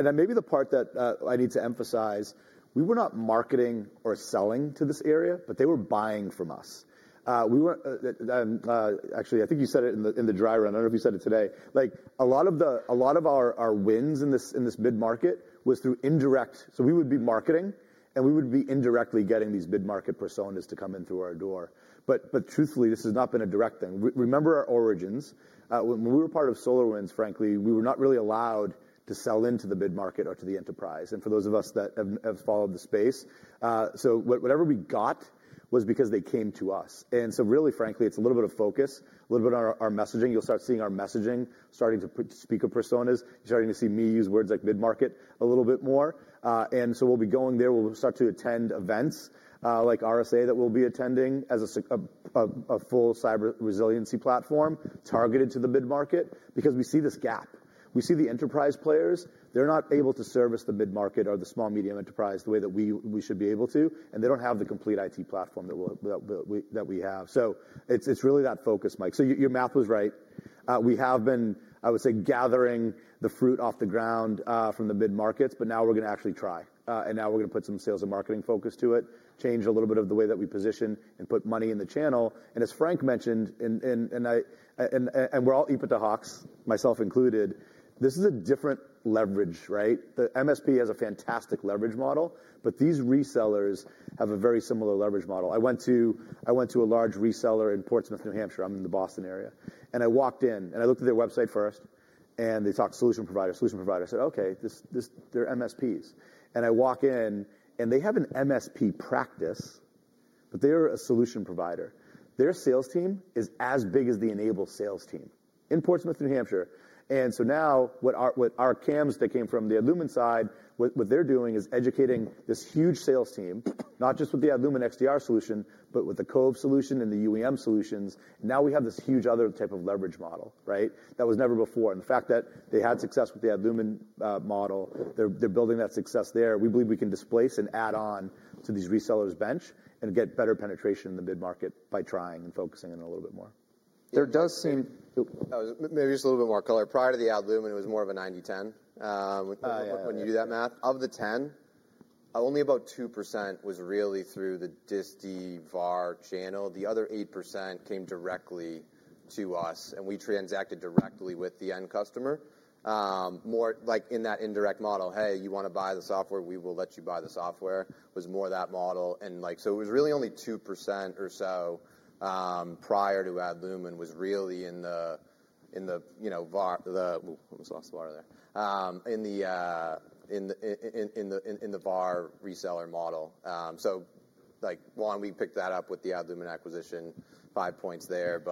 Maybe the part that I need to emphasize, we were not marketing or selling to this area, but they were buying from us. Actually, I think you said it in the dry run. I don't know if you said it today. A lot of our wins in this mid-market was through indirect. We would be marketing, and we would be indirectly getting these mid-market personas to come in through our door. Truthfully, this has not been a direct thing. Remember our origins. When we were part of SolarWinds, frankly, we were not really allowed to sell into the mid-market or to the enterprise. For those of us that have followed the space, whatever we got was because they came to us. Really, frankly, it's a little bit of focus, a little bit of our messaging. You'll start seeing our messaging starting to speak of personas, starting to see me use words like mid-market a little bit more. We'll be going there. We'll start to attend events like RSA that we'll be attending as a full cyber resiliency platform targeted to the mid-market because we see this gap. We see the enterprise players. They're not able to service the mid-market or the small medium enterprise the way that we should be able to, and they don't have the complete IT platform that we have. It's really that focus, Mike. Your math was right. We have been, I would say, gathering the fruit off the ground from the mid-markets, but now we're going to actually try. Now we're going to put some sales and marketing focus to it, change a little bit of the way that we position, and put money in the channel. As Frank mentioned, and we're all EBITDA Hawks, myself included, this is a different leverage, right? The MSP has a fantastic leverage model, but these resellers have a very similar leverage model. I went to a large reseller in Portsmouth, New Hampshire. I'm in the Boston area. I walked in, and I looked at their website first, and they talked solution provider, solution provider. I said, "Okay, they're MSPs." I walk in, and they have an MSP practice, but they're a solution provider. Their sales team is as big as the N-able sales team in Portsmouth, New Hampshire. Now what our CAMs that came from the Adlumin side, what they're doing is educating this huge sales team, not just with the Adlumin XDR solution, but with the Cove solution and the UEM solutions. Now we have this huge other type of leverage model, right, that was never before. The fact that they had success with the Adlumin model, they're building that success there. We believe we can displace and add on to these resellers' bench and get better penetration in the mid-market by trying and focusing in a little bit more. There does seem—maybe just a little bit more color. Prior to the Adlumin, it was more of a 90-10. When you do that math, of the 10, only about 2% was really through the Disty VAR channel. The other 8% came directly to us, and we transacted directly with the end customer. More like in that indirect model, "Hey, you want to buy the software? We will let you buy the software," was more that model. It was really only 2% or so prior to Adlumin was really in the—I almost lost the water there—in the VAR reseller model. One, we picked that up with the Adlumin acquisition, five points there.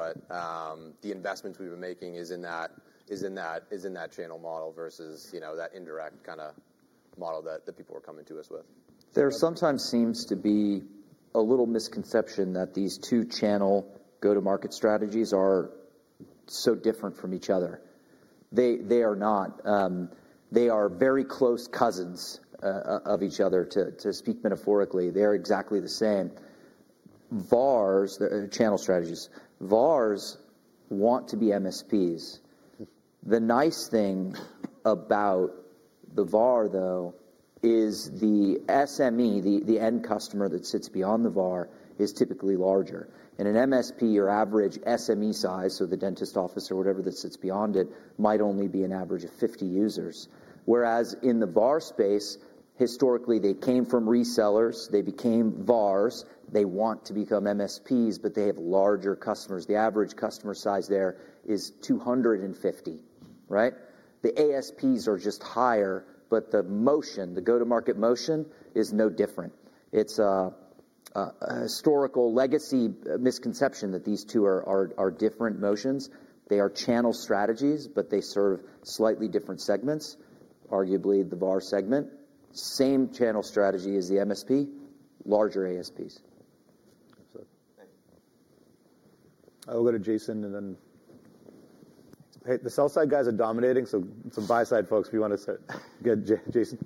The investment we were making is in that channel model versus that indirect kind of model that people were coming to us with. There sometimes seems to be a little misconception that these two channel go-to-market strategies are so different from each other. They are not. They are very close cousins of each other, to speak metaphorically. They are exactly the same. VARs, channel strategies, VARs want to be MSPs. The nice thing about the VAR, though, is the SME, the end customer that sits beyond the VAR, is typically larger. An MSP, your average SME size, so the dentist office or whatever that sits beyond it, might only be an average of 50 users. Whereas in the VAR space, historically, they came from resellers, they became VARs, they want to become MSPs, but they have larger customers. The average customer size there is 250, right? The ASPs are just higher, but the motion, the go-to-market motion, is no different. It is a historical legacy misconception that these two are different motions. They are channel strategies, but they serve slightly different segments, arguably the VAR segment. Same channel strategy as the MSP, larger ASPs. I will go to Jason and then—hey, the sell-side guys are dominating, so some buy-side folks, if you want to get Jason.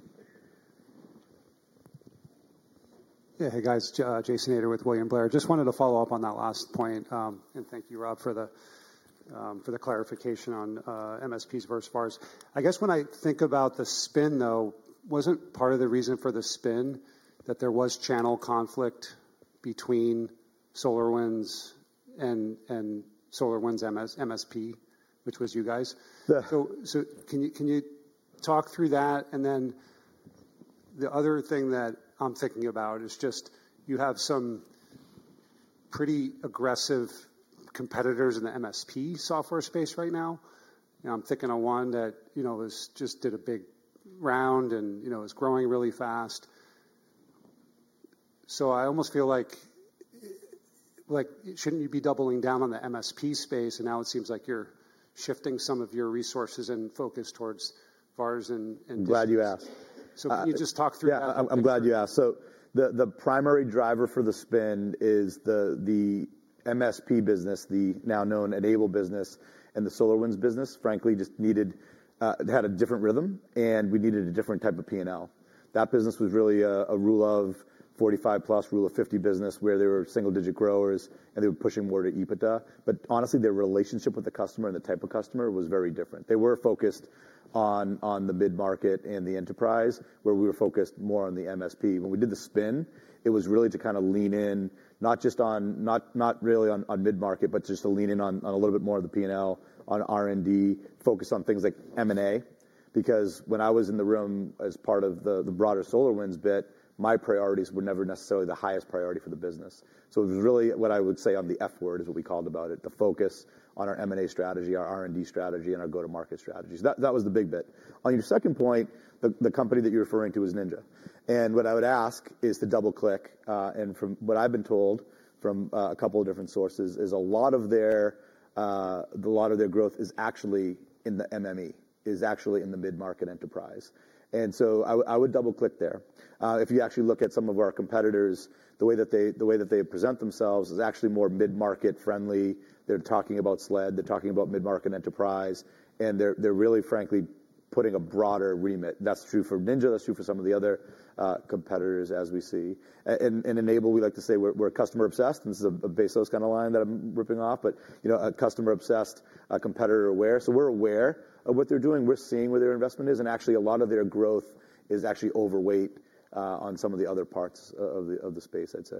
Yeah, hey guys, Jason Ader with William Blair. Just wanted to follow up on that last point and thank you, Rob, for the clarification on MSPs versus VARs. I guess when I think about the spin, though, was not part of the reason for the spin that there was channel conflict between SolarWinds and SolarWinds MSP, which was you guys? Can you talk through that? The other thing that I am thinking about is just you have some pretty aggressive competitors in the MSP software space right now. I am thinking of one that just did a big round and is growing really fast. I almost feel like should not you be doubling down on the MSP space? Now it seems like you are shifting some of your resources and focus towards VARs and Disty's. I'm glad you asked. Can you just talk through that? I'm glad you asked. The primary driver for the spin is the MSP business, the now known N-able business, and the SolarWinds business, frankly, just had a different rhythm, and we needed a different type of P&L. That business was really a rule of 45-plus, rule of 50 business where they were single-digit growers and they were pushing more to EBITDA. Honestly, their relationship with the customer and the type of customer was very different. They were focused on the mid-market and the enterprise where we were focused more on the MSP. When we did the spin, it was really to kind of lean in, not just on—not really on mid-market, but just to lean in on a little bit more of the P&L, on R&D, focus on things like M&A. Because when I was in the room as part of the broader SolarWinds bit, my priorities were never necessarily the highest priority for the business. It was really what I would say on the F word is what we called about it, the focus on our M&A strategy, our R&D strategy, and our go-to-market strategies. That was the big bit. On your second point, the company that you're referring to is NinjaOne. What I would ask is to double-click. From what I've been told from a couple of different sources is a lot of their growth is actually in the MME, is actually in the mid-market enterprise. I would double-click there. If you actually look at some of our competitors, the way that they present themselves is actually more mid-market friendly. They're talking about SLED. They're talking about mid-market enterprise. They are really, frankly, putting a broader remit. That is true for Ninja. That is true for some of the other competitors, as we see. At N-able, we like to say we are customer-obsessed. This is a baseless kind of line that I am ripping off, but customer-obsessed, competitor-aware. We are aware of what they are doing. We are seeing where their investment is. Actually, a lot of their growth is actually overweight on some of the other parts of the space, I would say.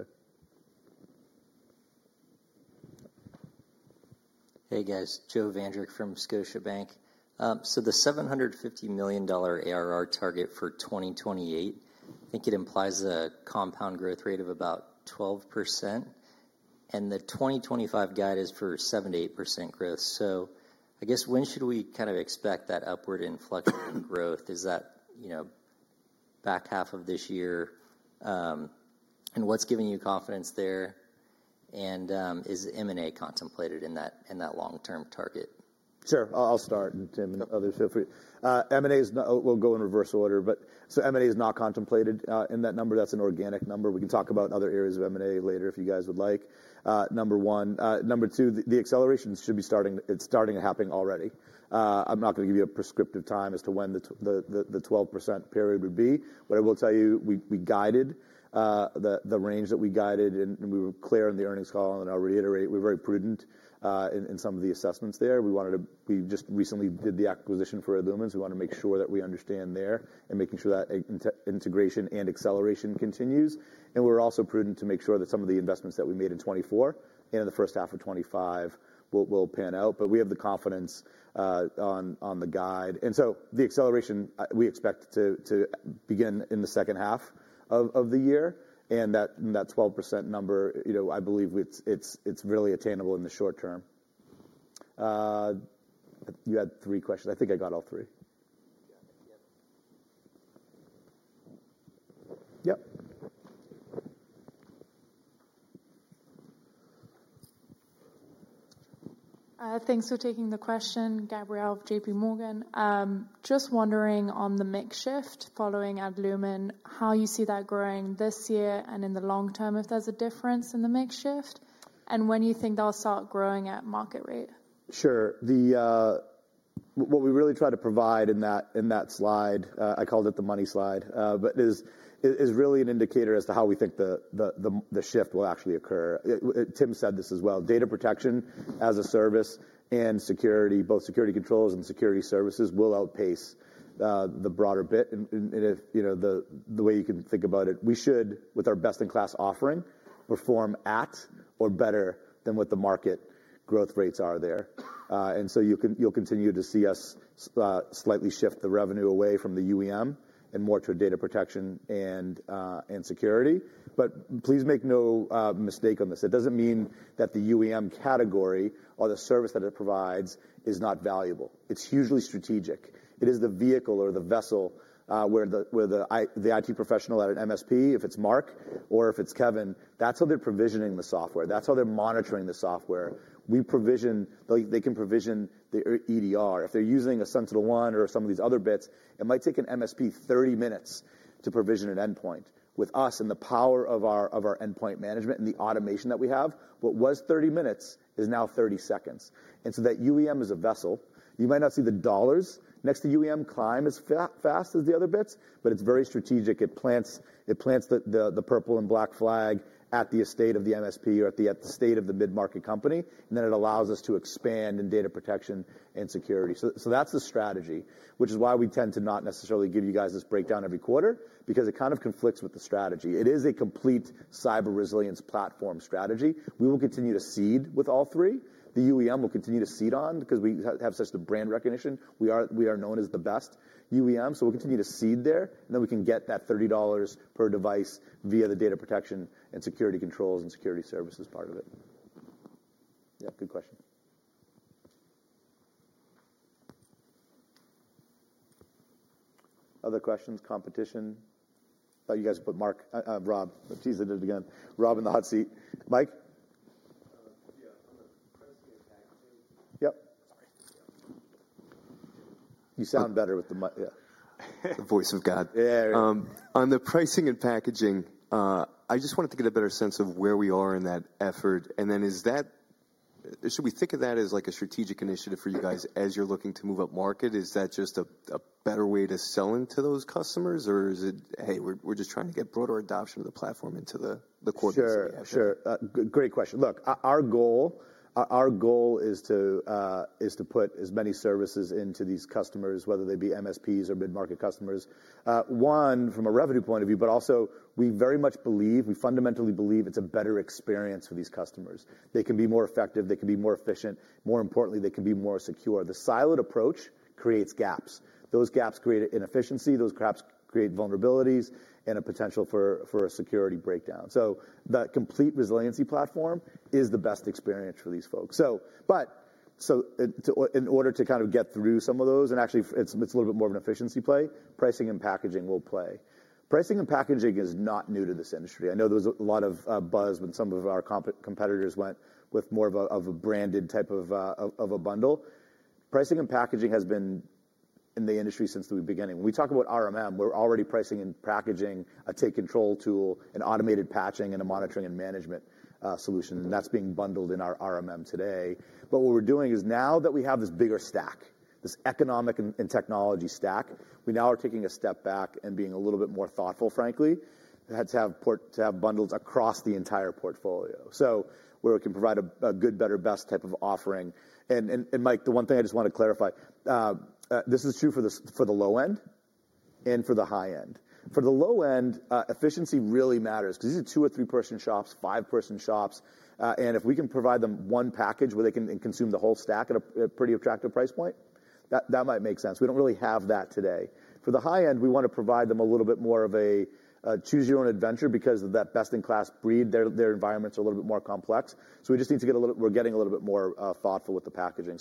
Hey, guys. Joe Vandrick from Scotiabank. The $750 million ARR target for 2028, I think it implies a compound growth rate of about 12%. The 2025 guide is for 78% growth. I guess when should we kind of expect that upward inflection in growth? Is that back half of this year? What's giving you confidence there? Is M&A contemplated in that long-term target? Sure. I'll start, and Tim and others feel free. M&A will go in reverse order. M&A is not contemplated in that number. That's an organic number. We can talk about other areas of M&A later if you guys would like. Number one. Number two, the acceleration should be starting. It's starting happening already. I'm not going to give you a prescriptive time as to when the 12% period would be. What I will tell you, we guided the range that we guided, and we were clear in the earnings call. I'll reiterate, we're very prudent in some of the assessments there. We just recently did the acquisition for Adlumin. We want to make sure that we understand there and making sure that integration and acceleration continues. We are also prudent to make sure that some of the investments that we made in 2024 and in the first half of 2025 will pan out. We have the confidence on the guide. The acceleration, we expect to begin in the second half of the year. That 12% number, I believe it's really attainable in the short term. You had three questions. I think I got all three. Yep. Thanks for taking the question, Gabriel of JPMorgan. Just wondering on the makeshift following Adlumin, how you see that growing this year and in the long term, if there's a difference in the makeshift, and when you think they'll start growing at market rate. Sure. What we really try to provide in that slide, I called it the money slide, but is really an indicator as to how we think the shift will actually occur. Tim said this as well. Data protection as a service and security, both security controls and security services, will outpace the broader bit. The way you can think about it, we should, with our best-in-class offering, perform at or better than what the market growth rates are there. You will continue to see us slightly shift the revenue away from the UEM and more toward data protection and security. Please make no mistake on this. It does not mean that the UEM category or the service that it provides is not valuable. It is hugely strategic. It is the vehicle or the vessel where the IT professional at an MSP, if it's Mark or if it's Kevin, that's how they're provisioning the software. That's how they're monitoring the software. They can provision their EDR. If they're using a SentinelOne or some of these other bits, it might take an MSP 30 minutes to provision an endpoint. With us and the power of our endpoint management and the automation that we have, what was 30 minutes is now 30 seconds. That UEM is a vessel. You might not see the dollars next to UEM climb as fast as the other bits, but it's very strategic. It plants the purple and black flag at the estate of the MSP or at the estate of the mid-market company. It allows us to expand in data protection and security. That is the strategy, which is why we tend to not necessarily give you guys this breakdown every quarter because it kind of conflicts with the strategy. It is a complete cyber resilience platform strategy. We will continue to seed with all three. The UEM will continue to seed on because we have such the brand recognition. We are known as the best UEM. We will continue to seed there. Then we can get that $30 per device via the data protection and security controls and security services part of it. Yeah, good question. Other questions? Competition? Thought you guys put Mark Rob, but Jesus did it again. Rob in the hot seat. Mike? Yeah, on the pricing and packaging. Yep. Sorry. You sound better with the mic. Yeah. The voice of God. Yeah. On the pricing and packaging, I just wanted to get a better sense of where we are in that effort. Should we think of that as like a strategic initiative for you guys as you're looking to move up market? Is that just a better way to sell into those customers? Or is it, hey, we're just trying to get broader adoption of the platform into the corporate space? Sure. Sure. Great question. Look, our goal is to put as many services into these customers, whether they be MSPs or mid-market customers. One, from a revenue point of view, but also we very much believe, we fundamentally believe it's a better experience for these customers. They can be more effective. They can be more efficient. More importantly, they can be more secure. The silent approach creates gaps. Those gaps create inefficiency. Those gaps create vulnerabilities and a potential for a security breakdown. The complete resiliency platform is the best experience for these folks. In order to kind of get through some of those, and actually it's a little bit more of an efficiency play, pricing and packaging will play. Pricing and packaging is not new to this industry. I know there was a lot of buzz when some of our competitors went with more of a branded type of a bundle. Pricing and packaging has been in the industry since the beginning. When we talk about RMM, we're already pricing and packaging a take control tool, an automated patching, and a monitoring and management solution. That is being bundled in our RMM today. What we are doing is now that we have this bigger stack, this economic and technology stack, we now are taking a step back and being a little bit more thoughtful, frankly, to have bundles across the entire portfolio. Where it can provide a good, better, best type of offering. Mike, the one thing I just want to clarify, this is true for the low end and for the high end. For the low end, efficiency really matters because these are two or three-person shops, five-person shops. If we can provide them one package where they can consume the whole stack at a pretty attractive price point, that might make sense. We do not really have that today. For the high end, we want to provide them a little bit more of a choose-your-own-adventure because of that best-in-class breed. Their environments are a little bit more complex. We just need to get a little bit more thoughtful with the packaging.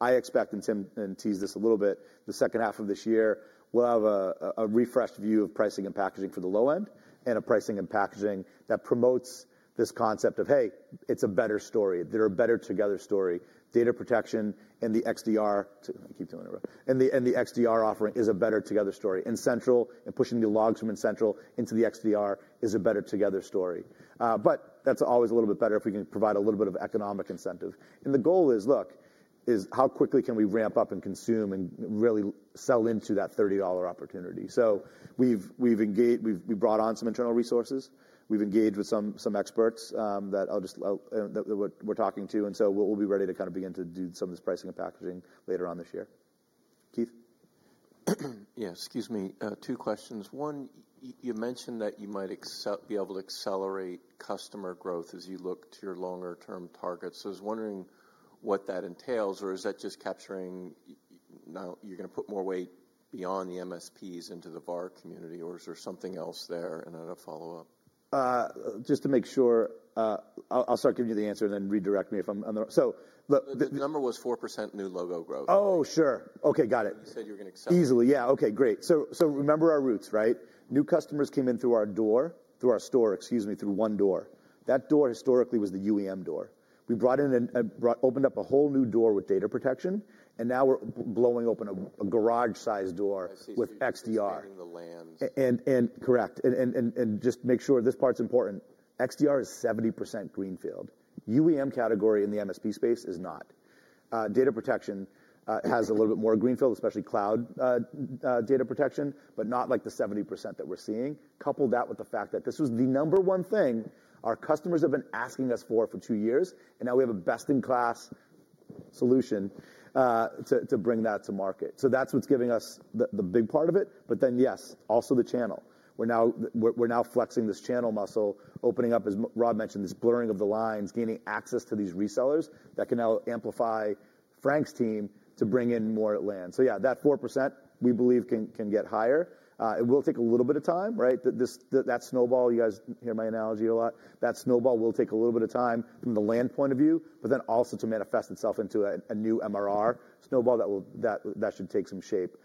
I expect, and Tim teased this a little bit, the second half of this year, we will have a refreshed view of pricing and packaging for the low end and a pricing and packaging that promotes this concept of, hey, it is a better story. They are a better together story. Data protection and the XDR—I keep doing it wrong. The XDR offering is a better together story. End Central and pushing the logs from End Central into the XDR is a better together story. That is always a little bit better if we can provide a little bit of economic incentive. The goal is, look, how quickly can we ramp up and consume and really sell into that $30 opportunity? We have brought on some internal resources. We have engaged with some experts that we are talking to. We will be ready to begin to do some of this pricing and packaging later on this year. Keith? Yeah, excuse me. Two questions. One, you mentioned that you might be able to accelerate customer growth as you look to your longer-term targets. I was wondering what that entails. Is that just capturing now you're going to put more weight beyond the MSPs into the VAR community? Is there something else there? I had a follow-up. Just to make sure, I'll start giving you the answer and then redirect me if I'm on the wrong. Look. The number was 4% new logo growth. Oh, sure. Okay, got it. You said you were going to accelerate. Easily. Yeah. Okay, great. Remember our roots, right? New customers came in through our door, through our store, excuse me, through one door. That door historically was the UEM door. We brought in and opened up a whole new door with data protection. Now we are blowing open a garage-sized door with XDR. Getting the land. Correct. Just make sure this part's important. XDR is 70% greenfield. UEM category in the MSP space is not. Data protection has a little bit more greenfield, especially cloud data protection, but not like the 70% that we're seeing. Couple that with the fact that this was the number one thing our customers have been asking us for for two years. Now we have a best-in-class solution to bring that to market. That is what's giving us the big part of it. Yes, also the channel. We are now flexing this channel muscle, opening up, as Rob mentioned, this blurring of the lines, gaining access to these resellers that can now amplify Frank's team to bring in more land. That 4% we believe can get higher. It will take a little bit of time, right? That snowball, you guys hear my analogy a lot. That snowball will take a little bit of time from the land point of view, but then also to manifest itself into a new MRR snowball that should take some shape.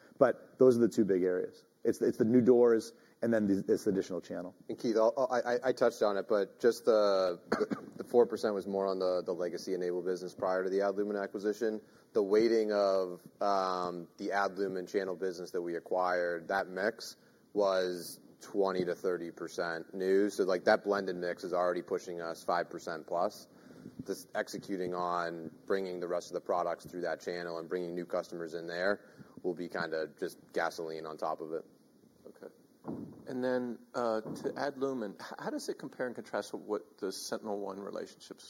Those are the two big areas. It is the new doors, and then it is the additional channel. Keith, I touched on it, but just the 4% was more on the legacy N-able business prior to the Adlumin acquisition. The weighting of the Adlumin channel business that we acquired, that mix was 20-30% new. So that blended mix is already pushing us 5% plus. Just executing on bringing the rest of the products through that channel and bringing new customers in there will be kind of just gasoline on top of it. Okay. To Adlumin, how does it compare and contrast with what the SentinelOne relationship?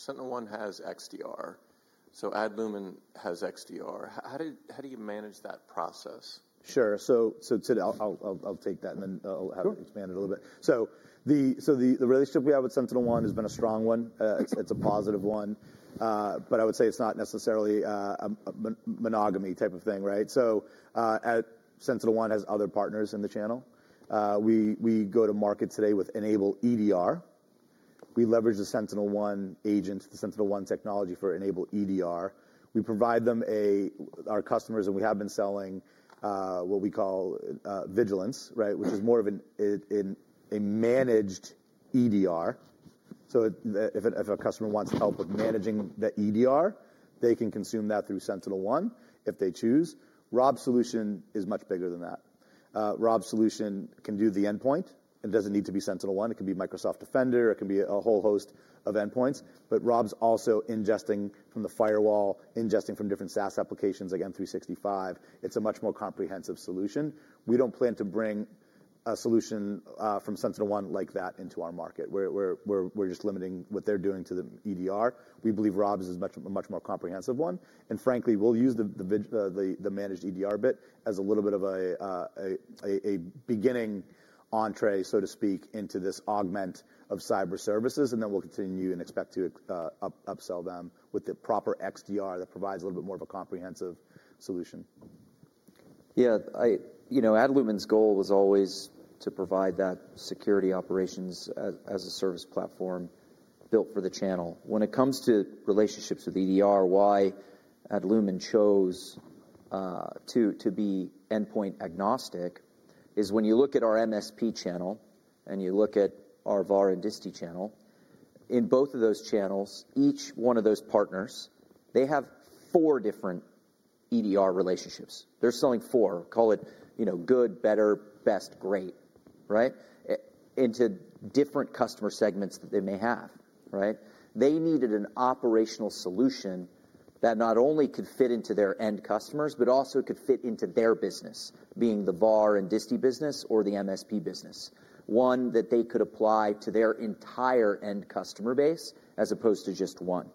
So SentinelOne has XDR. So Adlumin has XDR. How do you manage that process? Sure. I will take that, and then I will have you expand it a little bit. The relationship we have with SentinelOne has been a strong one. It is a positive one. I would say it is not necessarily a monogamy type of thing, right? SentinelOne has other partners in the channel. We go to market today with N-able EDR. We leverage the SentinelOne agent, the SentinelOne technology for N-able EDR. We provide them our customers, and we have been selling what we call vigilance, right, which is more of a managed EDR. If a customer wants help with managing the EDR, they can consume that through SentinelOne if they choose. Rob's solution is much bigger than that. Rob's solution can do the endpoint. It does not need to be SentinelOne. It can be Microsoft Defender. It can be a whole host of endpoints. Rob's also ingesting from the firewall, ingesting from different SaaS applications, like M365. It's a much more comprehensive solution. We don't plan to bring a solution from SentinelOne like that into our market. We're just limiting what they're doing to the EDR. We believe Rob's is a much more comprehensive one. Frankly, we'll use the managed EDR bit as a little bit of a beginning entree, so to speak, into this augment of cyber services. We will continue and expect to upsell them with the proper XDR that provides a little bit more of a comprehensive solution. Yeah. Adlumin's goal was always to provide that security operations as a service platform built for the channel. When it comes to relationships with EDR, why Adlumin chose to be endpoint agnostic is when you look at our MSP channel and you look at our VAR and DISTI channel, in both of those channels, each one of those partners, they have four different EDR relationships. They're selling four. Call it good, better, best, great, right, into different customer segments that they may have, right? They needed an operational solution that not only could fit into their end customers, but also could fit into their business, being the VAR and DISTI business or the MSP business. One that they could apply to their entire end customer base as opposed to just one.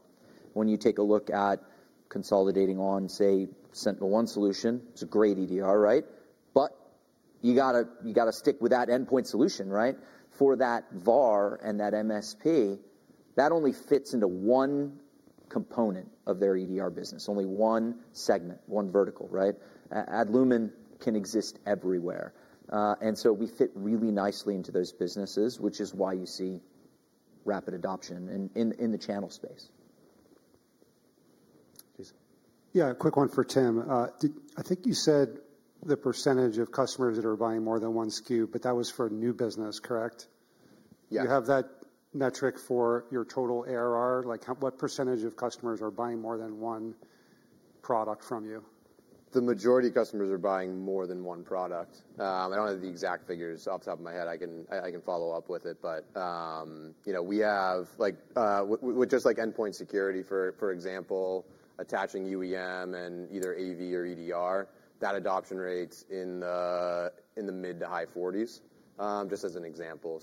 When you take a look at consolidating on, say, SentinelOne solution, it's a great EDR, right? You got to stick with that endpoint solution, right? For that VAR and that MSP, that only fits into one component of their EDR business, only one segment, one vertical, right? Adlumin can exist everywhere. We fit really nicely into those businesses, which is why you see rapid adoption in the channel space. Yeah, a quick one for Tim. I think you said the percentage of customers that are buying more than one SKU, but that was for new business, correct? Yes. Do you have that metric for your total ARR? What percentage of customers are buying more than one product from you? The majority of customers are buying more than one product. I don't have the exact figures off the top of my head. I can follow up with it. We have, with just endpoint security, for example, attaching UEM and either AV or EDR, that adoption rate's in the mid to high 40%, just as an example.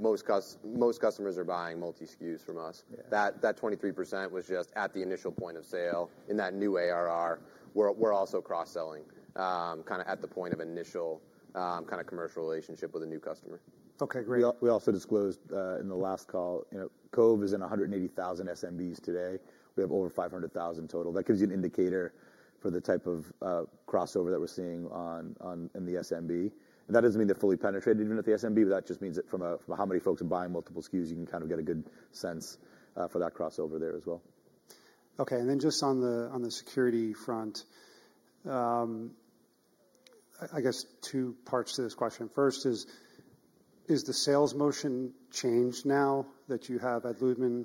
Most customers are buying multi-SKUs from us. That 23% was just at the initial point of sale in that new ARR. We're also cross-selling kind of at the point of initial kind of commercial relationship with a new customer. Okay, great. We also disclosed in the last call, Cove is in 180,000 SMBs today. We have over 500,000 total. That gives you an indicator for the type of crossover that we're seeing in the SMB. That doesn't mean they're fully penetrated even at the SMB, but that just means that from how many folks are buying multiple SKUs, you can kind of get a good sense for that crossover there as well. Okay. And then just on the security front, I guess two parts to this question. First is, is the sales motion changed now that you have Adlumin?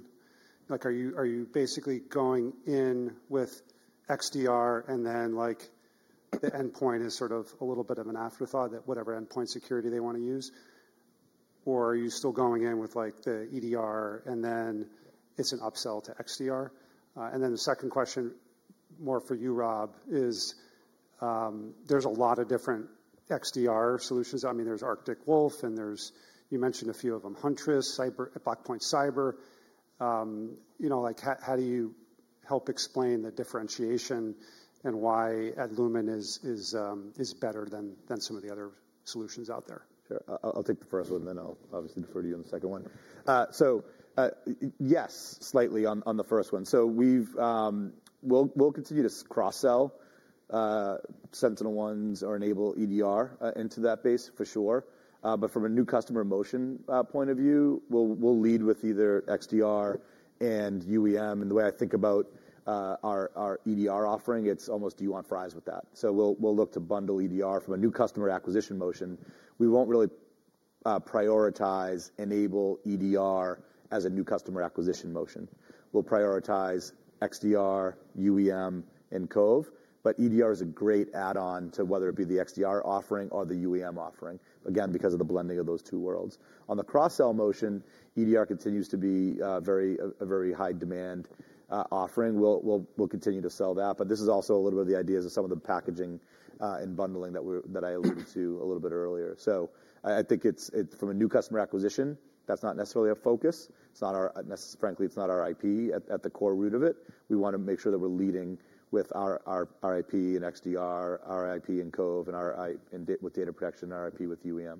Are you basically going in with XDR and then the endpoint is sort of a little bit of an afterthought that whatever endpoint security they want to use? Or are you still going in with the EDR and then it's an upsell to XDR? The second question, more for you, Rob, is there's a lot of different XDR solutions. I mean, there's Arctic Wolf and there's, you mentioned a few of them, Huntress, Black Point Cyber. How do you help explain the differentiation and why Adlumin is better than some of the other solutions out there? Sure. I'll take the first one, then I'll obviously defer to you on the second one. Yes, slightly on the first one. We'll continue to cross-sell SentinelOne's or N-able EDR into that base, for sure. From a new customer motion point of view, we'll lead with either XDR and UEM. The way I think about our EDR offering, it's almost do you want fries with that? We'll look to bundle EDR from a new customer acquisition motion. We won't really prioritize N-able EDR as a new customer acquisition motion. We'll prioritize XDR, UEM, and Cove. EDR is a great add-on to whether it be the XDR offering or the UEM offering, again, because of the blending of those two worlds. On the cross-sell motion, EDR continues to be a very high-demand offering. We'll continue to sell that. This is also a little bit of the ideas of some of the packaging and bundling that I alluded to a little bit earlier. I think from a new customer acquisition, that's not necessarily a focus. Frankly, it's not our IP at the core root of it. We want to make sure that we're leading with our IP and XDR, our IP and Cove, and with data protection, our IP with UEM.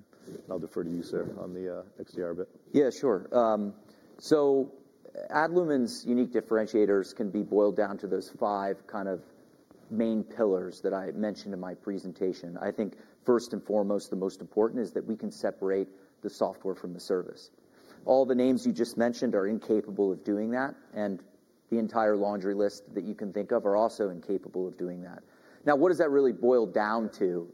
I'll defer to you, sir, on the XDR bit. Yeah, sure. Adlumin's unique differentiators can be boiled down to those five kind of main pillars that I mentioned in my presentation. I think first and foremost, the most important is that we can separate the software from the service. All the names you just mentioned are incapable of doing that. The entire laundry list that you can think of are also incapable of doing that. Now, what does that really boil down to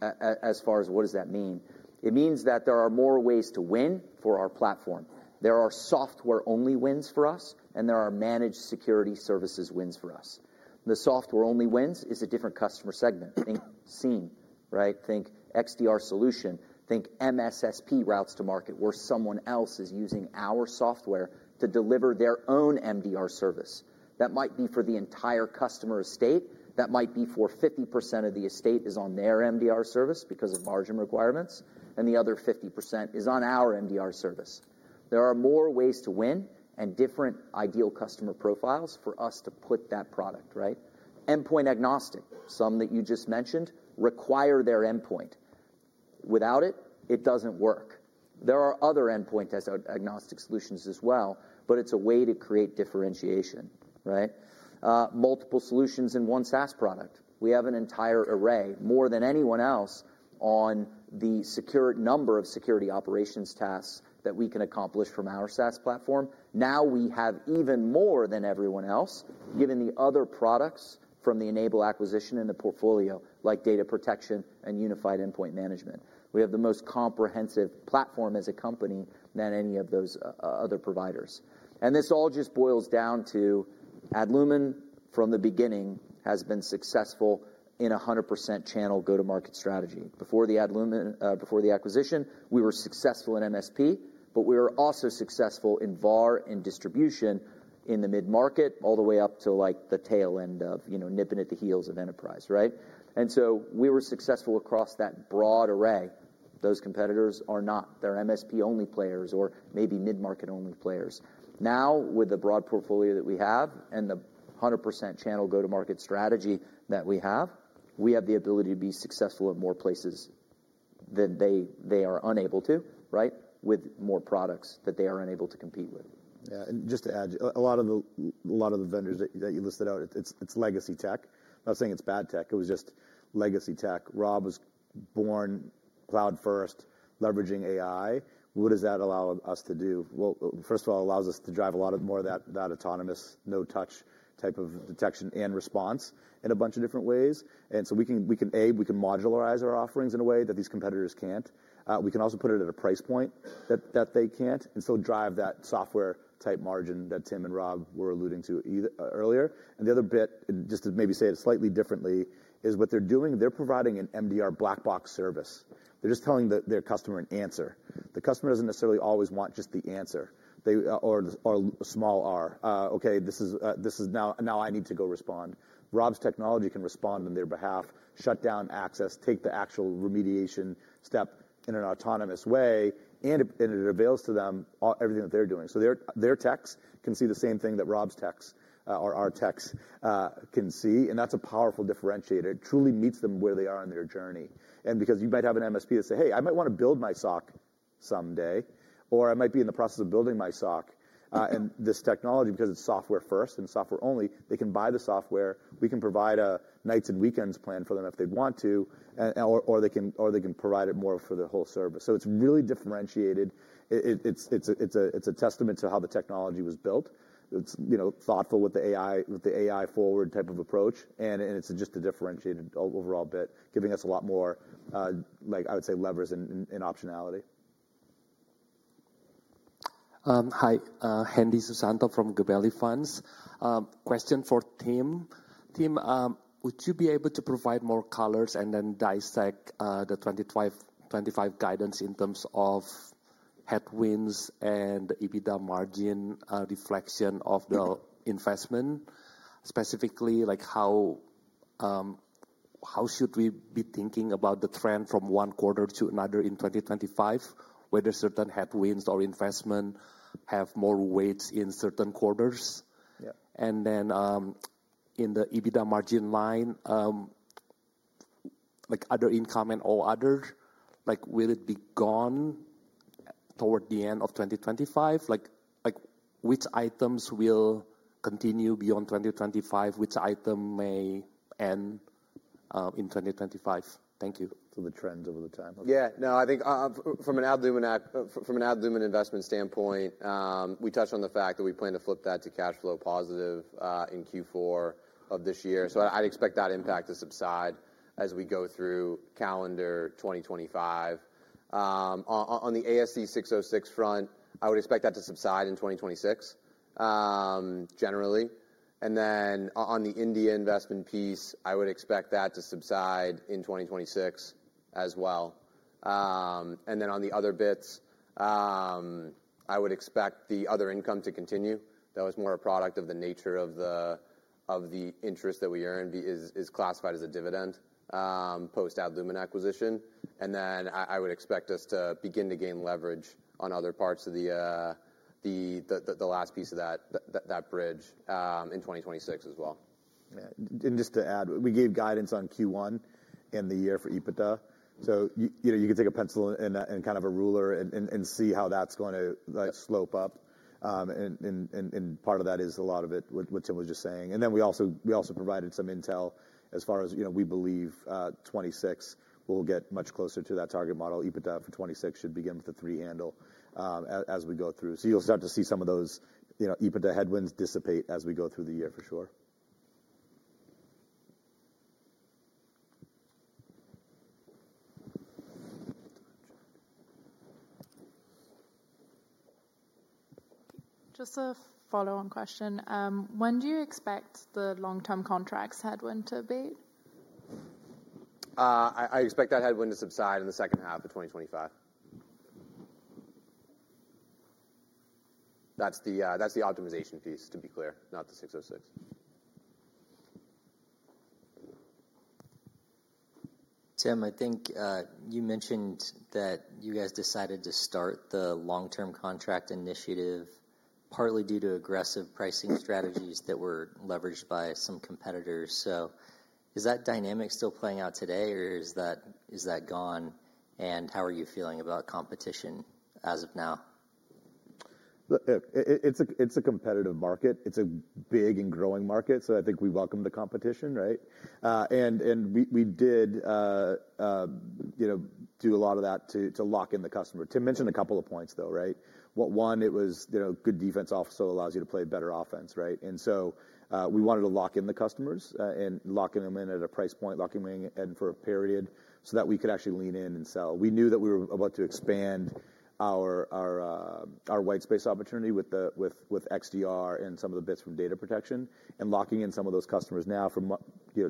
as far as what does that mean? It means that there are more ways to win for our platform. There are software-only wins for us, and there are managed security services wins for us. The software-only wins is a different customer segment. Think SIEM, right? Think XDR solution. Think MSSP routes to market where someone else is using our software to deliver their own MDR service. That might be for the entire customer estate. That might be for 50% of the estate is on their MDR service because of margin requirements. And the other 50% is on our MDR service. There are more ways to win and different ideal customer profiles for us to put that product, right? Endpoint agnostic, some that you just mentioned, require their endpoint. Without it, it does not work. There are other endpoint agnostic solutions as well, but it is a way to create differentiation, right? Multiple solutions in one SaaS product. We have an entire array, more than anyone else, on the number of security operations tasks that we can accomplish from our SaaS platform. Now we have even more than everyone else given the other products from the N-able acquisition in the portfolio, like data protection and unified endpoint management. We have the most comprehensive platform as a company than any of those other providers. This all just boils down to Adlumin from the beginning has been successful in a 100% channel go-to-market strategy. Before the acquisition, we were successful in MSP, but we were also successful in VAR and distribution in the mid-market all the way up to the tail end of nipping at the heels of enterprise, right? We were successful across that broad array. Those competitors are not. They are MSP-only players or maybe mid-market-only players. Now, with the broad portfolio that we have and the 100% channel go-to-market strategy that we have, we have the ability to be successful in more places than they are unable to, right, with more products that they are unable to compete with. Yeah. Just to add, a lot of the vendors that you listed out, it's legacy tech. I'm not saying it's bad tech. It was just legacy tech. Rob was born cloud-first, leveraging AI. What does that allow us to do? First of all, it allows us to drive a lot more of that autonomous, no-touch type of detection and response in a bunch of different ways. We can, A, modularize our offerings in a way that these competitors can't. We can also put it at a price point that they can't and still drive that software-type margin that Tim and Rob were alluding to earlier. The other bit, just to maybe say it slightly differently, is what they're doing, they're providing an MDR black box service. They're just telling their customer an answer. The customer does not necessarily always want just the answer or a small R, "Okay, now I need to go respond." Rob's technology can respond on their behalf, shut down access, take the actual remediation step in an autonomous way, and it avails to them everything that they are doing. Their techs can see the same thing that Rob's techs or our techs can see. That is a powerful differentiator. It truly meets them where they are on their journey. You might have an MSP that says, "Hey, I might want to build my SOC someday," or, "I might be in the process of building my SOC," and this technology, because it is software-first and software-only, they can buy the software. We can provide a nights and weekends plan for them if they want to, or they can provide it more for the whole service. It is really differentiated. It's a testament to how the technology was built. It's thoughtful with the AI forward type of approach. It's just a differentiated overall bit, giving us a lot more, I would say, levers and optionality. Hi, Hendi Susanto from Gabelli Funds. Question for Tim. Tim, would you be able to provide more colors and then dissect the 2025 guidance in terms of headwinds and EBITDA margin reflection of the investment? Specifically, how should we be thinking about the trend from one quarter to another in 2025, whether certain headwinds or investment have more weights in certain quarters? In the EBITDA margin line, other income and all other, will it be gone toward the end of 2025? Which items will continue beyond 2025? Which item may end in 2025? Thank you. The trends over the time? Yeah. No, I think from an Adlumin investment standpoint, we touched on the fact that we plan to flip that to cash flow positive in Q4 of this year. I'd expect that impact to subside as we go through calendar 2025. On the ASC606 front, I would expect that to subside in 2026, generally. On the India investment piece, I would expect that to subside in 2026 as well. On the other bits, I would expect the other income to continue. That was more a product of the nature of the interest that we earned is classified as a dividend post-Adlumin acquisition. I would expect us to begin to gain leverage on other parts of the last piece of that bridge in 2026 as well. Yeah. Just to add, we gave guidance on Q1 in the year for EBITDA. You can take a pencil and kind of a ruler and see how that's going to slope up. Part of that is a lot of it what Tim was just saying. We also provided some intel as far as we believe 2026 we'll get much closer to that target model. EBITDA for 2026 should begin with a three handle as we go through. You'll start to see some of those EBITDA headwinds dissipate as we go through the year, for sure. Just a follow-on question. When do you expect the long-term contracts headwind to abate? I expect that headwind to subside in the second half of 2025. That's the optimization piece, to be clear, not the 606. Tim, I think you mentioned that you guys decided to start the long-term contract initiative partly due to aggressive pricing strategies that were leveraged by some competitors. Is that dynamic still playing out today, or is that gone? How are you feeling about competition as of now? It's a competitive market. It's a big and growing market. I think we welcome the competition, right? We did do a lot of that to lock in the customer. Tim mentioned a couple of points, though, right? One, it was good defense off so it allows you to play better offense, right? We wanted to lock in the customers and lock in them in at a price point, locking them in for a period so that we could actually lean in and sell. We knew that we were about to expand our white space opportunity with XDR and some of the bits from data protection and locking in some of those customers now for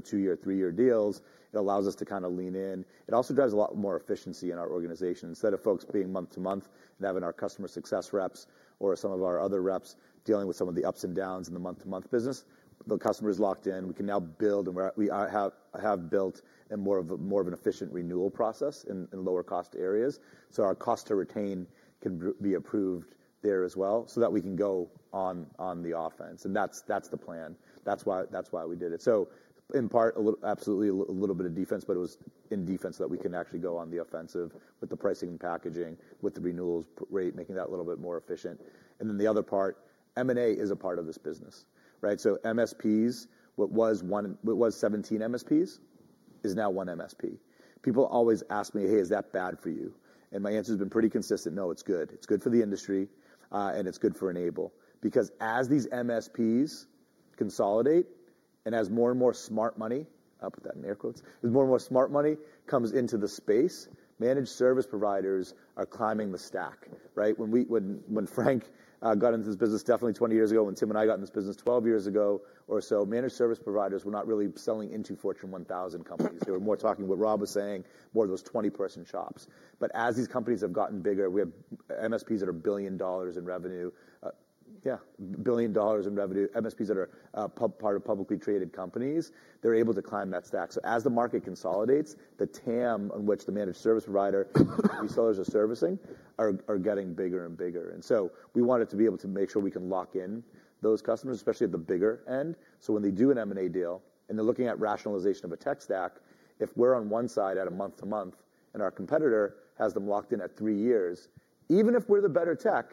two-year, three-year deals. It allows us to kind of lean in. It also drives a lot more efficiency in our organization. Instead of folks being month-to-month and having our customer success reps or some of our other reps dealing with some of the ups and downs in the month-to-month business, the customer is locked in. We can now build, and we have built, a more efficient renewal process in lower-cost areas. So our cost to retain can be improved there as well so that we can go on the offense. That is the plan. That is why we did it. In part, absolutely a little bit of defense, but it was in defense that we can actually go on the offensive with the pricing and packaging, with the renewals rate, making that a little bit more efficient. The other part, M&A is a part of this business, right? MSPs, what was 17 MSPs is now one MSP. People always ask me, "Hey, is that bad for you?" And my answer has been pretty consistent, "No, it's good. It's good for the industry, and it's good for N-able." Because as these MSPs consolidate and as more and more smart money—I'll put that in air quotes—as more and more smart money comes into the space, managed service providers are climbing the stack, right? When Frank got into this business definitely 20 years ago, when Tim and I got into this business 12 years ago or so, managed service providers were not really selling into Fortune 1000 companies. They were more talking what Rob was saying, more of those 20-person shops. As these companies have gotten bigger, we have MSPs that are billion dollars in revenue. Yeah, billion dollars in revenue. MSPs that are part of publicly traded companies, they're able to climb that stack. As the market consolidates, the TAM on which the managed service provider we sellers are servicing are getting bigger and bigger. We wanted to be able to make sure we can lock in those customers, especially at the bigger end. When they do an M&A deal and they're looking at rationalization of a tech stack, if we're on one side at a month-to-month and our competitor has them locked in at three years, even if we're the better tech,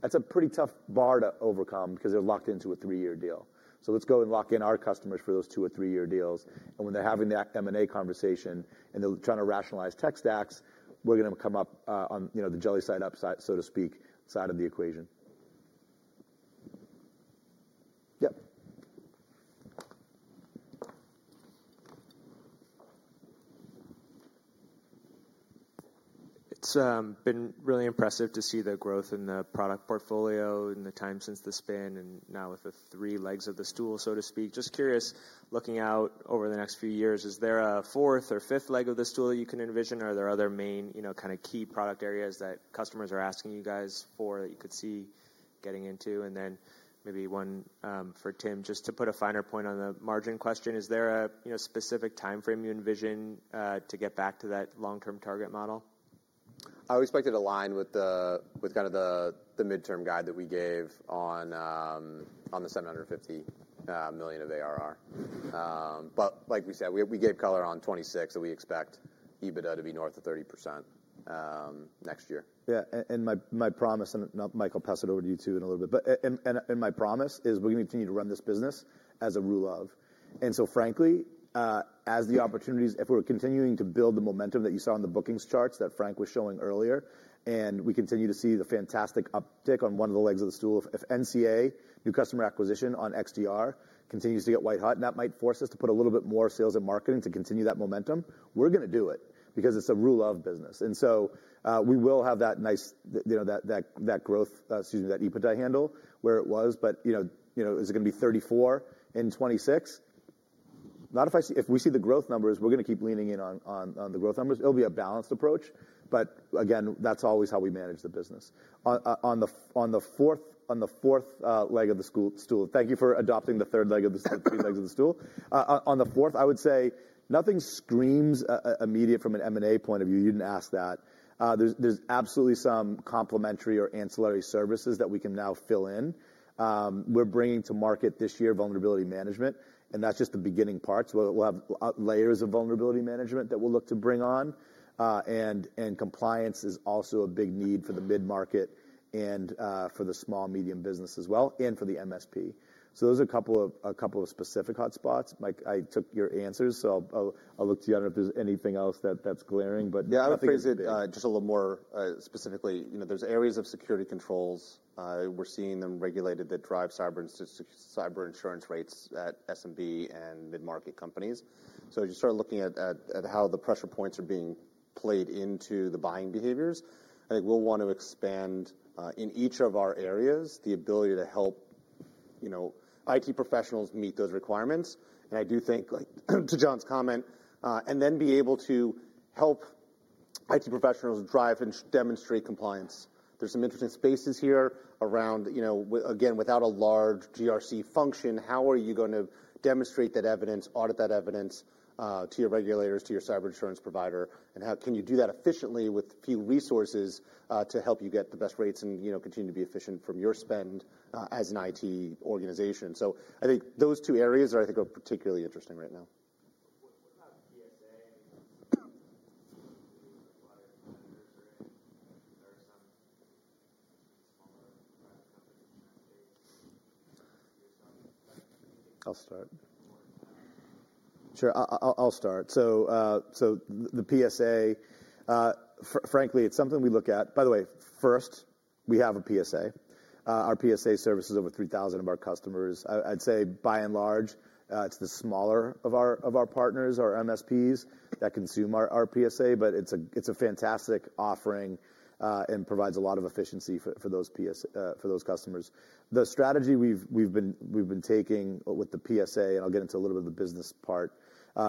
that's a pretty tough bar to overcome because they're locked into a three-year deal. Let's go and lock in our customers for those two or three-year deals. When they're having that M&A conversation and they're trying to rationalize tech stacks, we're going to come up on the jelly side upside, so to speak, side of the equation. Yep. It's been really impressive to see the growth in the product portfolio and the time since the spin and now with the three legs of the stool, so to speak. Just curious, looking out over the next few years, is there a fourth or fifth leg of the stool that you can envision? Are there other main kind of key product areas that customers are asking you guys for that you could see getting into? Maybe one for Tim, just to put a finer point on the margin question, is there a specific timeframe you envision to get back to that long-term target model? I would expect it to align with kind of the midterm guide that we gave on the $750 million of ARR. Like we said, we gave color on 2026 that we expect EBITDA to be north of 30% next year. Yeah. My promise, and Mike, I will pass it over to you too in a little bit, but my promise is we're going to continue to run this business as a rule of. Frankly, as the opportunities, if we're continuing to build the momentum that you saw on the bookings charts that Frank was showing earlier, and we continue to see the fantastic uptick on one of the legs of the stool, if NCA, new customer acquisition on XDR, continues to get white hot, and that might force us to put a little bit more sales and marketing to continue that momentum, we're going to do it because it's a rule of business. We will have that nice growth, excuse me, that EBITDA handle where it was, but is it going to be 34 in 2026? If we see the growth numbers, we're going to keep leaning in on the growth numbers. It'll be a balanced approach, but again, that's always how we manage the business. On the fourth leg of the stool, thank you for adopting the third leg of the three legs of the stool. On the fourth, I would say nothing screams immediate from an M&A point of view. You did not ask that. There are absolutely some complementary or ancillary services that we can now fill in. We are bringing to market this year vulnerability management, and that is just the beginning parts. We will have layers of vulnerability management that we will look to bring on. Compliance is also a big need for the mid-market and for the small, medium business as well and for the MSP. Those are a couple of specific hotspots. Mike, I took your answers, so I will look to you. I do not know if there is anything else that is glaring, but. Yeah. I would phrase it just a little more specifically. There are areas of security controls. We're seeing them regulated that drive cyber insurance rates at S&B and mid-market companies. As you start looking at how the pressure points are being played into the buying behaviors, I think we'll want to expand in each of our areas the ability to help IT professionals meet those requirements. I do think, to John's comment, and then be able to help IT professionals drive and demonstrate compliance. There's some interesting spaces here around, again, without a large GRC function, how are you going to demonstrate that evidence, audit that evidence to your regulators, to your cyber insurance provider? Can you do that efficiently with few resources to help you get the best rates and continue to be efficient from your spend as an IT organization? I think those two areas are, I think, particularly interesting right now. What about PSA? I mean, do you think there are some smaller private company insurance space? Do you have some? I'll start. Sure. I'll start. The PSA, frankly, it's something we look at. By the way, first, we have a PSA. Our PSA services over 3,000 of our customers. I'd say by and large, it's the smaller of our partners, our MSPs that consume our PSA, but it's a fantastic offering and provides a lot of efficiency for those customers. The strategy we've been taking with the PSA, and I'll get into a little bit of the business part,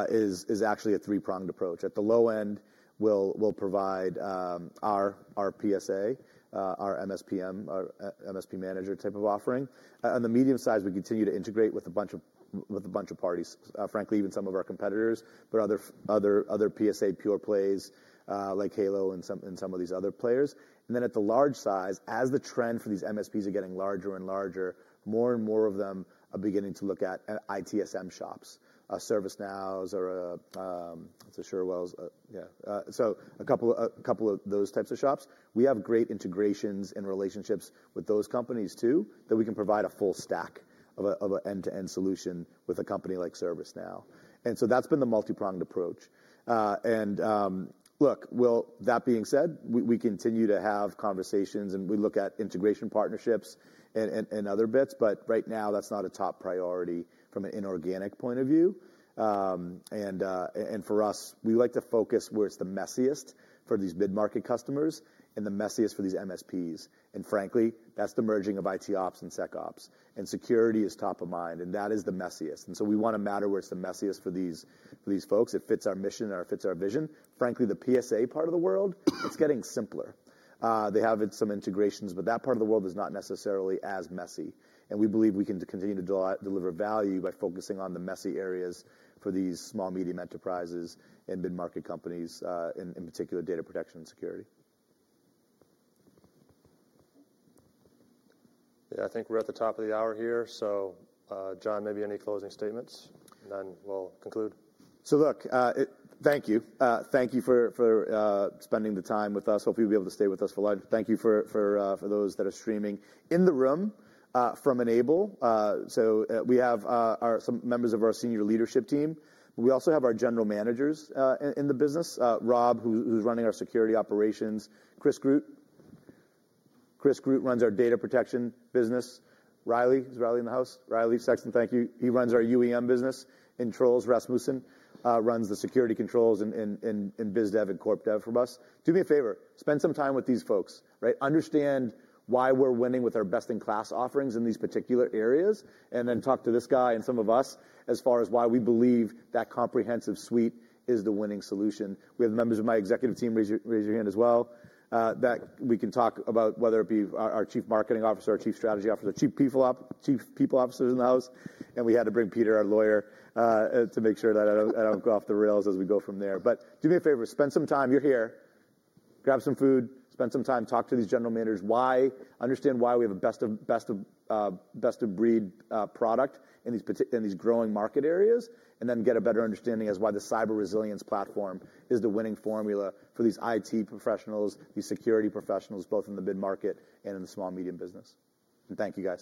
is actually a three-pronged approach. At the low end, we provide our PSA, our MSP manager type of offering. On the medium size, we continue to integrate with a bunch of parties, frankly, even some of our competitors, but other PSA pure plays like Halo and some of these other players. At the large size, as the trend for these MSPs are getting larger and larger, more and more of them are beginning to look at ITSM shops, ServiceNows, or what's it? SureWells. Yeah. A couple of those types of shops. We have great integrations and relationships with those companies too that we can provide a full stack of an end-to-end solution with a company like ServiceNow. That has been the multi-pronged approach. Look, that being said, we continue to have conversations, and we look at integration partnerships and other bits, but right now, that's not a top priority from an inorganic point of view. For us, we like to focus where it's the messiest for these mid-market customers and the messiest for these MSPs. Frankly, that's the merging of ITOps and SecOps. Security is top of mind, and that is the messiest. We want to matter where it's the messiest for these folks. It fits our mission, and it fits our vision. Frankly, the PSA part of the world, it's getting simpler. They have some integrations, but that part of the world is not necessarily as messy. We believe we can continue to deliver value by focusing on the messy areas for these small, medium enterprises and mid-market companies, in particular, data protection and security. Yeah. I think we're at the top of the hour here. John, maybe any closing statements, and then we'll conclude. Thank you. Thank you for spending the time with us. Hopefully, you'll be able to stay with us for lunch. Thank you for those that are streaming. In the room from N-able, so we have some members of our senior leadership team. We also have our general managers in the business. Rob, who's running our security operations. Chris Groot. Chris Groot runs our data protection business. Riley. Is Riley in the house? Riley, Sexton, thank you. He runs our UEM business. And Truls Rasmussen runs the security controls in BizDev and CorpDev for us. Do me a favor. Spend some time with these folks, right? Understand why we're winning with our best-in-class offerings in these particular areas, and then talk to this guy and some of us as far as why we believe that comprehensive suite is the winning solution. We have members of my executive team raise your hand as well that we can talk about, whether it be our Chief Marketing Officer, our Chief Strategy Officer, Chief People Officers in the house. We had to bring Peter, our lawyer, to make sure that I do not go off the rails as we go from there. Do me a favor. Spend some time. You are here. Grab some food. Spend some time. Talk to these general managers. Understand why we have a best-of-breed product in these growing market areas, and then get a better understanding as to why the cyber resilience platform is the winning formula for these IT professionals, these security professionals, both in the mid-market and in the small, medium business. Thank you guys.